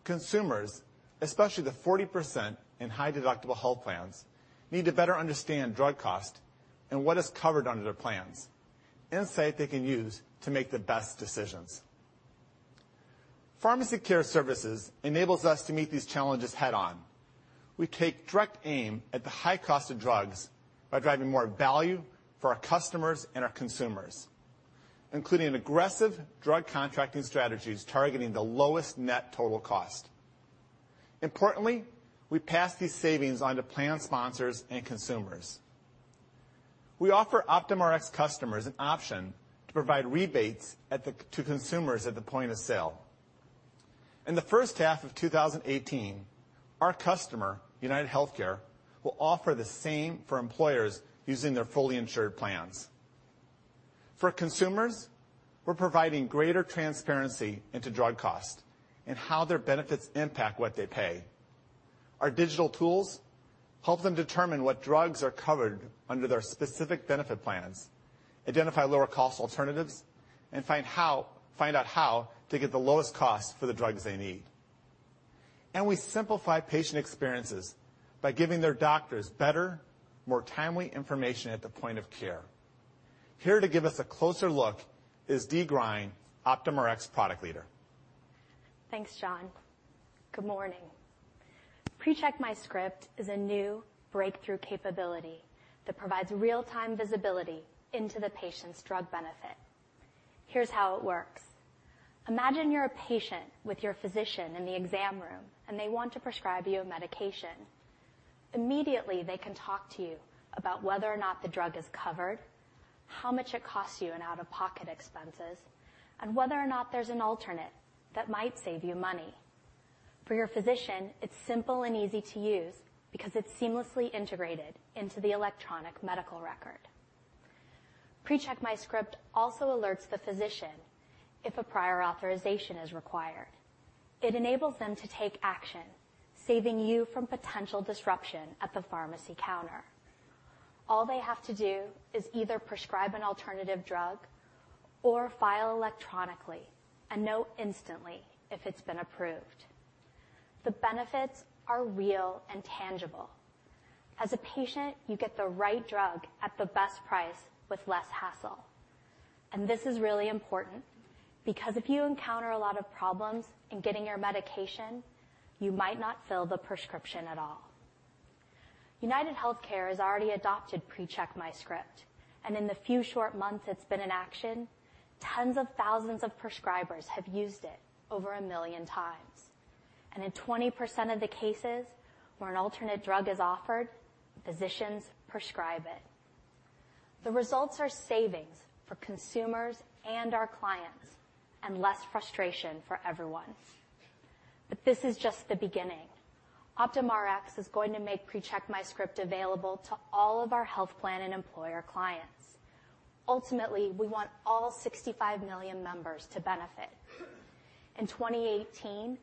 consumers, especially the 40% in high-deductible health plans, need to better understand drug cost and what is covered under their plans, insight they can use to make the best decisions. Pharmacy care services enables us to meet these challenges head on. We take direct aim at the high cost of drugs by driving more value for our customers and our consumers, including aggressive drug contracting strategies targeting the lowest net total cost. Importantly, we pass these savings on to plan sponsors and consumers. We offer OptumRx customers an option to provide rebates to consumers at the point of sale. In the first half of 2018, our customer, UnitedHealthcare, will offer the same for employers using their fully insured plans. For consumers, we're providing greater transparency into drug cost and how their benefits impact what they pay. Our digital tools help them determine what drugs are covered under their specific benefit plans, identify lower cost alternatives, and find out how to get the lowest cost for the drugs they need. We simplify patient experiences by giving their doctors better, more timely information at the point of care. Here to give us a closer look is Heather Cianfrocco, Optum Rx product leader.
Thanks, John. Good morning. PreCheck MyScript is a new breakthrough capability that provides real-time visibility into the patient's drug benefit. Here's how it works. Imagine you're a patient with your physician in the exam room, and they want to prescribe you a medication. Immediately, they can talk to you about whether or not the drug is covered, how much it costs you in out-of-pocket expenses, and whether or not there's an alternate that might save you money. For your physician, it's simple and easy to use because it's seamlessly integrated into the electronic medical record. PreCheck MyScript also alerts the physician if a prior authorization is required. It enables them to take action, saving you from potential disruption at the pharmacy counter. All they have to do is either prescribe an alternative drug or file electronically and know instantly if it's been approved. The benefits are real and tangible. As a patient, you get the right drug at the best price with less hassle. This is really important because if you encounter a lot of problems in getting your medication, you might not fill the prescription at all. UnitedHealthcare has already adopted PreCheck MyScript, and in the few short months it's been in action, tens of thousands of prescribers have used it over a million times. In 20% of the cases where an alternate drug is offered, physicians prescribe it. The results are savings for consumers and our clients and less frustration for everyone. This is just the beginning. Optum Rx is going to make PreCheck MyScript available to all of our health plan and employer clients. Ultimately, we want all 65 million members to benefit. In 2018,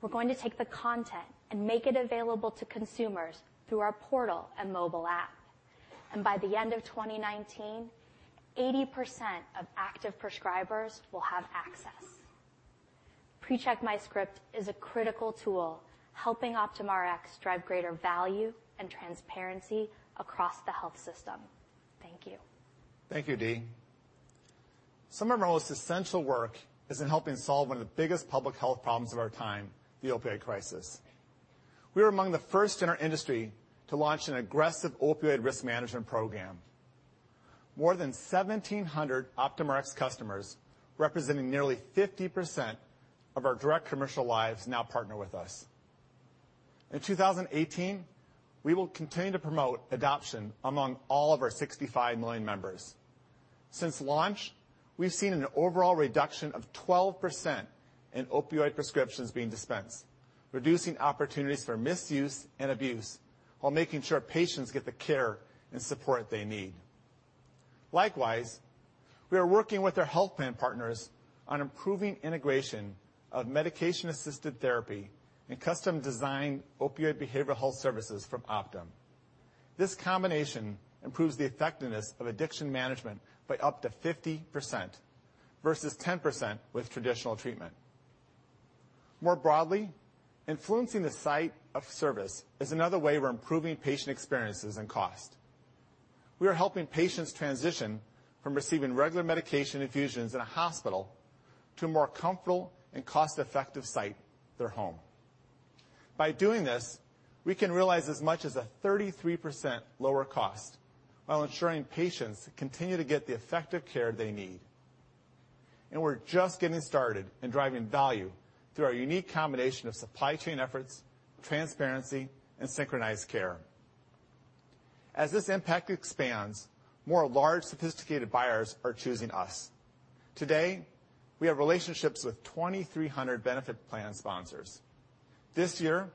we're going to take the content and make it available to consumers through our portal and mobile app. By the end of 2019, 80% of active prescribers will have access. PreCheck MyScript is a critical tool helping Optum Rx drive greater value and transparency across the health system. Thank you.
Thank you, Dee. Some of our most essential work is in helping solve one of the biggest public health problems of our time, the opioid crisis. We were among the first in our industry to launch an aggressive opioid risk management program. More than 1,700 Optum Rx customers, representing nearly 50% of our direct commercial lives, now partner with us. In 2018, we will continue to promote adoption among all of our 65 million members. Since launch, we've seen an overall reduction of 12% in opioid prescriptions being dispensed, reducing opportunities for misuse and abuse while making sure patients get the care and support they need. Likewise, we are working with our health plan partners on improving integration of medication-assisted therapy and custom-designed opioid behavioral health services from Optum. This combination improves the effectiveness of addiction management by up to 50% versus 10% with traditional treatment. More broadly, influencing the site of service is another way we're improving patient experiences and cost. We are helping patients transition from receiving regular medication infusions in a hospital to a more comfortable and cost-effective site, their home. By doing this, we can realize as much as a 33% lower cost while ensuring patients continue to get the effective care they need. We're just getting started in driving value through our unique combination of supply chain efforts, transparency, and synchronized care. As this impact expands, more large, sophisticated buyers are choosing us. Today, we have relationships with 2,300 benefit plan sponsors. This year,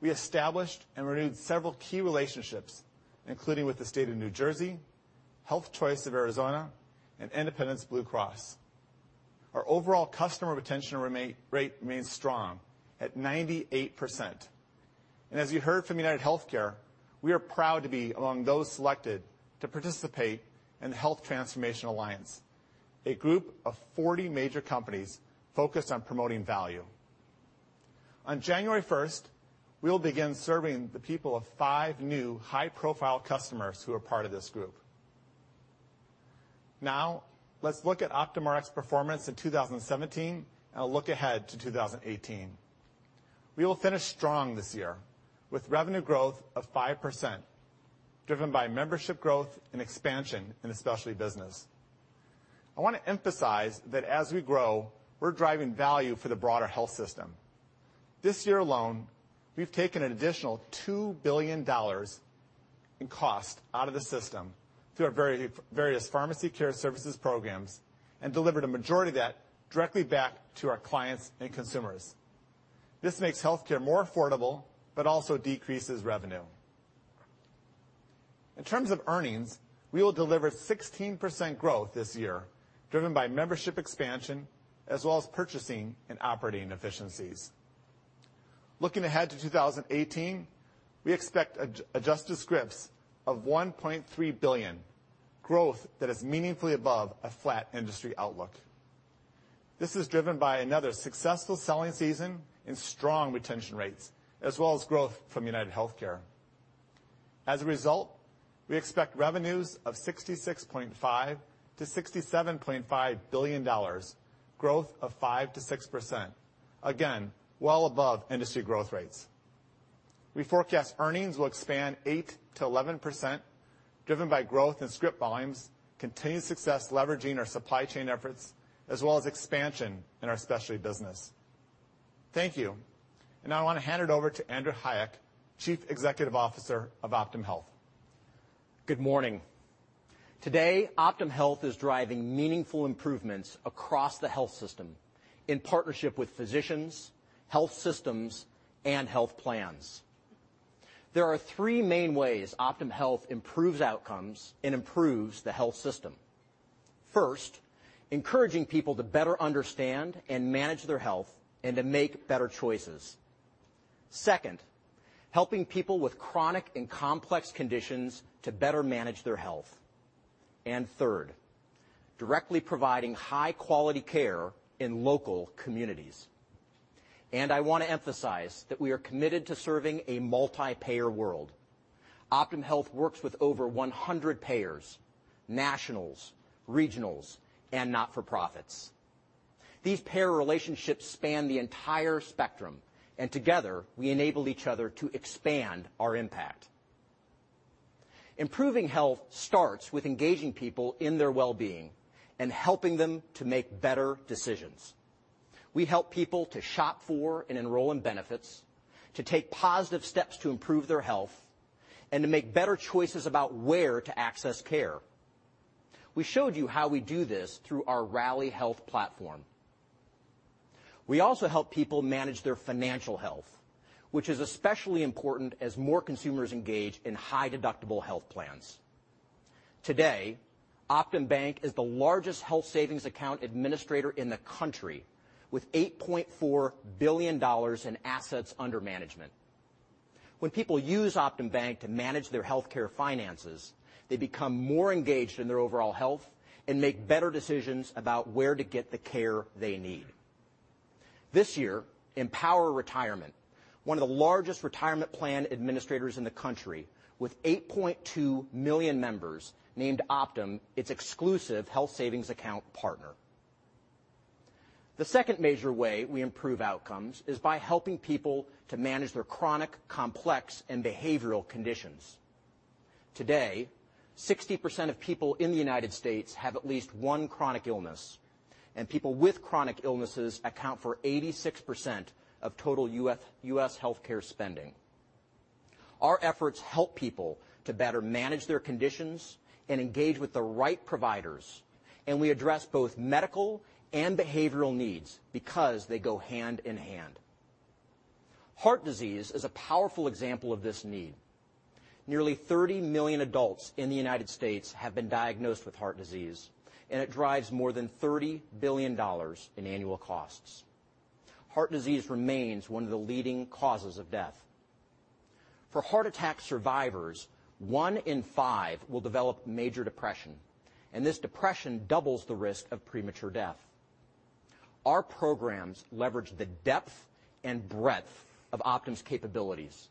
we established and renewed several key relationships, including with the state of New Jersey, Health Choice Arizona, and Independence Blue Cross. Our overall customer retention rate remains strong at 98%. As you heard from UnitedHealthcare, we are proud to be among those selected to participate in the Health Transformation Alliance, a group of 40 major companies focused on promoting value. On January 1st, we will begin serving the people of five new high-profile customers who are part of this group. Let's look at Optum Rx's performance in 2017 and a look ahead to 2018. We will finish strong this year with revenue growth of 5%, driven by membership growth and expansion in the specialty business. I want to emphasize that as we grow, we're driving value for the broader health system. This year alone, we've taken an additional $2 billion in cost out of the system through our various pharmacy care services programs and delivered a majority of that directly back to our clients and consumers. This makes healthcare more affordable but also decreases revenue. In terms of earnings, we will deliver 16% growth this year, driven by membership expansion as well as purchasing and operating efficiencies. Looking ahead to 2018, we expect adjusted scripts of $1.3 billion, growth that is meaningfully above a flat industry outlook. This is driven by another successful selling season and strong retention rates, as well as growth from UnitedHealthcare. As a result, we expect revenues of $66.5 billion-$67.5 billion, growth of 5%-6%, again, well above industry growth rates. We forecast earnings will expand 8%-11%, driven by growth in script volumes, continued success leveraging our supply chain efforts, as well as expansion in our specialty business. Thank you. Now I want to hand it over to Andrew Hayek, Chief Executive Officer of Optum Health.
Good morning. Today, Optum Health is driving meaningful improvements across the health system in partnership with physicians, health systems, and health plans. There are three main ways Optum Health improves outcomes and improves the health system. First, encouraging people to better understand and manage their health and to make better choices. Second, helping people with chronic and complex conditions to better manage their health. Third, directly providing high-quality care in local communities. I want to emphasize that we are committed to serving a multi-payer world. Optum Health works with over 100 payers, nationals, regionals, and not-for-profits. These payer relationships span the entire spectrum, and together, we enable each other to expand our impact. Improving health starts with engaging people in their wellbeing and helping them to make better decisions. We help people to shop for and enroll in benefits, to take positive steps to improve their health, and to make better choices about where to access care. We showed you how we do this through our Rally Health platform. We also help people manage their financial health, which is especially important as more consumers engage in high-deductible health plans. Today, Optum Bank is the largest health savings account administrator in the country, with $8.4 billion in assets under management. When people use Optum Bank to manage their healthcare finances, they become more engaged in their overall health and make better decisions about where to get the care they need. This year, Empower Retirement, one of the largest retirement plan administrators in the country with 8.2 million members, named Optum its exclusive health savings account partner. The second major way we improve outcomes is by helping people to manage their chronic, complex, and behavioral conditions. Today, 60% of people in the U.S. have at least one chronic illness, and people with chronic illnesses account for 86% of total U.S. healthcare spending. Our efforts help people to better manage their conditions and engage with the right providers, and we address both medical and behavioral needs because they go hand in hand. Heart disease is a powerful example of this need. Nearly 30 million adults in the U.S. have been diagnosed with heart disease, and it drives more than $30 billion in annual costs. Heart disease remains one of the leading causes of death. For heart attack survivors, one in five will develop major depression, and this depression doubles the risk of premature death. Our programs leverage the depth and breadth of Optum's capabilities,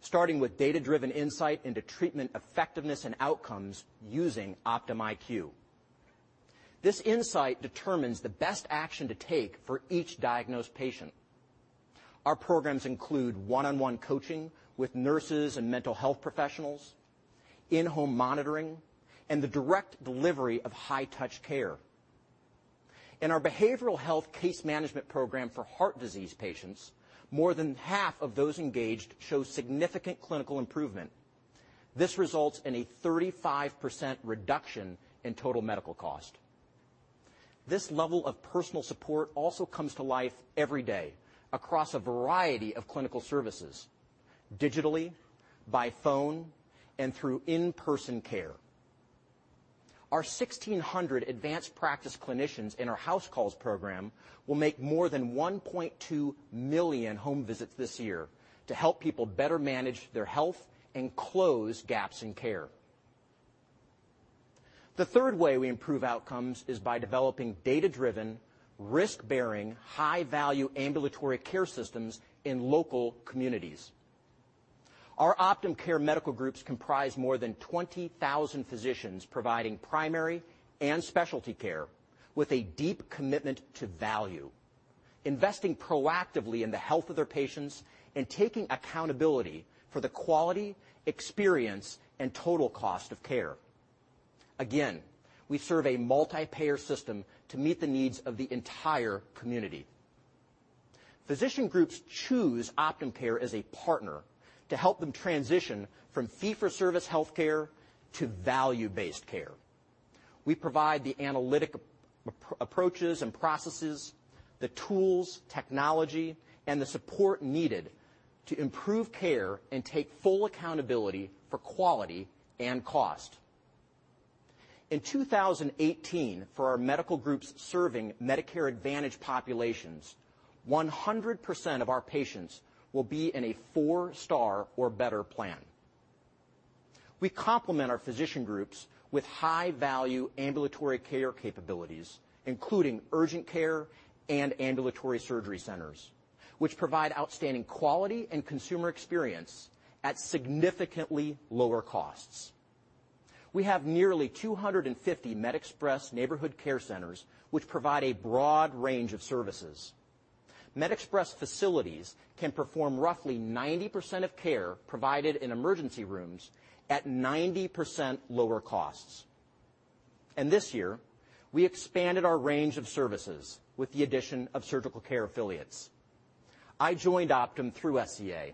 starting with data-driven insight into treatment effectiveness and outcomes using OptumIQ. This insight determines the best action to take for each diagnosed patient. Our programs include one-on-one coaching with nurses and mental health professionals, in-home monitoring, and the direct delivery of high-touch care. In our behavioral health case management program for heart disease patients, more than half of those engaged show significant clinical improvement. This results in a 35% reduction in total medical cost. This level of personal support also comes to life every day across a variety of clinical services, digitally, by phone, and through in-person care. Our 1,600 advanced practice clinicians in our HouseCalls program will make more than 1.2 million home visits this year to help people better manage their health and close gaps in care. The third way we improve outcomes is by developing data-driven, risk-bearing, high-value ambulatory care systems in local communities. Our Optum Care medical groups comprise more than 20,000 physicians providing primary and specialty care with a deep commitment to value, investing proactively in the health of their patients and taking accountability for the quality, experience, and total cost of care. We serve a multi-payer system to meet the needs of the entire community. Physician groups choose Optum Care as a partner to help them transition from fee-for-service healthcare to value-based care. We provide the analytic approaches and processes, the tools, technology, and the support needed to improve care and take full accountability for quality and cost. In 2018, for our medical groups serving Medicare Advantage populations, 100% of our patients will be in a 4-star or better plan. We complement our physician groups with high-value ambulatory care capabilities, including urgent care and ambulatory surgery centers, which provide outstanding quality and consumer experience at significantly lower costs. We have nearly 250 MedExpress neighborhood care centers, which provide a broad range of services. MedExpress facilities can perform roughly 90% of care provided in emergency rooms at 90% lower costs. This year, we expanded our range of services with the addition of Surgical Care Affiliates. I joined Optum through SCA,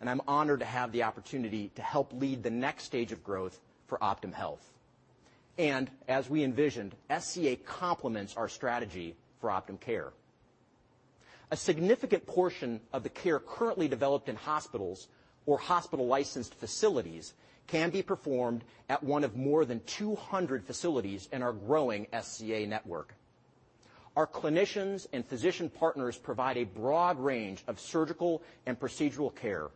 and I am honored to have the opportunity to help lead the next stage of growth for Optum Health. As we envisioned, SCA complements our strategy for Optum Care. A significant portion of the care currently developed in hospitals or hospital-licensed facilities can be performed at one of more than 200 facilities in our growing SCA network. Our clinicians and physician partners provide a broad range of surgical and procedural care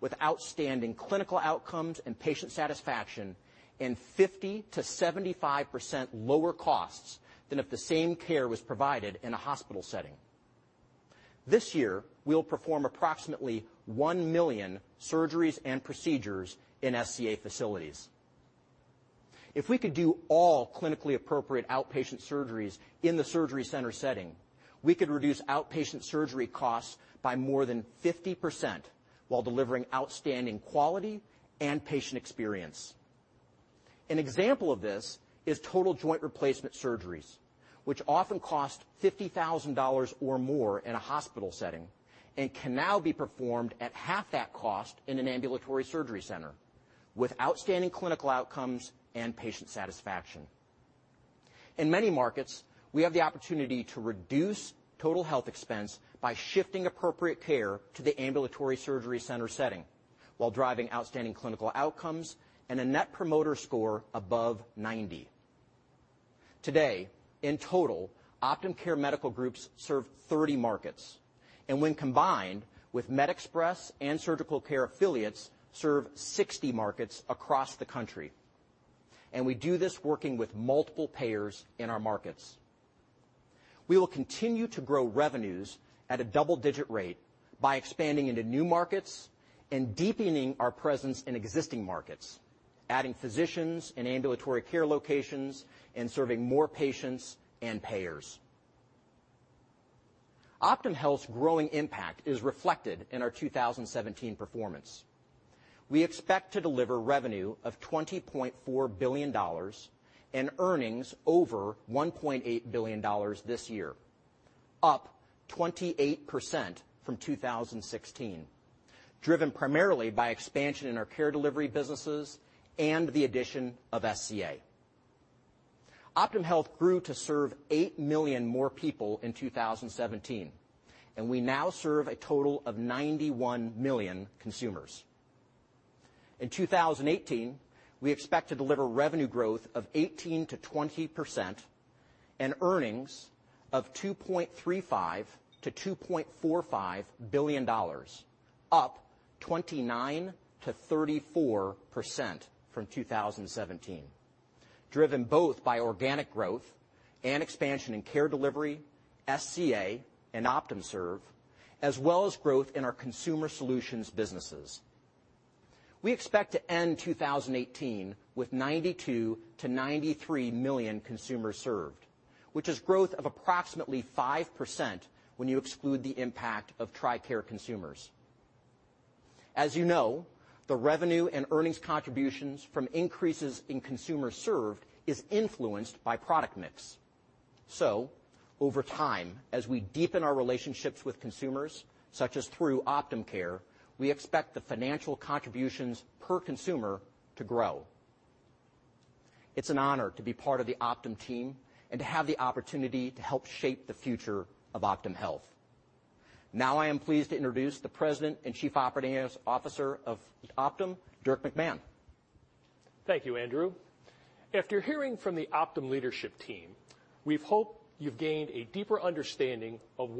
with outstanding clinical outcomes and patient satisfaction in 50%-75% lower costs than if the same care was provided in a hospital setting. This year, we will perform approximately 1 million surgeries and procedures in SCA facilities. If we could do all clinically appropriate outpatient surgeries in the surgery center setting, we could reduce outpatient surgery costs by more than 50% while delivering outstanding quality and patient experience. An example of this is total joint replacement surgeries, which often cost $50,000 or more in a hospital setting and can now be performed at half that cost in an ambulatory surgery center with outstanding clinical outcomes and patient satisfaction. In many markets, we have the opportunity to reduce total health expense by shifting appropriate care to the ambulatory surgery center setting while driving outstanding clinical outcomes and a net promoter score above 90. Today, in total, Optum Care medical groups serve 30 markets. When combined with MedExpress and Surgical Care Affiliates, serve 60 markets across the country. We do this working with multiple payers in our markets. We will continue to grow revenues at a double-digit rate by expanding into new markets and deepening our presence in existing markets, adding physicians and ambulatory care locations, and serving more patients and payers. Optum Health's growing impact is reflected in our 2017 performance. We expect to deliver revenue of $20.4 billion and earnings over $1.8 billion this year, up 28% from 2016, driven primarily by expansion in our care delivery businesses and the addition of SCA. Optum Health grew to serve 8 million more people in 2017, and we now serve a total of 91 million consumers. In 2018, we expect to deliver revenue growth of 18%-20% and earnings of $2.35 billion-$2.45 billion, up 29%-34% from 2017, driven both by organic growth and expansion in care delivery, SCA, and Optum Serve, as well as growth in our consumer solutions businesses. We expect to end 2018 with 92 million-93 million consumers served, which is growth of approximately 5% when you exclude the impact of TRICARE consumers. As you know, the revenue and earnings contributions from increases in consumers served is influenced by product mix. Over time, as we deepen our relationships with consumers, such as through Optum Care, we expect the financial contributions per consumer to grow. It's an honor to be part of the Optum team and to have the opportunity to help shape the future of Optum Health. I am pleased to introduce the President and Chief Operating Officer of Optum, Dirk McMahon.
Thank you, Andrew. After hearing from the Optum leadership team, we hope you've gained a deeper understanding of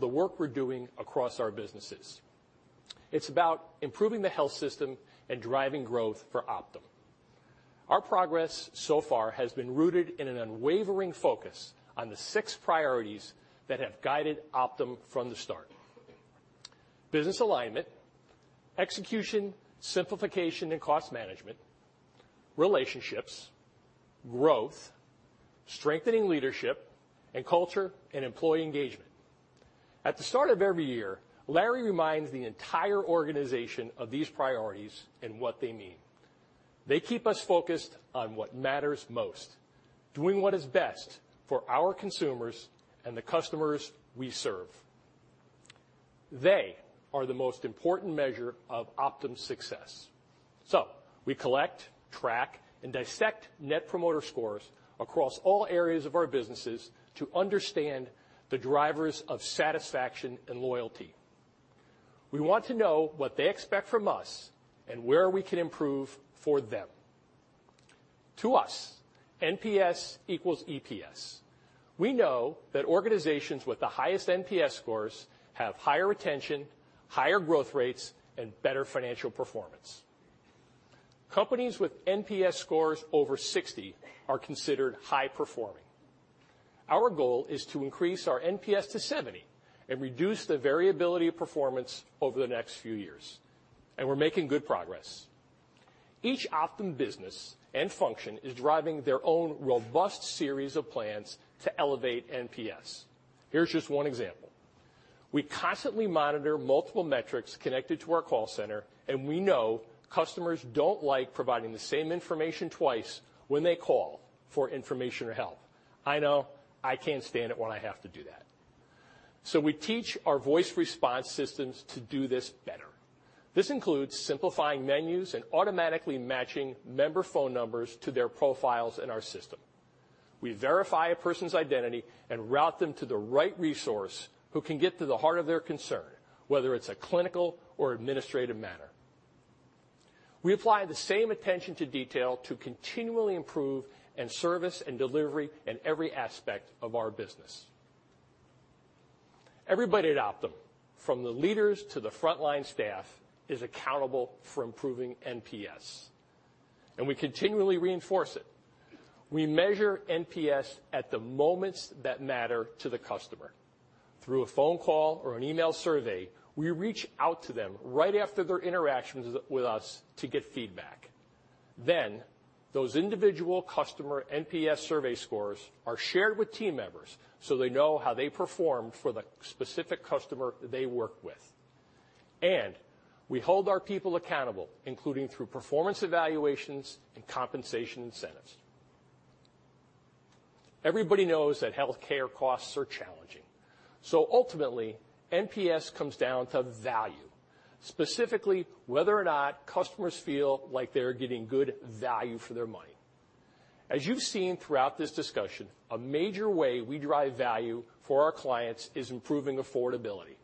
the work we're doing across our businesses. It's about improving the health system and driving growth for Optum. Our progress so far has been rooted in an unwavering focus on the six priorities that have guided Optum from the start. Business alignment, execution, simplification and cost management, relationships, growth, strengthening leadership, and culture and employee engagement. At the start of every year, Larry reminds the entire organization of these priorities and what they mean. They keep us focused on what matters most, doing what is best for our consumers and the customers we serve. They are the most important measure of Optum's success. We collect, track, and dissect Net Promoter Scores across all areas of our businesses to understand the drivers of satisfaction and loyalty. We want to know what they expect from us and where we can improve for them To us, NPS equals EPS. We know that organizations with the highest NPS scores have higher retention, higher growth rates, and better financial performance. Companies with NPS scores over 60 are considered high-performing. Our goal is to increase our NPS to 70 and reduce the variability of performance over the next few years, and we're making good progress. Each Optum business and function is driving their own robust series of plans to elevate NPS. Here's just one example. We constantly monitor multiple metrics connected to our call center, and we know customers don't like providing the same information twice when they call for information or help. I know, I can't stand it when I have to do that. We teach our voice response systems to do this better. This includes simplifying menus and automatically matching member phone numbers to their profiles in our system. We verify a person's identity and route them to the right resource who can get to the heart of their concern, whether it's a clinical or administrative matter. We apply the same attention to detail to continually improve end service and delivery in every aspect of our business. Everybody at Optum, from the leaders to the frontline staff, is accountable for improving NPS, and we continually reinforce it. We measure NPS at the moments that matter to the customer. Through a phone call or an email survey, we reach out to them right after their interactions with us to get feedback. Those individual customer NPS survey scores are shared with team members so they know how they performed for the specific customer they worked with. We hold our people accountable, including through performance evaluations and compensation incentives. Everybody knows that healthcare costs are challenging. Ultimately, NPS comes down to value, specifically whether or not customers feel like they're getting good value for their money. As you've seen throughout this discussion, a major way we drive value for our clients is improving affordability.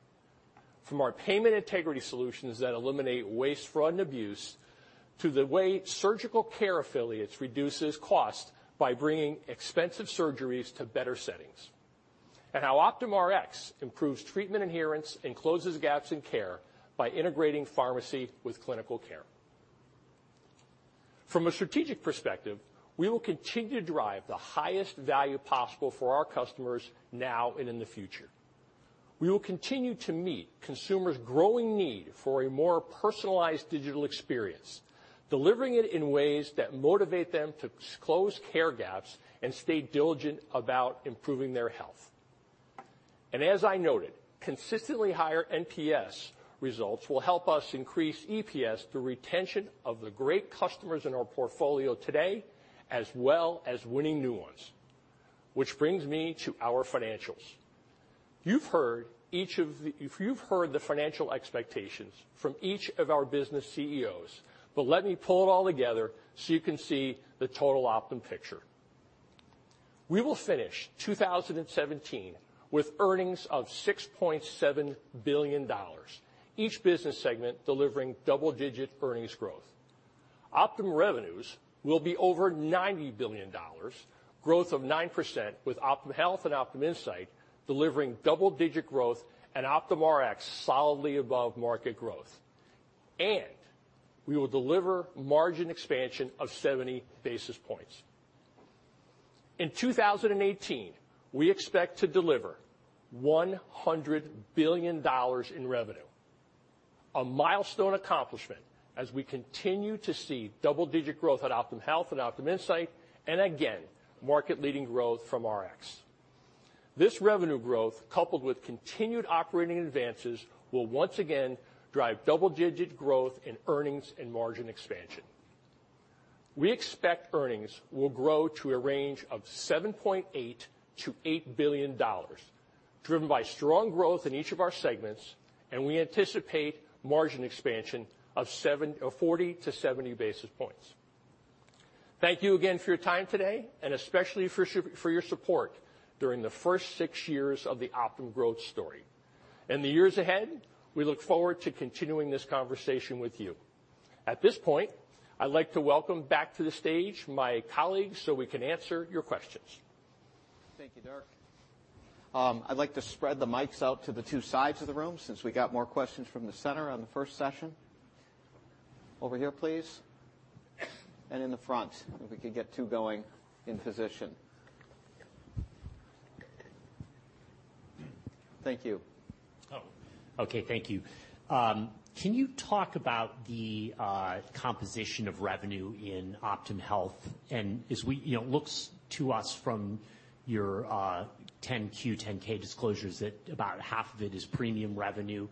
From our payment integrity solutions that eliminate waste, fraud, and abuse, to the way Surgical Care Affiliates reduces cost by bringing expensive surgeries to better settings, and how Optum Rx improves treatment adherence and closes gaps in care by integrating pharmacy with clinical care. From a strategic perspective, we will continue to drive the highest value possible for our customers now and in the future. We will continue to meet consumers' growing need for a more personalized digital experience, delivering it in ways that motivate them to close care gaps and stay diligent about improving their health. As I noted, consistently higher NPS results will help us increase EPS through retention of the great customers in our portfolio today, as well as winning new ones. Which brings me to our financials. You've heard the financial expectations from each of our business CEOs, but let me pull it all together so you can see the total Optum picture. We will finish 2017 with earnings of $6.7 billion, each business segment delivering double-digit earnings growth. Optum revenues will be over $90 billion, growth of 9%, with Optum Health and Optum Insight delivering double-digit growth and Optum Rx solidly above market growth. We will deliver margin expansion of 70 basis points. In 2018, we expect to deliver $100 billion in revenue, a milestone accomplishment as we continue to see double-digit growth at Optum Health and Optum Insight, and again, market-leading growth from Rx. This revenue growth, coupled with continued operating advances, will once again drive double-digit growth in earnings and margin expansion. We expect earnings will grow to a range of $7.8 billion-$8 billion, driven by strong growth in each of our segments, and we anticipate margin expansion of 40-70 basis points. Thank you again for your time today, and especially for your support during the first six years of the Optum growth story. In the years ahead, we look forward to continuing this conversation with you. At this point, I'd like to welcome back to the stage my colleagues so we can answer your questions.
Thank you, Dirk. I'd like to spread the mics out to the two sides of the room, since we got more questions from the center on the first session. Over here, please, and in the front, if we could get two going in position. Thank you.
Okay. Thank you. Can you talk about the composition of revenue in Optum Health? It looks to us from your 10Q, 10K disclosures that about half of it is premium revenue.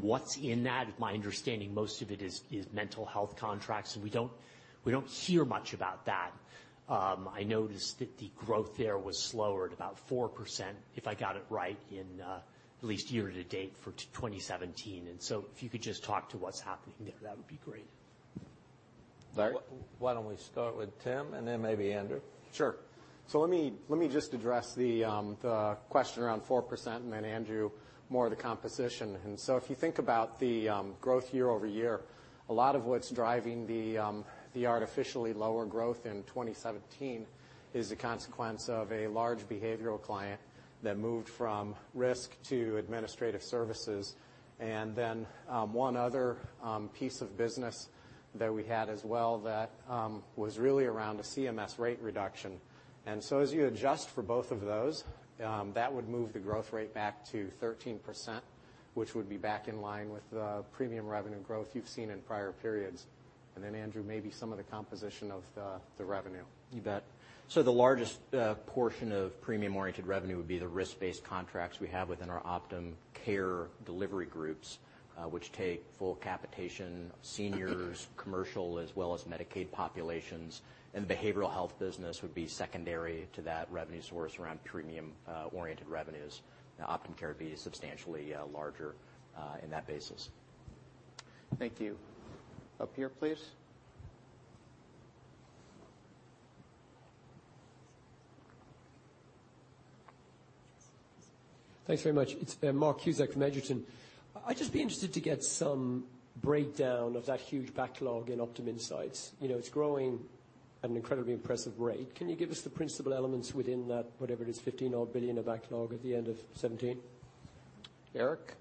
What's in that? My understanding, most of it is mental health contracts. We don't hear much about that. I noticed that the growth there was slower, at about 4%, if I got it right, in at least year to date for 2017. If you could just talk to what's happening there, that would be great.
Dirk?
Why don't we start with Tim and then maybe Andrew?
Sure. Let me just address the question around 4%, and then maybe Andrew, more of the composition. If you think about the growth year-over-year, a lot of what's driving the artificially lower growth in 2017 is a consequence of a large behavioral client that moved from risk to administrative services, and then one other piece of business that we had as well that was really around a CMS rate reduction. As you adjust for both of those, that would move the growth rate back to 13%, which would be back in line with the premium revenue growth you've seen in prior periods. Andrew, maybe some of the composition of the revenue.
You bet. The largest portion of premium-oriented revenue would be the risk-based contracts we have within our Optum Care delivery groups, which take full capitation, seniors, commercial, as well as Medicaid populations. The behavioral health business would be secondary to that revenue source around premium-oriented revenues, Optum Care being substantially larger in that basis.
Thank you. Up here, please.
Thanks very much. It's Mark Cusack from Edgestone. I'd just be interested to get some breakdown of that huge backlog in Optum Insight. It's growing at an incredibly impressive rate. Can you give us the principal elements within that, whatever it is, $15-odd billion of backlog at the end of 2017?
Eric?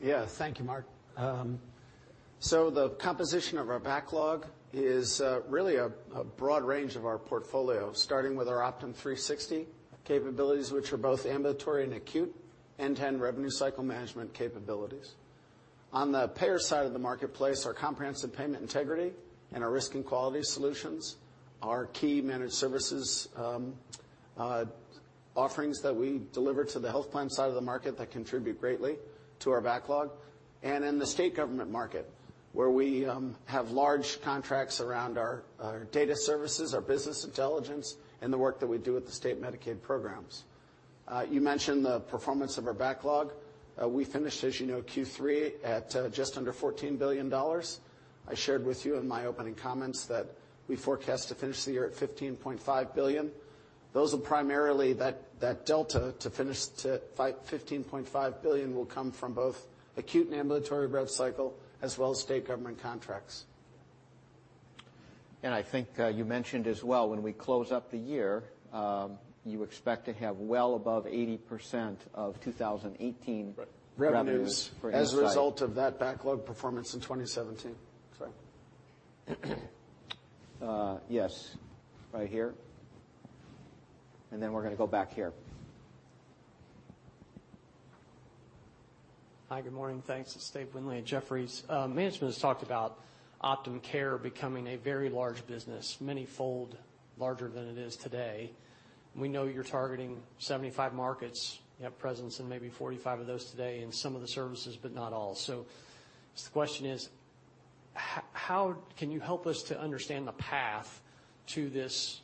Yeah. Thank you, Mark. The composition of our backlog is really a broad range of our portfolio, starting with our Optum360 capabilities, which are both ambulatory and acute, end-to-end revenue cycle management capabilities. On the payer side of the marketplace, our comprehensive payment integrity and our risk and quality solutions, our key managed services offerings that we deliver to the health plan side of the market that contribute greatly to our backlog. In the state government market, where we have large contracts around our data services, our business intelligence, and the work that we do with the state Medicaid programs. You mentioned the performance of our backlog. We finished, as you know, Q3 at just under $14 billion. I shared with you in my opening comments that we forecast to finish the year at $15.5 billion. Those are primarily that delta to finish to $15.5 billion will come from both acute and ambulatory rev cycle, as well as state government contracts.
I think you mentioned as well, when we close up the year, you expect to have well above 80% of 2018 revenues.
Revenues as a result of that backlog performance in 2017. Sorry.
Yes. Right here, then we're going to go back here.
Hi, good morning. Thanks. It's David Windley at Jefferies. Management has talked about Optum Care becoming a very large business, many-fold larger than it is today. We know you're targeting 75 markets. You have presence in maybe 45 of those today in some of the services, but not all. Just the question is, can you help us to understand the path to this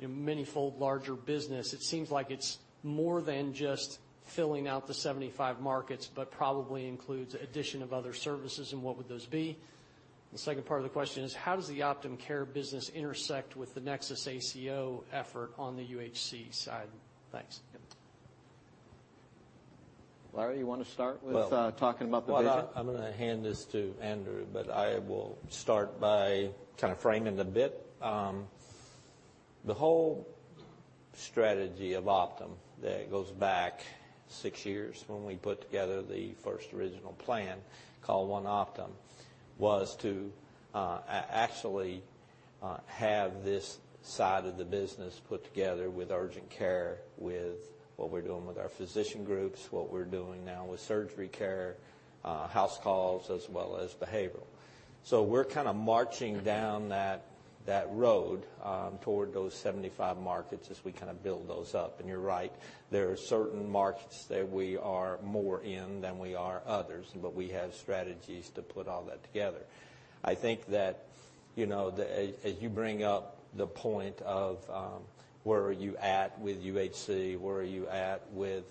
many-fold larger business? It seems like it's more than just filling out the 75 markets, but probably includes addition of other services, and what would those be? The second part of the question is, how does the Optum Care business intersect with the NexusACO effort on the UHC side? Thanks.
Larry, you want to start with talking about the vision?
I'm going to hand this to Andrew, but I will start by kind of framing it a bit. The whole strategy of Optum that goes back six years when we put together the first original plan called One Optum, was to actually have this side of the business put together with urgent care, with what we're doing with our physician groups, what we're doing now with surgery care, HouseCalls, as well as behavioral. We're kind of marching down that road toward those 75 markets as we build those up. You're right, there are certain markets that we are more in than we are others, but we have strategies to put all that together.
I think that as you bring up the point of where are you at with UHC, where are you at with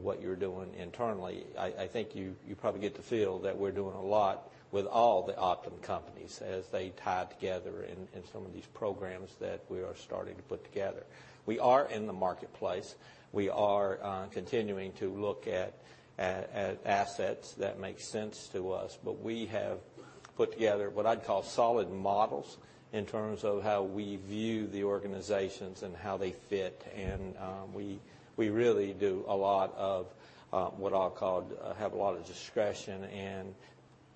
what you're doing internally, I think you probably get the feel that we're doing a lot with all the Optum companies as they tie together in some of these programs that we are starting to put together. We are in the marketplace. We are continuing to look at assets that make sense to us, but we have put together what I'd call solid models in terms of how we view the organizations and how they fit. We really do a lot of what I'll call have a lot of discretion and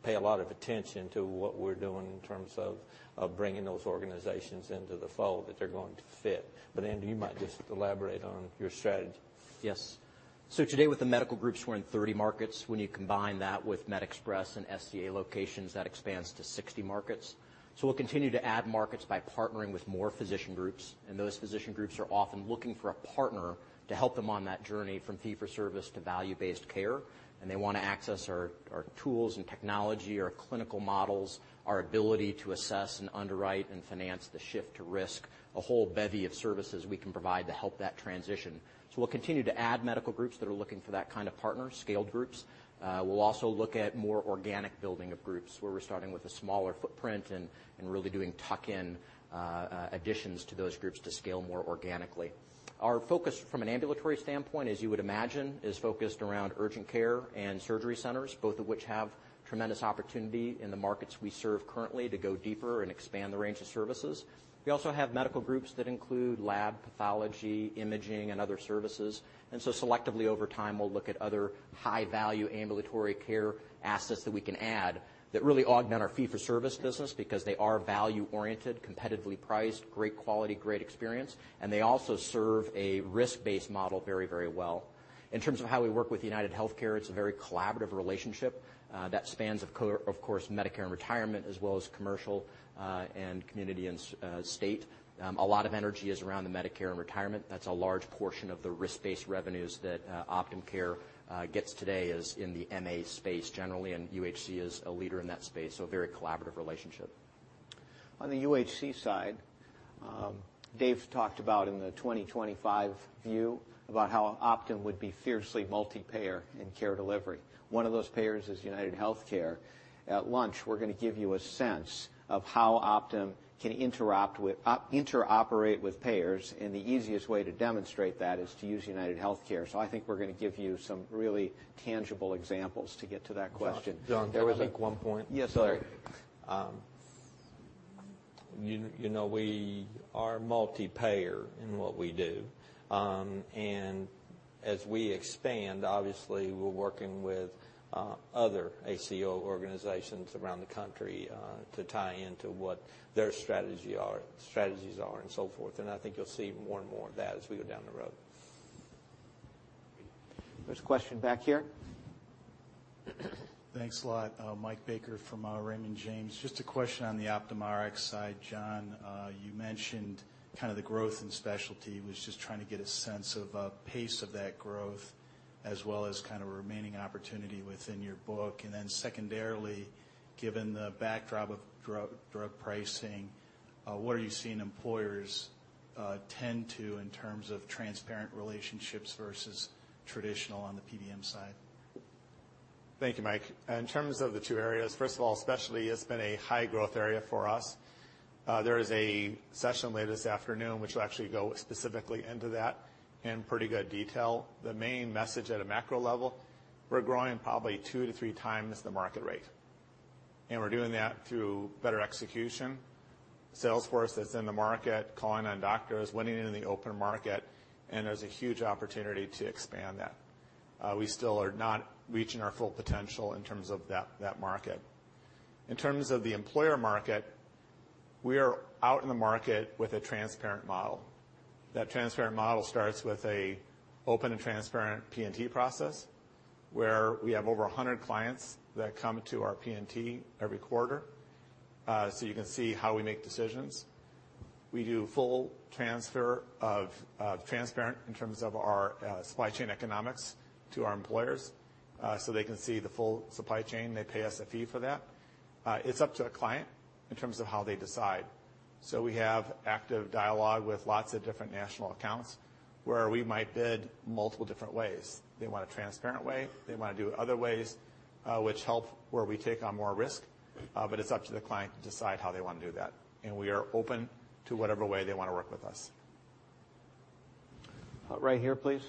pay a lot of attention to what we're doing in terms of bringing those organizations into the fold that they're going to fit. Andrew, you might just elaborate on your strategy.
Yes. Today with the medical groups, we're in 30 markets. When you combine that with MedExpress and SCA locations, that expands to 60 markets. We'll continue to add markets by partnering with more physician groups, and those physician groups are often looking for a partner to help them on that journey from fee for service to value-based care. They want to access our tools and technology, our clinical models, our ability to assess and underwrite and finance the shift to risk, a whole bevy of services we can provide to help that transition. We'll continue to add medical groups that are looking for that kind of partner, scaled groups. We'll also look at more organic building of groups, where we're starting with a smaller footprint and really doing tuck-in additions to those groups to scale more organically. Our focus from an ambulatory standpoint, as you would imagine, is focused around urgent care and surgery centers, both of which have tremendous opportunity in the markets we serve currently to go deeper and expand the range of services. We also have medical groups that include lab pathology, imaging, and other services. Selectively over time, we'll look at other high-value ambulatory care assets that we can add that really augment our fee-for-service business because they are value-oriented, competitively priced, great quality, great experience, and they also serve a risk-based model very well. In terms of how we work with UnitedHealthcare, it's a very collaborative relationship that spans, of course, Medicare and Retirement, as well as commercial and Community and State. A lot of energy is around the Medicare and Retirement. That's a large portion of the risk-based revenues that Optum Care gets today is in the MA space generally, and UHC is a leader in that space, a very collaborative relationship.
On the UHC side, Dave talked about in the 2025 view about how Optum would be fiercely multi-payer in care delivery. One of those payers is UnitedHealthcare. At lunch, we're going to give you a sense of how Optum can interoperate with payers, and the easiest way to demonstrate that is to use UnitedHealthcare. I think we're going to give you some really tangible examples to get to that question.
John, can I make one point?
Yes, sir.
You know, we are multi-payer in what we do. As we expand, obviously, we're working with other ACO organizations around the country to tie into what their strategies are, and so forth. I think you'll see more and more of that as we go down the road.
There's a question back here.
Thanks a lot. Michael Baker from Raymond James. Just a question on the Optum Rx side. John, you mentioned the growth in specialty. Was just trying to get a sense of pace of that growth as well as remaining opportunity within your book. Secondarily, given the backdrop of drug pricing, what are you seeing employers tend to in terms of transparent relationships versus traditional on the PBM side?
Thank you, Mike. In terms of the two areas, first of all, specialty has been a high-growth area for us. There is a session later this afternoon which will actually go specifically into that in pretty good detail. The main message at a macro level, we're growing probably two to three times the market rate, and we're doing that through better execution. Sales force that's in the market, calling on doctors, winning in the open market, and there's a huge opportunity to expand that. We still are not reaching our full potential in terms of that market. In terms of the employer market, we are out in the market with a transparent model. That transparent model starts with an open and transparent P&T process, where we have over 100 clients that come to our P&T every quarter, so you can see how we make decisions. We do full transfer of transparent in terms of our supply chain economics to our employers, so they can see the full supply chain. They pay us a fee for that. It's up to a client in terms of how they decide. We have active dialogue with lots of different national accounts, where we might bid multiple different ways. They want a transparent way, they want to do other ways, which help where we take on more risk. It's up to the client to decide how they want to do that, and we are open to whatever way they want to work with us.
Right here, please.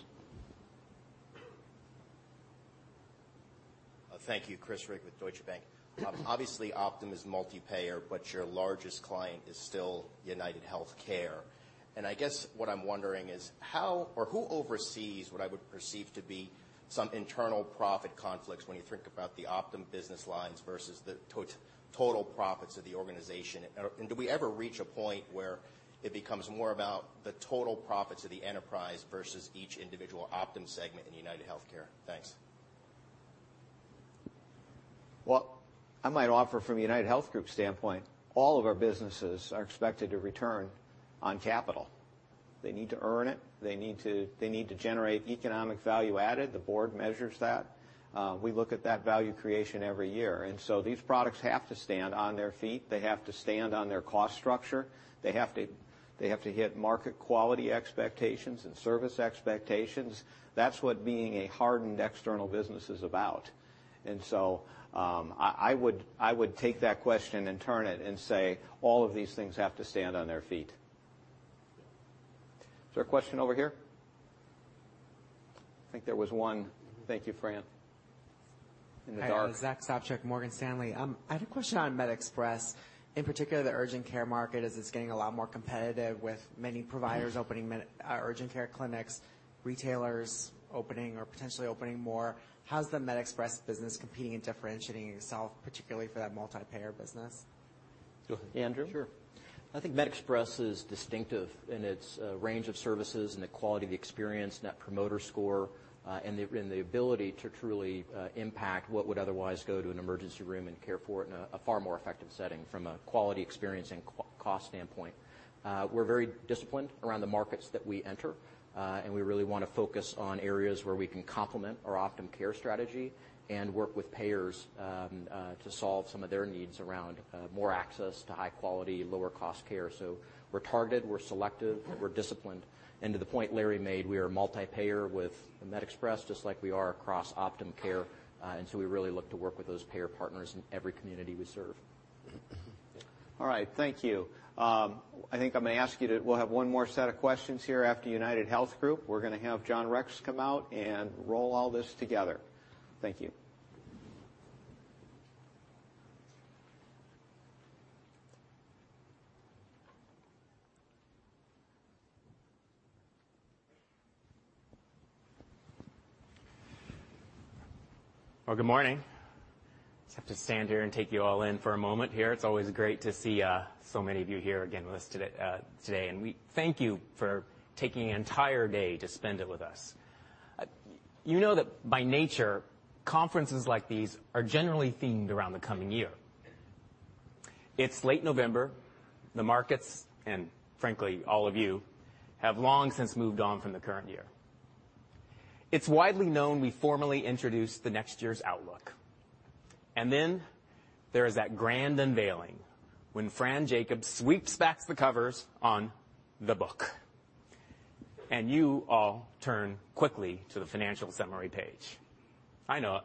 Thank you. Christian Rigg with Deutsche Bank. I guess what I'm wondering is how or who oversees what I would perceive to be some internal profit conflicts when you think about the Optum business lines versus the total profits of the organization? Do we ever reach a point where it becomes more about the total profits of the enterprise versus each individual Optum segment in UnitedHealthcare? Thanks.
Well, I might offer from a UnitedHealth Group standpoint, all of our businesses are expected to return on capital. They need to earn it. They need to generate economic value added. The board measures that. We look at that value creation every year. These products have to stand on their feet. They have to stand on their cost structure. They have to hit market quality expectations and service expectations. That's what being a hardened external business is about. I would take that question and turn it and say, all of these things have to stand on their feet. Is there a question over here? I think there was one. Thank you, Fran. In the dark.
Hi, Zack Sopcak, Morgan Stanley. I had a question on MedExpress, in particular the urgent care market as it's getting a lot more competitive with many providers opening urgent care clinics, retailers opening or potentially opening more. How's the MedExpress business competing and differentiating itself, particularly for that multi-payer business?
Go ahead, Andrew.
Sure. I think MedExpress is distinctive in its range of services and the quality of the experience, net promoter score, and the ability to truly impact what would otherwise go to an emergency room and care for in a far more effective setting from a quality experience and cost standpoint. We're very disciplined around the markets that we enter. We really want to focus on areas where we can complement our Optum Care strategy and work with payers to solve some of their needs around more access to high quality, lower cost care. We're targeted, we're selective, we're disciplined. To the point Larry made, we are multi-payer with MedExpress, just like we are across Optum Care. We really look to work with those payer partners in every community we serve.
All right. Thank you. I think I'm going to ask you to, we'll have one more set of questions here after UnitedHealth Group. We're going to have John Rex come out and roll all this together. Thank you.
Well, good morning. Just have to stand here and take you all in for a moment here. It's always great to see so many of you here again with us today. We thank you for taking an entire day to spend it with us. You know that by nature, conferences like these are generally themed around the coming year. It's late November. The markets, and frankly, all of you, have long since moved on from the current year. It's widely known we formally introduce the next year's outlook. Then there is that grand unveiling when Fran Jacob sweeps back the covers on the book. You all turn quickly to the financial summary page. I know it.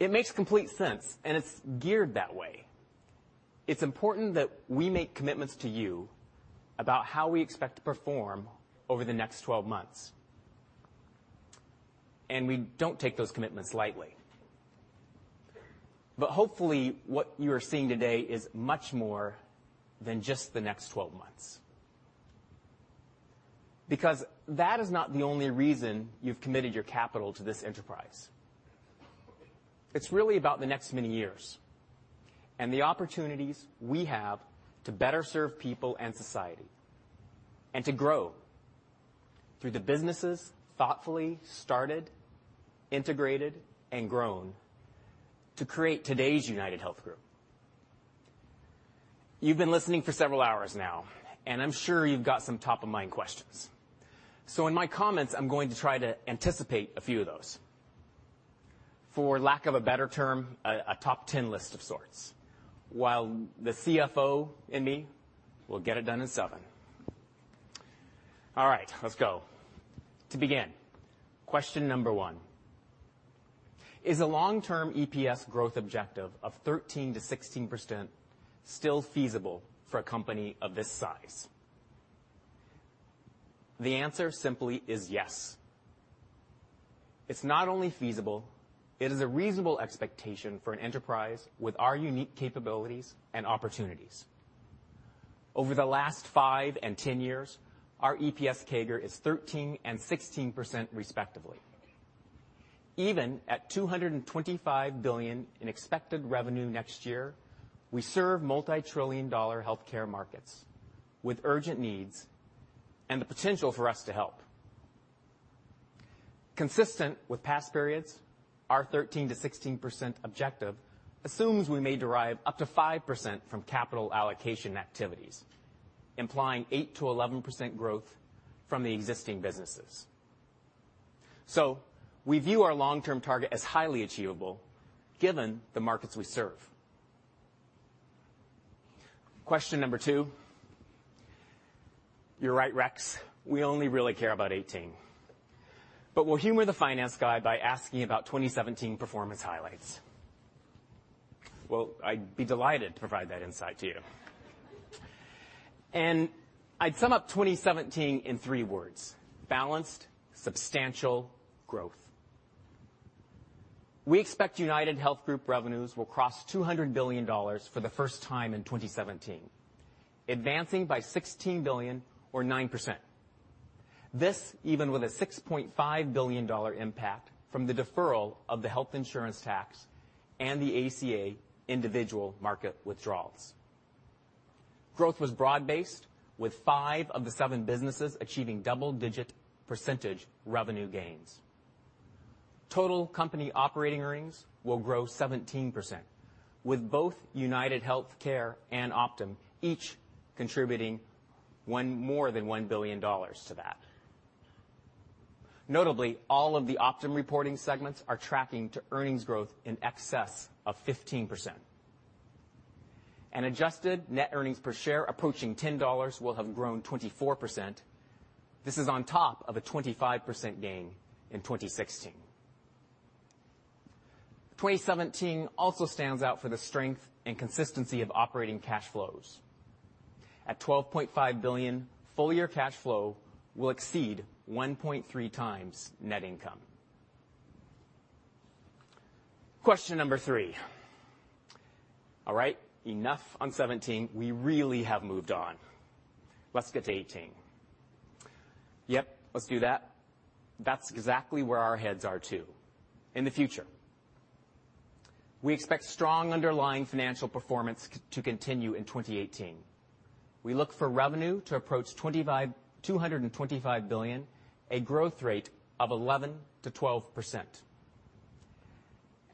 It makes complete sense, and it's geared that way. It's important that we make commitments to you about how we expect to perform over the next 12 months. We don't take those commitments lightly. Hopefully, what you are seeing today is much more than just the next 12 months. That is not the only reason you've committed your capital to this enterprise. It's really about the next many years and the opportunities we have to better serve people and society, and to grow through the businesses thoughtfully started, integrated, and grown to create today's UnitedHealth Group. You've been listening for several hours now, and I'm sure you've got some top of mind questions. In my comments, I'm going to try to anticipate a few of those. For lack of a better term, a top 10 list of sorts, while the CFO in me will get it done in seven. All right, let's go. To begin, Question number one, is a long-term EPS growth objective of 13%-16% still feasible for a company of this size? The answer simply is yes. It's not only feasible, it is a reasonable expectation for an enterprise with our unique capabilities and opportunities. Over the last five and 10 years, our EPS CAGR is 13% and 16%, respectively. Even at $225 billion in expected revenue next year, we serve multi-trillion-dollar healthcare markets with urgent needs and the potential for us to help. Consistent with past periods, our 13%-16% objective assumes we may derive up to 5% from capital allocation activities, implying 8%-11% growth from the existing businesses. We view our long-term target as highly achievable given the markets we serve. Question number two, you're right, Rex, we only really care about 18. We'll humor the finance guy by asking about 2017 performance highlights. Well, I'd be delighted to provide that insight to you. I'd sum up 2017 in three words: balanced, substantial growth. We expect UnitedHealth Group revenues will cross $200 billion for the first time in 2017, advancing by $16 billion or 9%. This even with a $6.5 billion impact from the deferral of the health insurance tax and the ACA individual market withdrawals. Growth was broad-based, with five of the seven businesses achieving double-digit percentage revenue gains. Total company operating earnings will grow 17%, with both UnitedHealthcare and Optum each contributing more than $1 billion to that. Notably, all of the Optum reporting segments are tracking to earnings growth in excess of 15%. Adjusted net earnings per share approaching $10 will have grown 24%. This is on top of a 25% gain in 2016. 2017 also stands out for the strength and consistency of operating cash flows. At $12.5 billion, full-year cash flow will exceed 1.3 times net income. Question number three. All right, enough on 17. We really have moved on. Let's get to 18. Yep, let's do that. That's exactly where our heads are, too, in the future. We expect strong underlying financial performance to continue in 2018. We look for revenue to approach $225 billion, a growth rate of 11%-12%.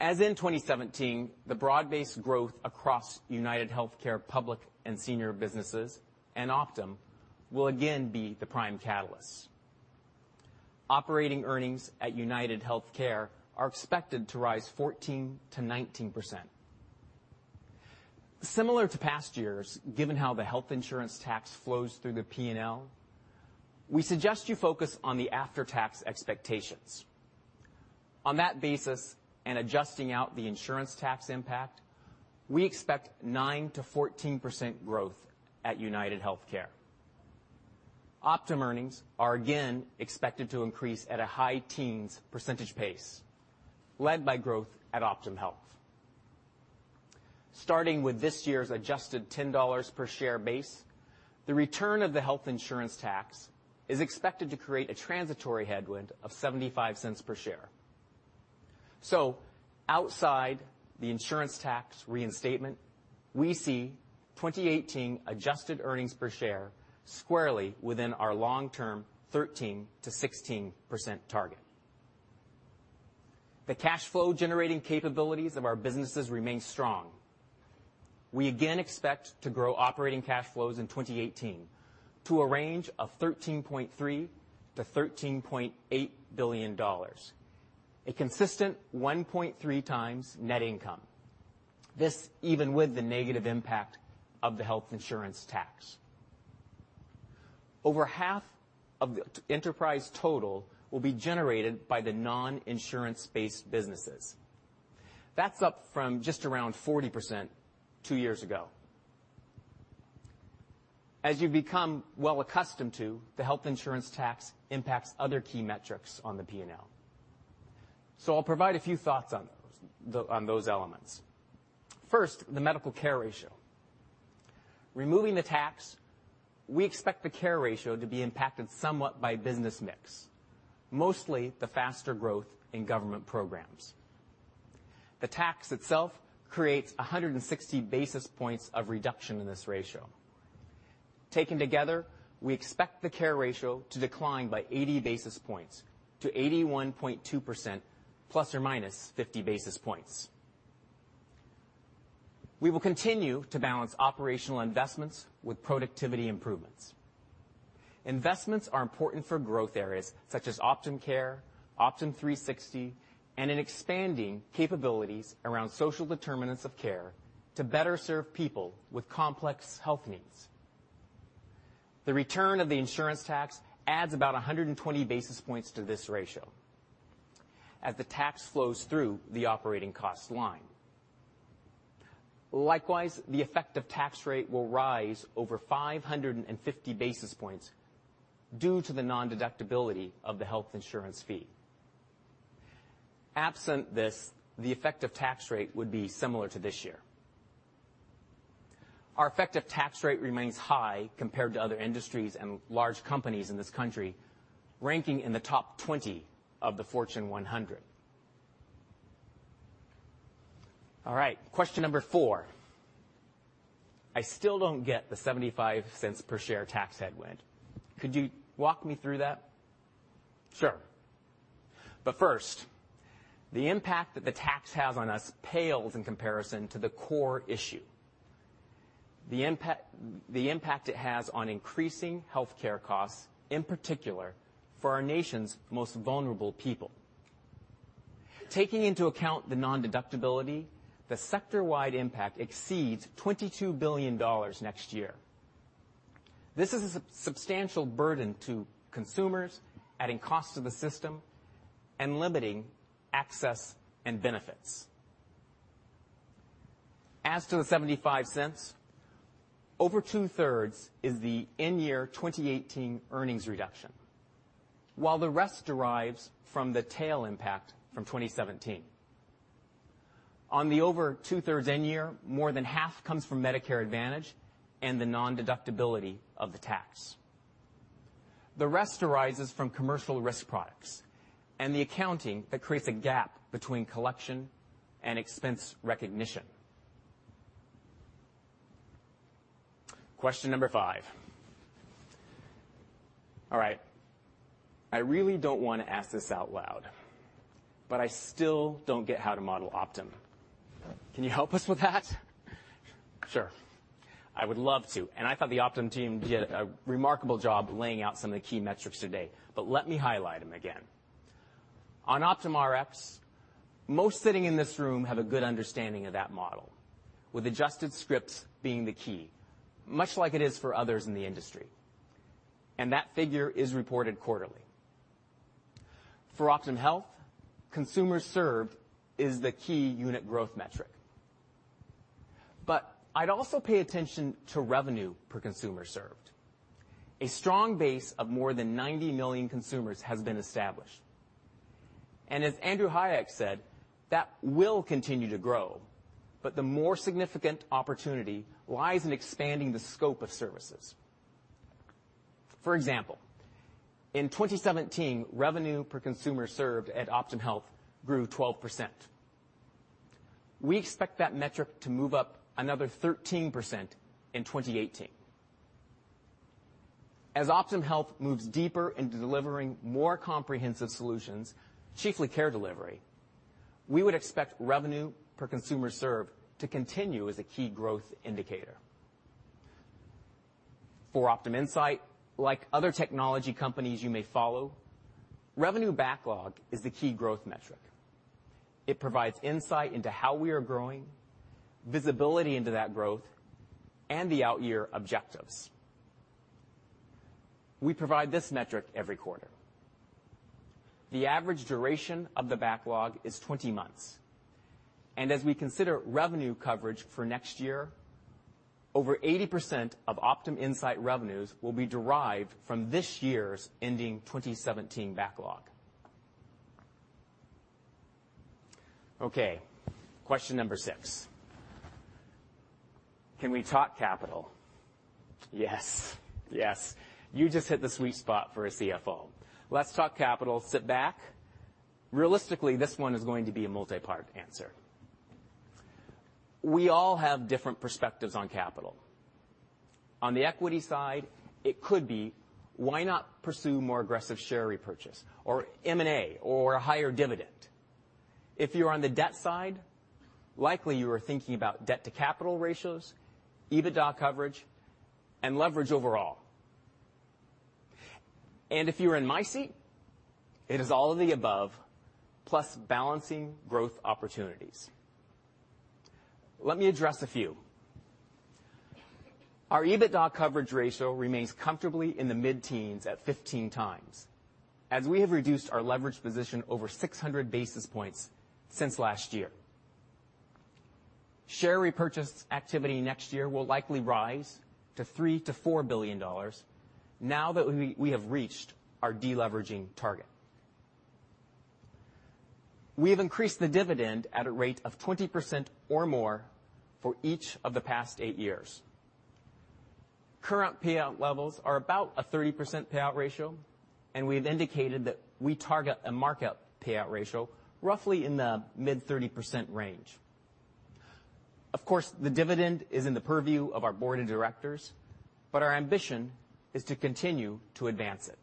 As in 2017, the broad-based growth across UnitedHealthcare public and senior businesses and Optum will again be the prime catalyst. Operating earnings at UnitedHealthcare are expected to rise 14%-19%. Similar to past years, given how the health insurance tax flows through the P&L, we suggest you focus on the after-tax expectations. On that basis, adjusting out the insurance tax impact, we expect 9%-14% growth at UnitedHealthcare. Optum earnings are again expected to increase at a high teens percentage pace, led by growth at Optum Health. Starting with this year's adjusted $10 per share base, the return of the health insurance tax is expected to create a transitory headwind of $0.75 per share. Outside the insurance tax reinstatement, we see 2018 adjusted earnings per share squarely within our long-term 13%-16% target. The cash flow generating capabilities of our businesses remain strong. We again expect to grow operating cash flows in 2018 to a range of $13.3 billion-$13.8 billion, a consistent 1.3 times net income. This even with the negative impact of the health insurance tax. Over half of the enterprise total will be generated by the non-insurance-based businesses. That's up from just around 40% two years ago. As you've become well accustomed to, the health insurance tax impacts other key metrics on the P&L. I'll provide a few thoughts on those elements. First, the medical care ratio. Removing the tax, we expect the care ratio to be impacted somewhat by business mix, mostly the faster growth in government programs. The tax itself creates 160 basis points of reduction in this ratio. Taken together, we expect the care ratio to decline by 80 basis points to 81.2% ±50 basis points. We will continue to balance operational investments with productivity improvements. Investments are important for growth areas such as Optum Care, Optum 360, and in expanding capabilities around social determinants of care to better serve people with complex health needs. The return of the insurance tax adds about 120 basis points to this ratio as the tax flows through the operating cost line. Likewise, the effective tax rate will rise over 550 basis points due to the nondeductibility of the health insurance fee. Absent this, the effective tax rate would be similar to this year. Our effective tax rate remains high compared to other industries and large companies in this country, ranking in the top 20 of the Fortune 100. Question number 4. I still don't get the $0.75 per share tax headwind. Could you walk me through that? Sure. First, the impact that the tax has on us pales in comparison to the core issue, the impact it has on increasing healthcare costs, in particular for our nation's most vulnerable people. Taking into account the nondeductibility, the sector-wide impact exceeds $22 billion next year. This is a substantial burden to consumers, adding cost to the system, and limiting access and benefits. As to the $0.75, over two-thirds is the in-year 2018 earnings reduction, while the rest derives from the tail impact from 2017. On the over two-thirds in-year, more than half comes from Medicare Advantage and the nondeductibility of the tax. The rest arises from commercial risk products and the accounting that creates a gap between collection and expense recognition. Question number 5. I really don't want to ask this out loud, but I still don't get how to model Optum. Can you help us with that? Sure. I would love to, and I thought the Optum team did a remarkable job laying out some of the key metrics today, but let me highlight them again. On Optum Rx, most sitting in this room have a good understanding of that model, with adjusted scripts being the key, much like it is for others in the industry. That figure is reported quarterly. For Optum Health, consumers served is the key unit growth metric. I'd also pay attention to revenue per consumer served. A strong base of more than 90 million consumers has been established. As Andrew Hayek said, that will continue to grow, but the more significant opportunity lies in expanding the scope of services. For example, in 2017, revenue per consumer served at Optum Health grew 12%. We expect that metric to move up another 13% in 2018. As Optum Health moves deeper into delivering more comprehensive solutions, chiefly care delivery, we would expect revenue per consumer served to continue as a key growth indicator. For OptumInsight, like other technology companies you may follow, revenue backlog is the key growth metric. It provides insight into how we are growing, visibility into that growth, and the out-year objectives. We provide this metric every quarter. The average duration of the backlog is 20 months, and as we consider revenue coverage for next year, over 80% of OptumInsight revenues will be derived from this year's ending 2017 backlog. Okay, question number 6. Can we talk capital? Yes. You just hit the sweet spot for a CFO. Let's talk capital. Sit back. Realistically, this one is going to be a multi-part answer. We all have different perspectives on capital. On the equity side, it could be why not pursue more aggressive share repurchase, or M&A, or a higher dividend? If you're on the debt side, likely you are thinking about debt to capital ratios, EBITDA coverage, and leverage overall. If you were in my seat, it is all of the above, plus balancing growth opportunities. Let me address a few. Our EBITDA coverage ratio remains comfortably in the mid-teens at 15 times, as we have reduced our leverage position over 600 basis points since last year. Share repurchase activity next year will likely rise to $3 billion-$4 billion now that we have reached our deleveraging target. We have increased the dividend at a rate of 20% or more for each of the past eight years. Current payout levels are about a 30% payout ratio, and we have indicated that we target a market payout ratio roughly in the mid-30% range. Of course, the dividend is in the purview of our board of directors, but our ambition is to continue to advance it.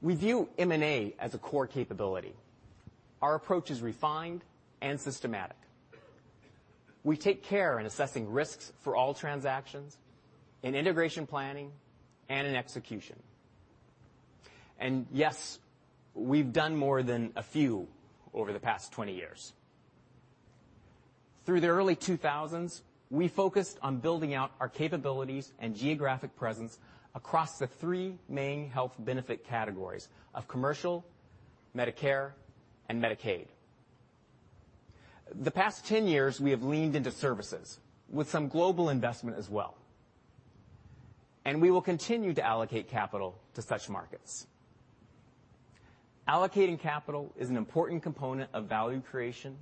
We view M&A as a core capability. Our approach is refined and systematic. We take care in assessing risks for all transactions, in integration planning, and in execution. Yes, we've done more than a few over the past 20 years. Through the early 2000s, we focused on building out our capabilities and geographic presence across the three main health benefit categories of commercial, Medicare, and Medicaid. The past 10 years, we have leaned into services with some global investment as well, and we will continue to allocate capital to such markets. Allocating capital is an important component of value creation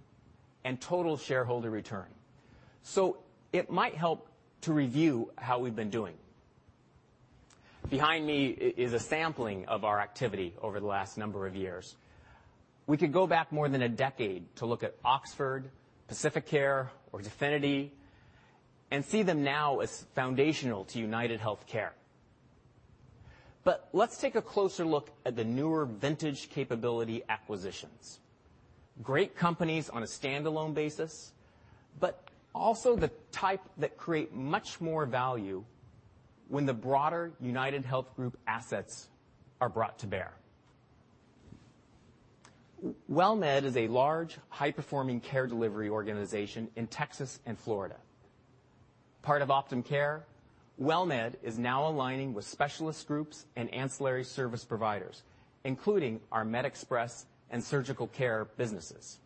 and total shareholder return. It might help to review how we've been doing. Behind me is a sampling of our activity over the last number of years. We could go back more than a decade to look at Oxford, PacifiCare, or Definity and see them now as foundational to UnitedHealthcare. Let's take a closer look at the newer vintage capability acquisitions. Great companies on a standalone basis, but also the type that create much more value when the broader UnitedHealth Group assets are brought to bear. WellMed is a large, high-performing care delivery organization in Texas and Florida. Part of OptumCare, WellMed is now aligning with specialist groups and ancillary service providers, including our MedExpress and surgical care businesses.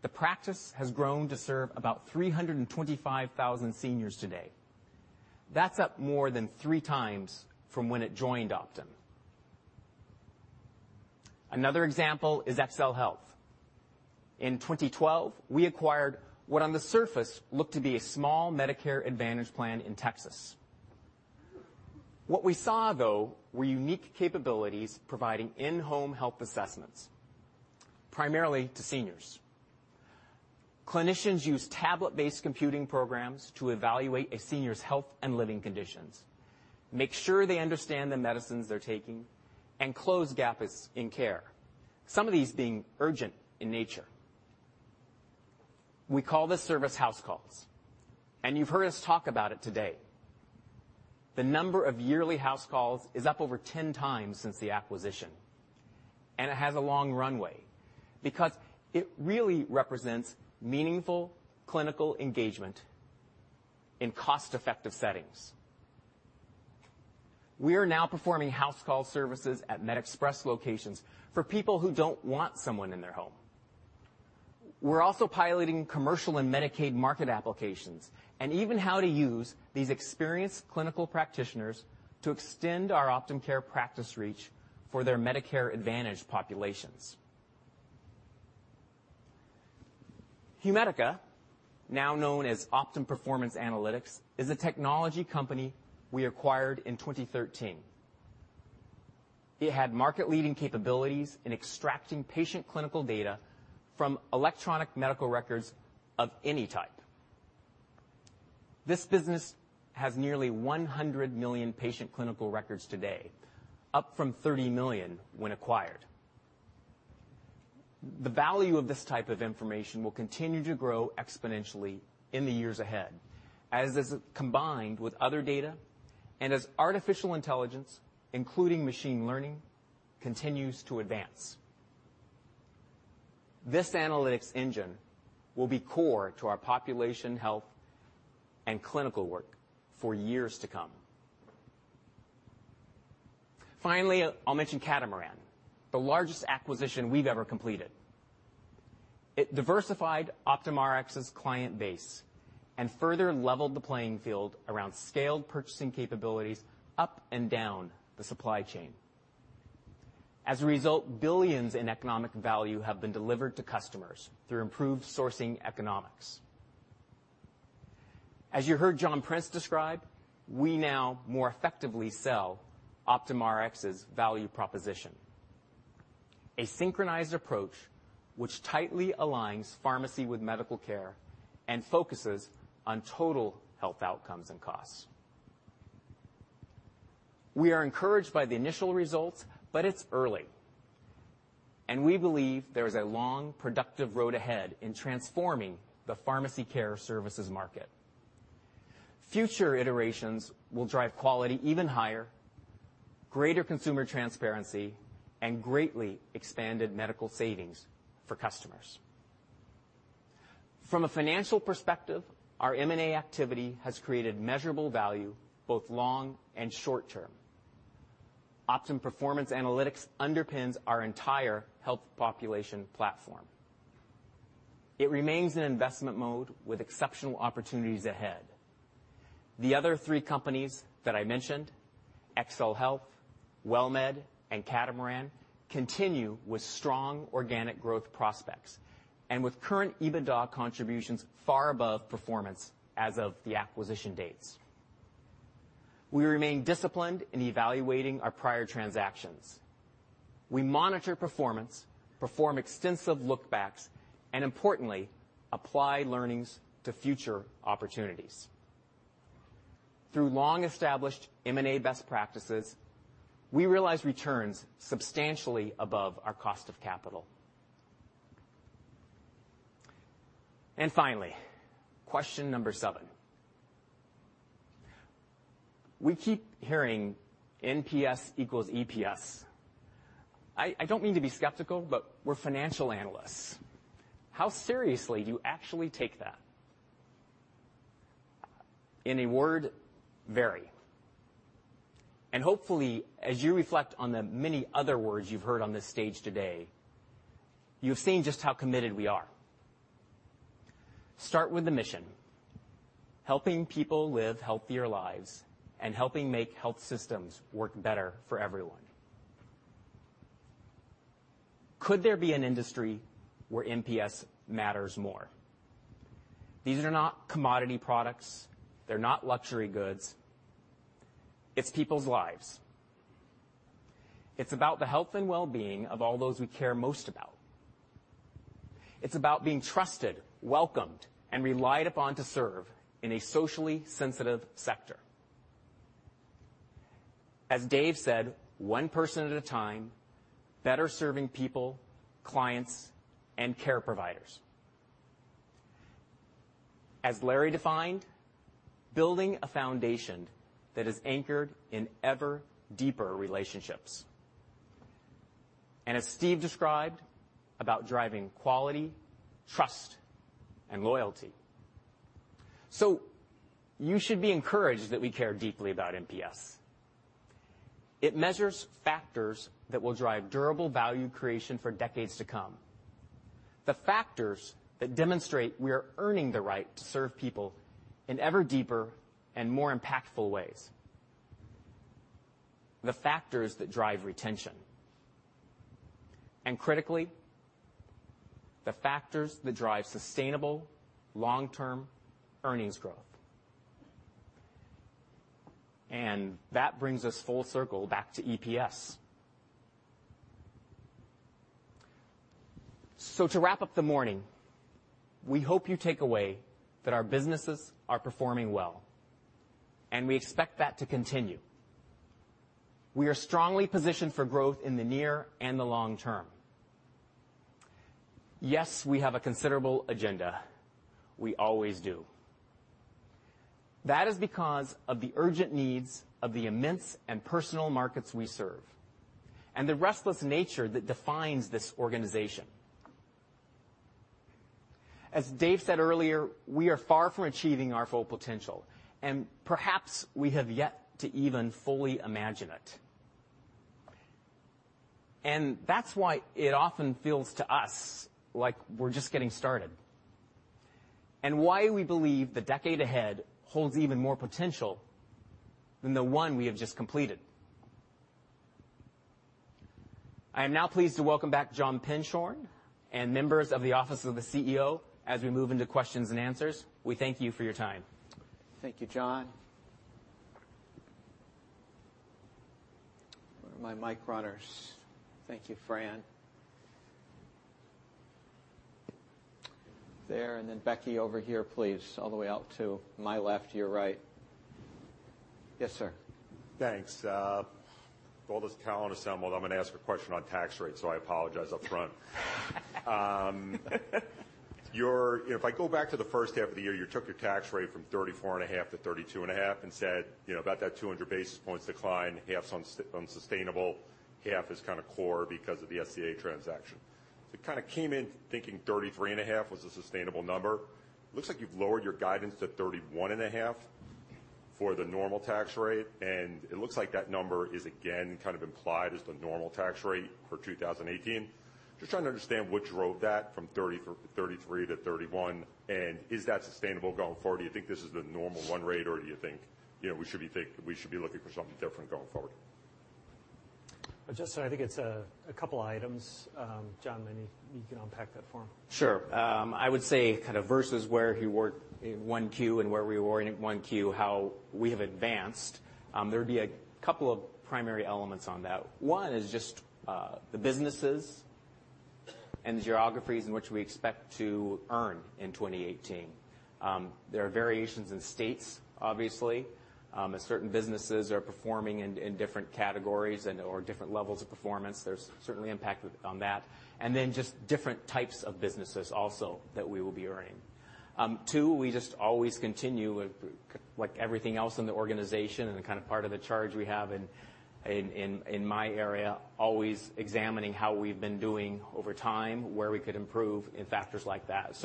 The practice has grown to serve about 325,000 seniors today. That's up more than three times from when it joined Optum. Another example is XLHealth. In 2012, we acquired what on the surface looked to be a small Medicare Advantage plan in Texas. What we saw, though, were unique capabilities providing in-home health assessments, primarily to seniors. Clinicians use tablet-based computing programs to evaluate a senior's health and living conditions, make sure they understand the medicines they're taking, and close gaps in care, some of these being urgent in nature. We call this service HouseCalls, and you've heard us talk about it today. The number of yearly HouseCalls is up over 110 times since the acquisition, and it has a long runway because it really represents meaningful clinical engagement in cost-effective settings. We are now performing HouseCalls services at MedExpress locations for people who don't want someone in their home. We're also piloting commercial and Medicaid market applications, even how to use these experienced clinical practitioners to extend our Optum Care practice reach for their Medicare Advantage populations. Humedica, now known as Optum Performance Analytics, is a technology company we acquired in 2013. It had market-leading capabilities in extracting patient clinical data from electronic medical records of any type. This business has nearly 100 million patient clinical records today, up from 30 million when acquired. The value of this type of information will continue to grow exponentially in the years ahead, as is combined with other data and as artificial intelligence, including machine learning, continues to advance. This analytics engine will be core to our population health and clinical work for years to come. Finally, I'll mention Catamaran, the largest acquisition we've ever completed. It diversified Optum Rx's client base and further leveled the playing field around scaled purchasing capabilities up and down the supply chain. As a result, billions in economic value have been delivered to customers through improved sourcing economics. As you heard John Prince describe, we now more effectively sell Optum Rx's value proposition, a synchronized approach, which tightly aligns pharmacy with medical care and focuses on total health outcomes and costs. We are encouraged by the initial results, it's early, and we believe there is a long, productive road ahead in transforming the pharmacy care services market. Future iterations will drive quality even higher, greater consumer transparency, and greatly expanded medical savings for customers. From a financial perspective, our M&A activity has created measurable value, both long and short term. Optum Performance Analytics underpins our entire health population platform. It remains in investment mode with exceptional opportunities ahead. The other three companies that I mentioned, XLHealth, WellMed, and Catamaran, continue with strong organic growth prospects and with current EBITDA contributions far above performance as of the acquisition dates. We remain disciplined in evaluating our prior transactions. We monitor performance, perform extensive lookbacks, and importantly, apply learnings to future opportunities. Through long-established M&A best practices, we realize returns substantially above our cost of capital. Finally, question number 7. We keep hearing NPS equals EPS. I don't mean to be skeptical, but we're financial analysts. How seriously do you actually take that? In a word, very, and hopefully, as you reflect on the many other words you've heard on this stage today, you've seen just how committed we are. Start with the mission, helping people live healthier lives and helping make health systems work better for everyone. Could there be an industry where NPS matters more? These are not commodity products. They're not luxury goods. It's people's lives. It's about the health and wellbeing of all those we care most about. It's about being trusted, welcomed, and relied upon to serve in a socially sensitive sector. As Dave said, one person at a time, better serving people, clients, and care providers. As Larry defined, building a foundation that is anchored in ever deeper relationships. As Steve described, about driving quality, trust and loyalty. You should be encouraged that we care deeply about NPS. It measures factors that will drive durable value creation for decades to come, the factors that demonstrate we are earning the right to serve people in ever deeper and more impactful ways. The factors that drive retention, and critically, the factors that drive sustainable long-term earnings growth. That brings us full circle back to EPS. To wrap up the morning, we hope you take away that our businesses are performing well, and we expect that to continue. We are strongly positioned for growth in the near and the long term. Yes, we have a considerable agenda. We always do. That is because of the urgent needs of the immense and personal markets we serve, and the restless nature that defines this organization. As Dave said earlier, we are far from achieving our full potential, and perhaps we have yet to even fully imagine it. That's why it often feels to us like we're just getting started, and why we believe the decade ahead holds even more potential than the one we have just completed. I am now pleased to welcome back John Penshorn and members of the office of the CEO as we move into questions and answers. We thank you for your time.
Thank you, John. Where are my mic runners? Thank you, Fran. There and then Becky over here, please, all the way out to my left, your right. Yes, sir.
Thanks. With all this talent assembled, I'm going to ask a question on tax rates, so I apologize up front. If I go back to the first half of the year, you took your tax rate from 34 and a half to 32 and a half and said about that 200 basis points decline, half's unsustainable, half is kind of core because of the SCA transaction. Kind of came in thinking 33 and a half was a sustainable number. Looks like you've lowered your guidance to 31 and a half for the normal tax rate, and it looks like that number is again kind of implied as the normal tax rate for 2018. Just trying to understand what drove that from 33% to 31%, and is that sustainable going forward? Do you think this is the normal run rate, or do you think we should be looking for something different going forward?
Justin, I think it's a couple items. John, maybe you can unpack that for him.
Sure. I would say kind of versus where we were in 1Q and where we were in 1Q, how we have advanced, there would be a couple of primary elements on that. One is just the businesses and the geographies in which we expect to earn in 2018. There are variations in states, obviously, as certain businesses are performing in different categories or different levels of performance. There's certainly impact on that. Just different types of businesses also that we will be earning. Two, we just always continue, like everything else in the organization and kind of part of the charge we have in my area, always examining how we've been doing over time, where we could improve in factors like that.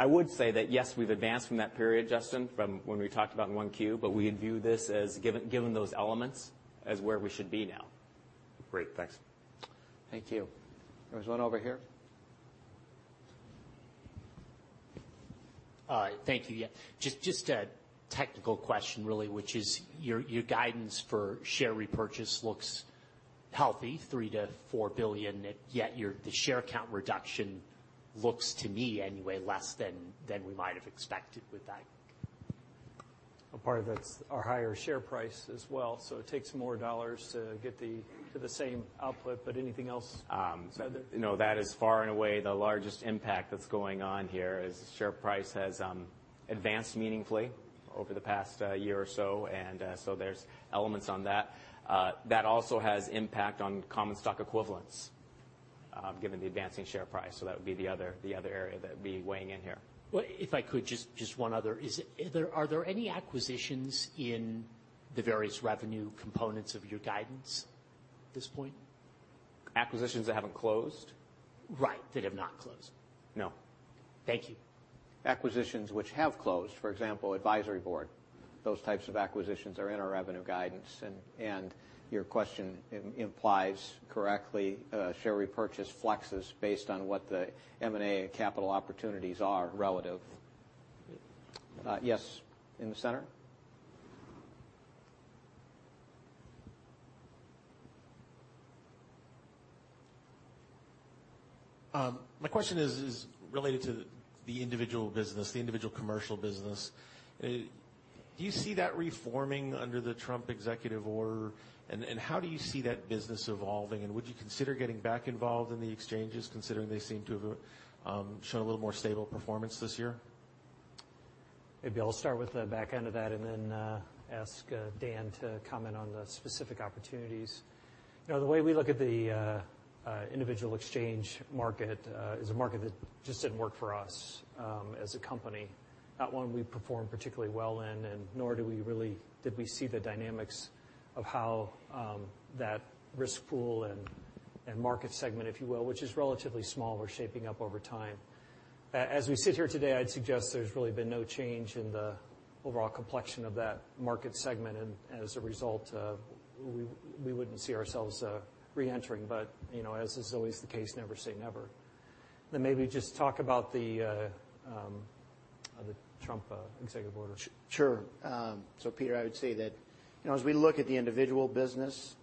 I would say that, yes, we've advanced from that period, Justin, from when we talked about in 1Q, but we view this as given those elements as where we should be now.
Great. Thanks.
Thank you. There was one over here.
Thank you. Just a technical question really, which is your guidance for share repurchase looks healthy, $3 billion-$4 billion, yet the share count reduction looks to me, anyway, less than we might have expected with that.
A part of that's our higher share price as well, so it takes more dollars to get to the same output. Anything else to add there?
No, that is far and away the largest impact that's going on here is the share price has advanced meaningfully over the past year or so, there's elements on that. That also has impact on common stock equivalents, given the advancing share price. That would be the other area that would be weighing in here.
Well, if I could, just one other. Are there any acquisitions in the various revenue components of your guidance at this point?
Acquisitions that haven't closed?
Right, that have not closed.
No.
Thank you.
Acquisitions which have closed, for example, Advisory Board, those types of acquisitions are in our revenue guidance. Your question implies correctly share repurchase flexes based on what the M&A capital opportunities are relative. Yes, in the center?
My question is related to the individual business, the individual commercial business. Do you see that reforming under the Trump executive order, and how do you see that business evolving, and would you consider getting back involved in the exchanges, considering they seem to have shown a little more stable performance this year?
Maybe I'll start with the back end of that and then ask Dan to comment on the specific opportunities. The way we look at the individual exchange market is a market that just didn't work for us as a company, not one we performed particularly well in, and nor did we see the dynamics of how that risk pool and market segment, if you will, which is relatively small, were shaping up over time. As we sit here today, I'd suggest there's really been no change in the overall complexion of that market segment, and as a result, we wouldn't see ourselves re-entering. As is always the case, never say never. Maybe just talk about the Trump Executive Order.
Sure. Peter, I would say that as we look at the individual business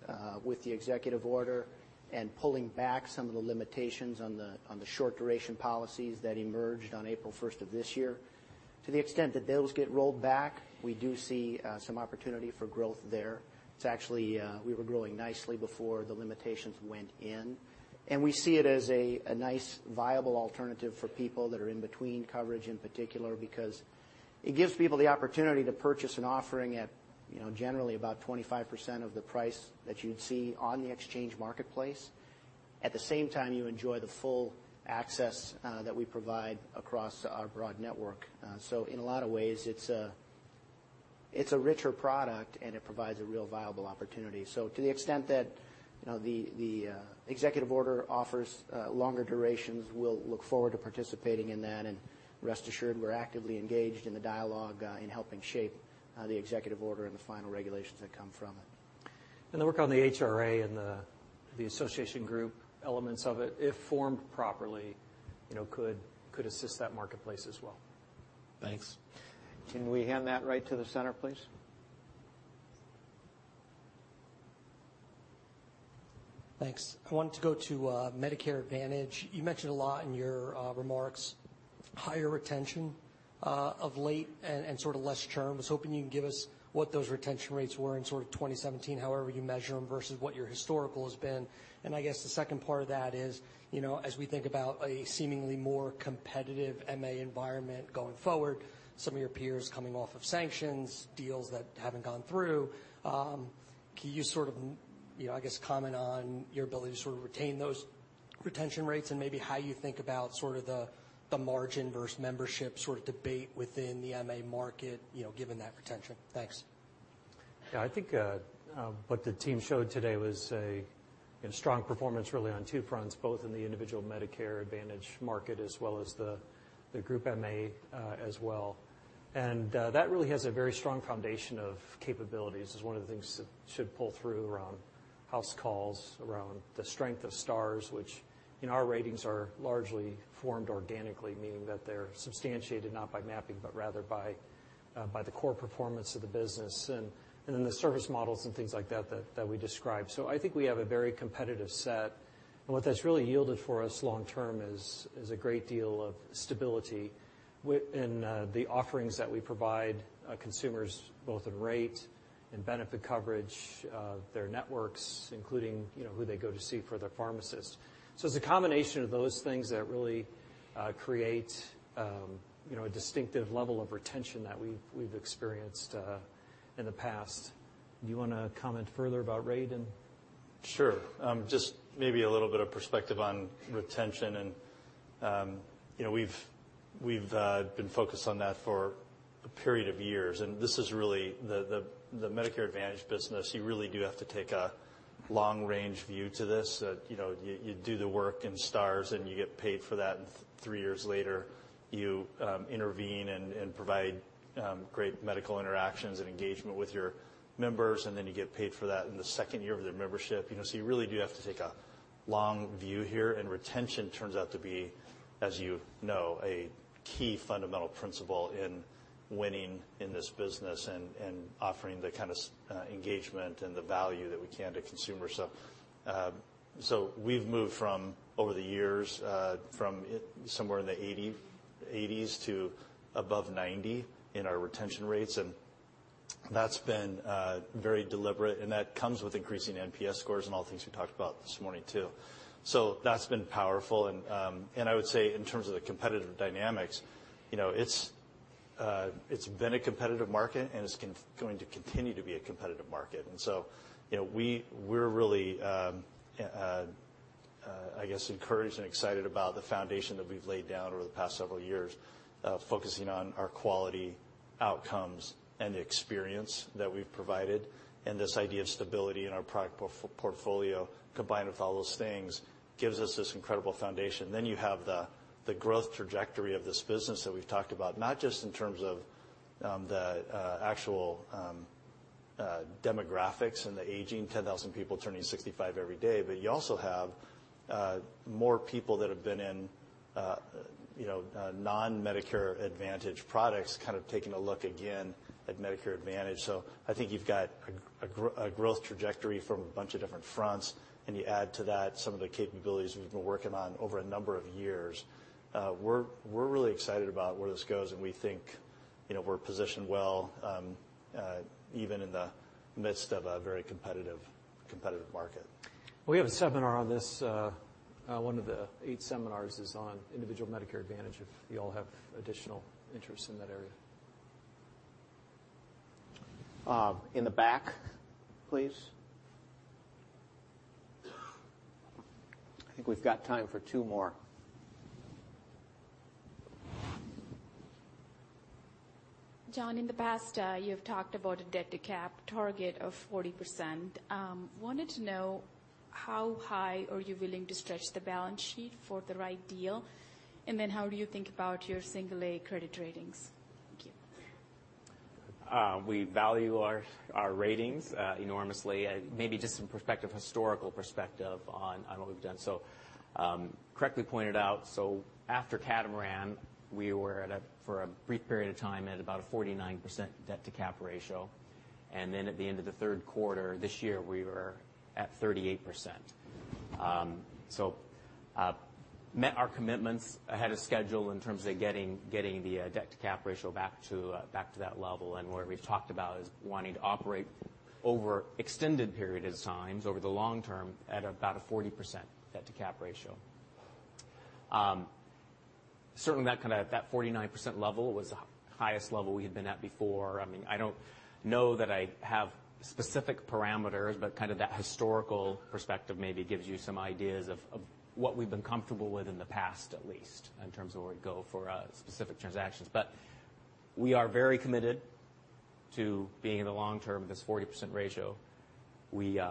with the Executive Order and pulling back some of the limitations on the short duration policies that emerged on April 1st of this year, to the extent that those get rolled back, we do see some opportunity for growth there. We were growing nicely before the limitations went in, and we see it as a nice viable alternative for people that are in between coverage in particular because it gives people the opportunity to purchase an offering at generally about 25% of the price that you'd see on the exchange marketplace. At the same time, you enjoy the full access that we provide across our broad network. In a lot of ways, it's a richer product and it provides a real viable opportunity. To the extent that the Executive Order offers longer durations, we'll look forward to participating in that, and rest assured, we're actively engaged in the dialogue in helping shape the Executive Order and the final regulations that come from it.
The work on the HRA and the association group elements of it, if formed properly, could assist that marketplace as well. Thanks.
Can we hand that right to the center, please?
Thanks. I wanted to go to Medicare Advantage. You mentioned a lot in your remarks, higher retention of late and less churn. Was hoping you can give us what those retention rates were in 2017, however you measure them, versus what your historical has been. I guess the second part of that is, as we think about a seemingly more competitive MA environment going forward, some of your peers coming off of sanctions, deals that haven't gone through, can you, I guess, comment on your ability to retain those retention rates and maybe how you think about the margin versus membership debate within the MA market, given that retention? Thanks.
Yeah, I think what the team showed today was a strong performance really on two fronts, both in the individual Medicare Advantage market as well as the group MA as well. That really has a very strong foundation of capabilities. It's one of the things that should pull through around HouseCalls, around the strength of Stars, which our ratings are largely formed organically, meaning that they're substantiated not by mapping, but rather by the core performance of the business and then the service models and things like that we describe. I think we have a very competitive set, and what that's really yielded for us long term is a great deal of stability in the offerings that we provide consumers, both in rate and benefit coverage, their networks, including who they go to see for their pharmacist. It's a combination of those things that really create a distinctive level of retention that we've experienced in the past. Do you want to comment further about rate and
Sure. Just maybe a little bit of perspective on retention. We've been focused on that for a period of years. This is really the Medicare Advantage business. You really do have to take a long-range view to this, that you do the work in Stars and you get paid for that. 3 years later, you intervene and provide great medical interactions and engagement with your members. You get paid for that in the second year of their membership. You really do have to take a long view here. Retention turns out to be, as you know, a key fundamental principle in winning in this business and offering the kind of engagement and the value that we can to consumers. We've moved from over the years, from somewhere in the 80s to above 90 in our retention rates. That's been very deliberate. That comes with increasing NPS scores and all things we talked about this morning, too. That's been powerful. I would say in terms of the competitive dynamics, it's been a competitive market. It's going to continue to be a competitive market. We're really, I guess, encouraged and excited about the foundation that we've laid down over the past several years, focusing on our quality outcomes and the experience that we've provided and this idea of stability in our product portfolio, combined with all those things, gives us this incredible foundation. You have the growth trajectory of this business that we've talked about, not just in terms of the actual demographics and the aging 10,000 people turning 65 every day. You also have more people that have been in non-Medicare Advantage products, kind of taking a look again at Medicare Advantage. I think you've got a growth trajectory from a bunch of different fronts. You add to that some of the capabilities we've been working on over a number of years. We're really excited about where this goes. We think we're positioned well even in the midst of a very competitive market.
We have a seminar on this. One of the eight seminars is on individual Medicare Advantage if you all have additional interest in that area.
In the back, please. I think we've got time for two more.
John, in the past, you have talked about a debt to cap target of 40%. Wanted to know how high are you willing to stretch the balance sheet for the right deal, and then how do you think about your single A credit ratings? Thank you.
We value our ratings enormously. Maybe just some historical perspective on what we've done. Correctly pointed out, after Catamaran, we were at a, for a brief period of time, at about a 49% debt to cap ratio, and then at the end of the third quarter this year, we were at 38%. Met our commitments ahead of schedule in terms of getting the debt to cap ratio back to that level, and where we've talked about is wanting to operate over extended period of times over the long term at about a 40% debt to cap ratio. Certainly that kind of that 49% level was the highest level we had been at before. I don't know that I have specific parameters, kind of that historical perspective maybe gives you some ideas of what we've been comfortable with in the past, at least in terms of where we go for specific transactions. We are very committed to being in the long term of this 40% ratio. We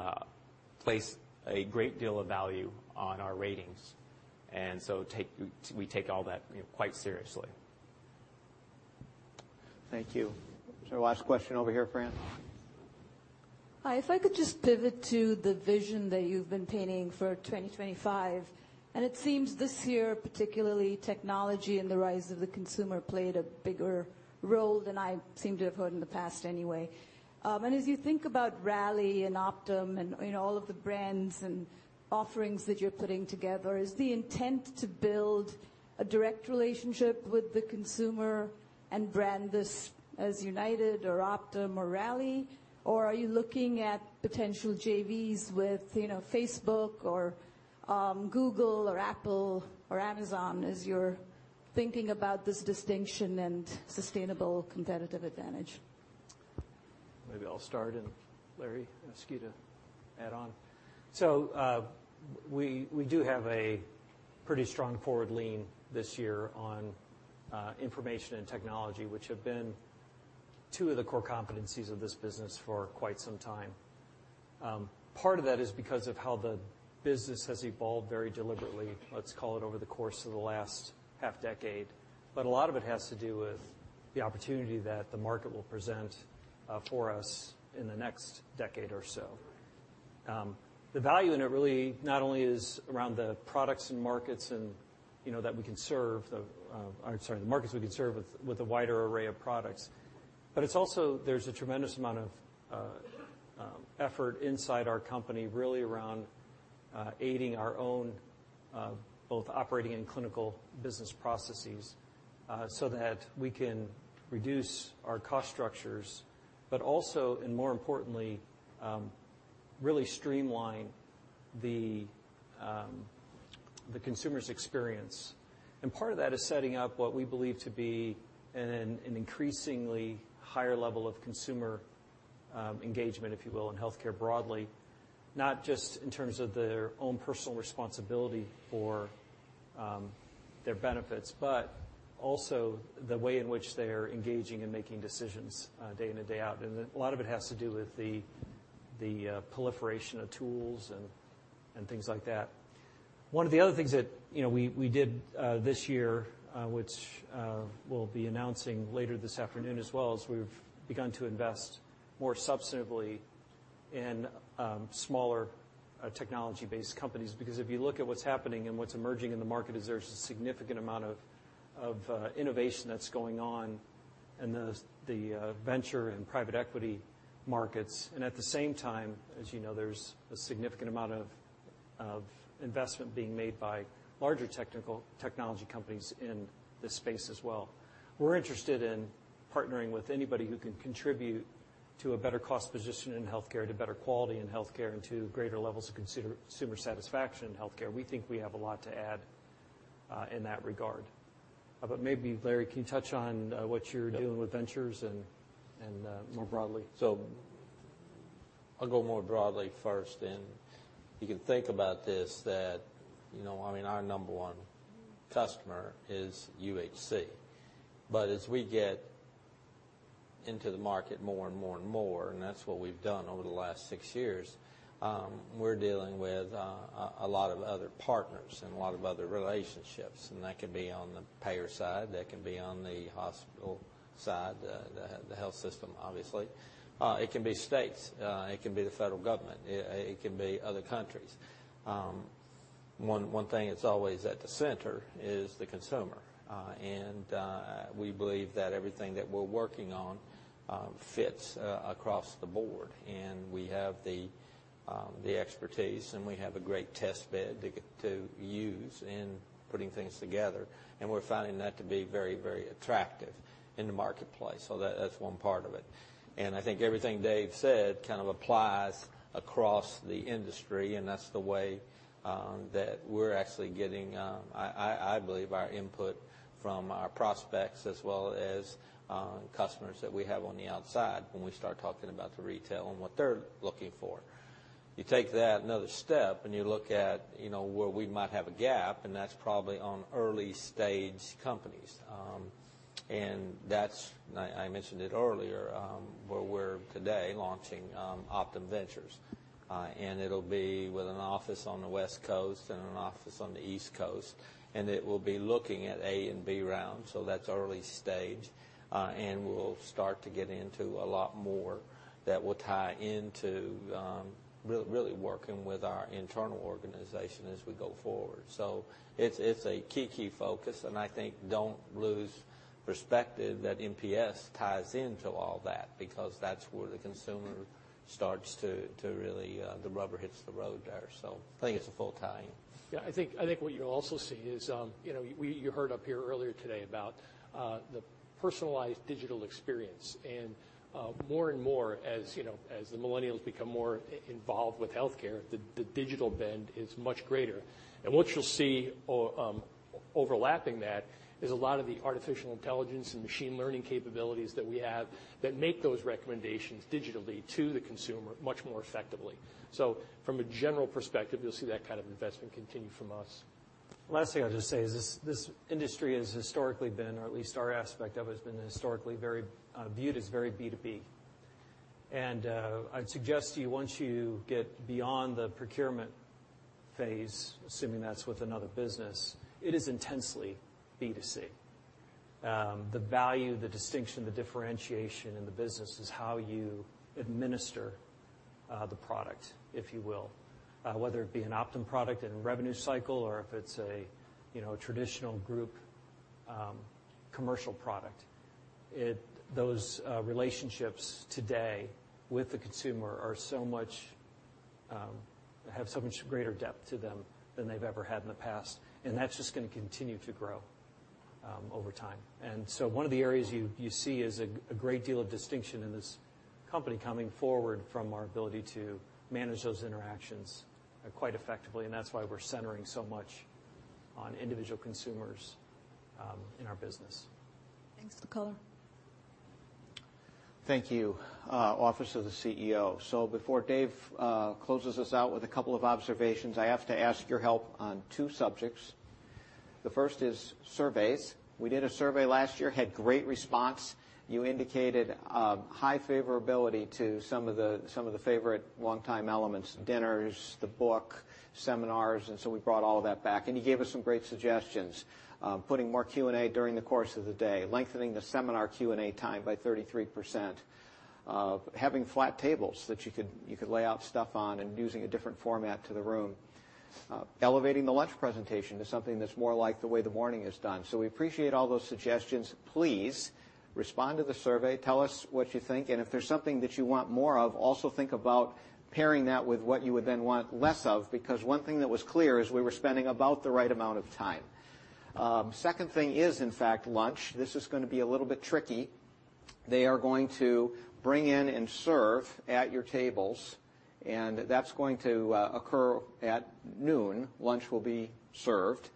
place a great deal of value on our ratings, we take all that quite seriously.
Thank you. Is there a last question over here, Fran?
Hi, if I could just pivot to the vision that you've been painting for 2025, it seems this year, particularly technology and the rise of the consumer played a bigger role than I seem to have heard in the past anyway. As you think about Rally and Optum and all of the brands and offerings that you're putting together, is the intent to build a direct relationship with the consumer and brand this as United or Optum or Rally? Or are you looking at potential JVs with Facebook or Google or Apple or Amazon as you're thinking about this distinction and sustainable competitive advantage?
Maybe I'll start, and Larry, I'll ask you to add on. We do have a pretty strong forward lean this year on information and technology, which have been two of the core competencies of this business for quite some time. Part of that is because of how the business has evolved very deliberately, let's call it over the course of the last half-decade. A lot of it has to do with the opportunity that the market will present for us in the next decade or so. The value in it really not only is around the products and markets that we can serve, or sorry, the markets we can serve with a wider array of products. It's also, there's a tremendous amount of effort inside our company, really around aiding our own both operating and clinical business processes, so that we can reduce our cost structures, but also, and more importantly, really streamline the consumer's experience. Part of that is setting up what we believe to be an increasingly higher level of consumer engagement, if you will, in healthcare broadly, not just in terms of their own personal responsibility for their benefits, but also the way in which they are engaging and making decisions day in and day out. A lot of it has to do with the proliferation of tools and things like that. One of the other things that we did this year, which we'll be announcing later this afternoon as well, is we've begun to invest more substantively in smaller technology-based companies. If you look at what's happening and what's emerging in the market, there's a significant amount of innovation that's going on in the venture and private equity markets. At the same time, as you know, there's a significant amount of investment being made by larger technology companies in this space as well. We're interested in partnering with anybody who can contribute to a better cost position in healthcare, to better quality in healthcare, and to greater levels of consumer satisfaction in healthcare. We think we have a lot to add in that regard. Maybe, Larry, can you touch on what you're doing with ventures and more broadly?
I'll go more broadly first, you can think about this, that our number one customer is UHC. As we get into the market more and more and more, that's what we've done over the last 6 years, we're dealing with a lot of other partners and a lot of other relationships, that can be on the payer side, that can be on the hospital side, the health system, obviously. It can be states. It can be the federal government. It can be other countries. One thing that's always at the center is the consumer, we believe that everything that we're working on fits across the board, we have the expertise, we have a great test bed to use in putting things together, we're finding that to be very, very attractive in the marketplace. That's one part of it. I think everything Dave said kind of applies across the industry, that's the way that we're actually getting, I believe, our input from our prospects as well as customers that we have on the outside when we start talking about the retail and what they're looking for. You take that another step, you look at where we might have a gap, that's probably on early-stage companies. That's, I mentioned it earlier, where we're today launching Optum Ventures. It'll be with an office on the West Coast and an office on the East Coast, it will be looking at A and B rounds, that's early stage. We'll start to get into a lot more that will tie into really working with our internal organization as we go forward. It's a key focus, I think don't lose perspective that NPS ties into all that because that's where the consumer starts to really, the rubber hits the road there. I think it's a full tie-in.
Yeah, I think what you'll also see is you heard up here earlier today about the personalized digital experience. More and more, as the millennials become more involved with healthcare, the digital bend is much greater. What you'll see overlapping that is a lot of the artificial intelligence and machine learning capabilities that we have that make those recommendations digitally to the consumer much more effectively. From a general perspective, you'll see that kind of investment continue from us.
Last thing I'll just say is this industry has historically been, or at least our aspect of it, has been historically viewed as very B2B. I'd suggest to you, once you get beyond the procurement phase, assuming that's with another business, it is intensely B2C.
The value, the distinction, the differentiation in the business is how you administer the product, if you will. Whether it be an Optum product in a revenue cycle or if it's a traditional group commercial product. Those relationships today with the consumer have so much greater depth to them than they've ever had in the past, that's just going to continue to grow over time. One of the areas you see is a great deal of distinction in this company coming forward from our ability to manage those interactions quite effectively, that's why we're centering so much on individual consumers in our business. Thanks, Nicolo.
Thank you, office of the CEO. Before Dave closes us out with a couple of observations, I have to ask your help on two subjects. The first is surveys. We did a survey last year, had great response. You indicated high favorability to some of the favorite long-time elements, dinners, the book, seminars, we brought all of that back, and you gave us some great suggestions. Putting more Q&A during the course of the day, lengthening the seminar Q&A time by 33%, having flat tables that you could lay out stuff on and using a different format to the room, elevating the lunch presentation to something that's more like the way the morning is done. We appreciate all those suggestions. Please respond to the survey, tell us what you think, and if there's something that you want more of, also think about pairing that with what you would then want less of, because one thing that was clear is we were spending about the right amount of time. Second thing is, in fact, lunch. This is going to be a little bit tricky. They are going to bring in and serve at your tables, and that's going to occur at noon, lunch will be served.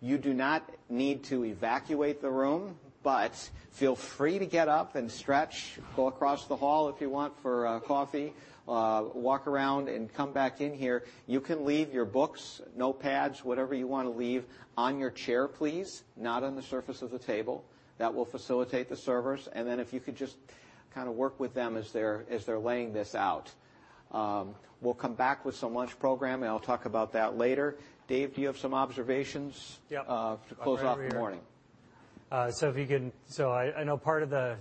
You do not need to evacuate the room, but feel free to get up and stretch, go across the hall if you want for coffee, walk around and come back in here. You can leave your books, notepads, whatever you want to leave on your chair, please, not on the surface of the table. That will facilitate the servers. If you could just kind of work with them as they're laying this out. We'll come back with some lunch program, and I'll talk about that later. Dave, do you have some observations-
Yep
to close off the morning?
I know part of the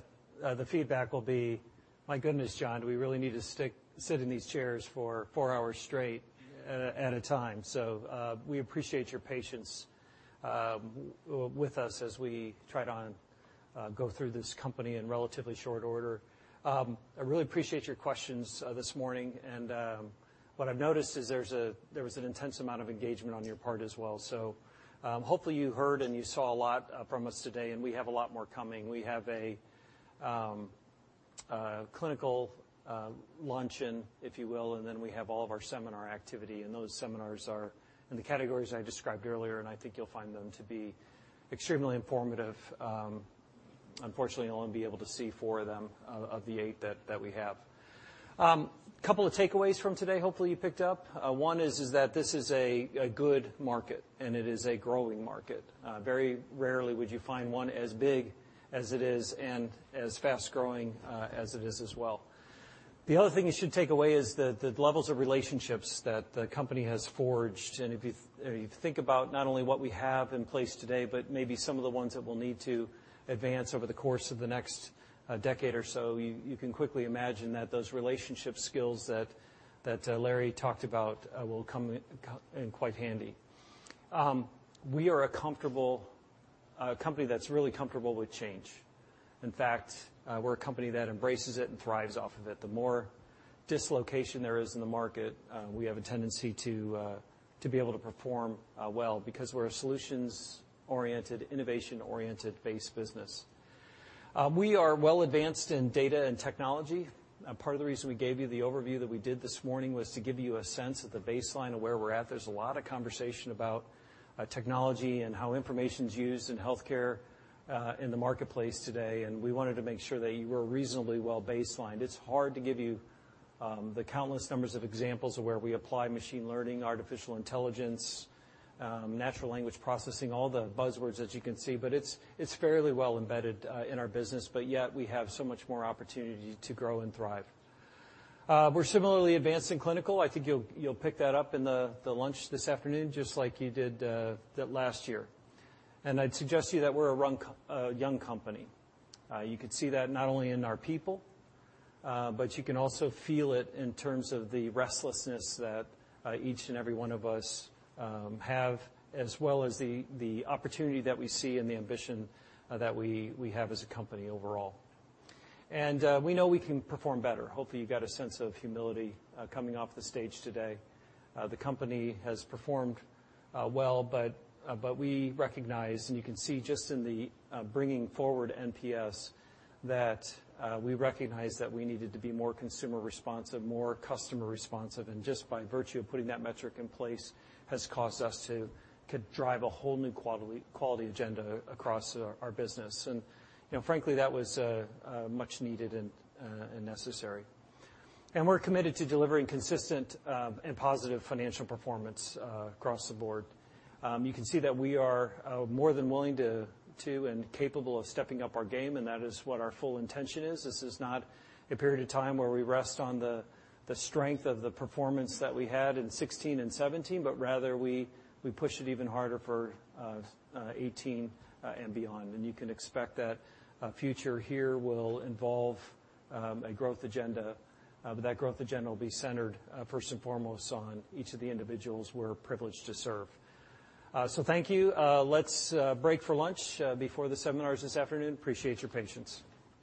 feedback will be, "My goodness, John, do we really need to sit in these chairs for 4 hours straight at a time?" We appreciate your patience with us as we try to go through this company in relatively short order. I really appreciate your questions this morning, and what I've noticed is there was an intense amount of engagement on your part as well. Hopefully you heard and you saw a lot from us today, and we have a lot more coming. We have a clinical luncheon, if you will, and then we have all of our seminar activity, and those seminars are in the categories I described earlier, and I think you'll find them to be extremely informative. Unfortunately, you'll only be able to see 4 of them of the 8 that we have. Couple of takeaways from today, hopefully you picked up. One is that this is a good market and it is a growing market. Very rarely would you find one as big as it is and as fast-growing as it is as well. The other thing you should take away is the levels of relationships that the company has forged, and if you think about not only what we have in place today, but maybe some of the ones that we'll need to advance over the course of the next decade or so, you can quickly imagine that those relationship skills that Larry talked about will come in quite handy. We are a company that's really comfortable with change. In fact, we're a company that embraces it and thrives off of it. The more dislocation there is in the market, we have a tendency to be able to perform well because we're a solutions-oriented, innovation-oriented based business. We are well advanced in data and technology. Part of the reason we gave you the overview that we did this morning was to give you a sense of the baseline of where we're at. There's a lot of conversation about technology and how information's used in healthcare, in the marketplace today, and we wanted to make sure that you were reasonably well-baselined. It's hard to give you the countless numbers of examples of where we apply machine learning, artificial intelligence, natural language processing, all the buzzwords that you can see, but it's fairly well embedded in our business, but yet we have so much more opportunity to grow and thrive. We're similarly advanced in clinical. I think you'll pick that up in the lunch this afternoon, just like you did last year. I'd suggest to you that we're a young company. You could see that not only in our people, but you can also feel it in terms of the restlessness that each and every one of us have, as well as the opportunity that we see and the ambition that we have as a company overall. We know we can perform better. Hopefully, you got a sense of humility coming off the stage today. The company has performed well, but we recognize, and you can see just in the bringing forward NPS, that we recognize that we needed to be more consumer responsive, more customer responsive, and just by virtue of putting that metric in place has caused us to drive a whole new quality agenda across our business. Frankly, that was much needed and necessary. We're committed to delivering consistent and positive financial performance across the board. You can see that we are more than willing to and capable of stepping up our game, and that is what our full intention is. This is not a period of time where we rest on the strength of the performance that we had in 2016 and 2017, but rather we push it even harder for 2018 and beyond. You can expect that future here will involve a growth agenda, but that growth agenda will be centered first and foremost on each of the individuals we're privileged to serve. Thank you. Let's break for lunch before the seminars this afternoon. Appreciate your patience.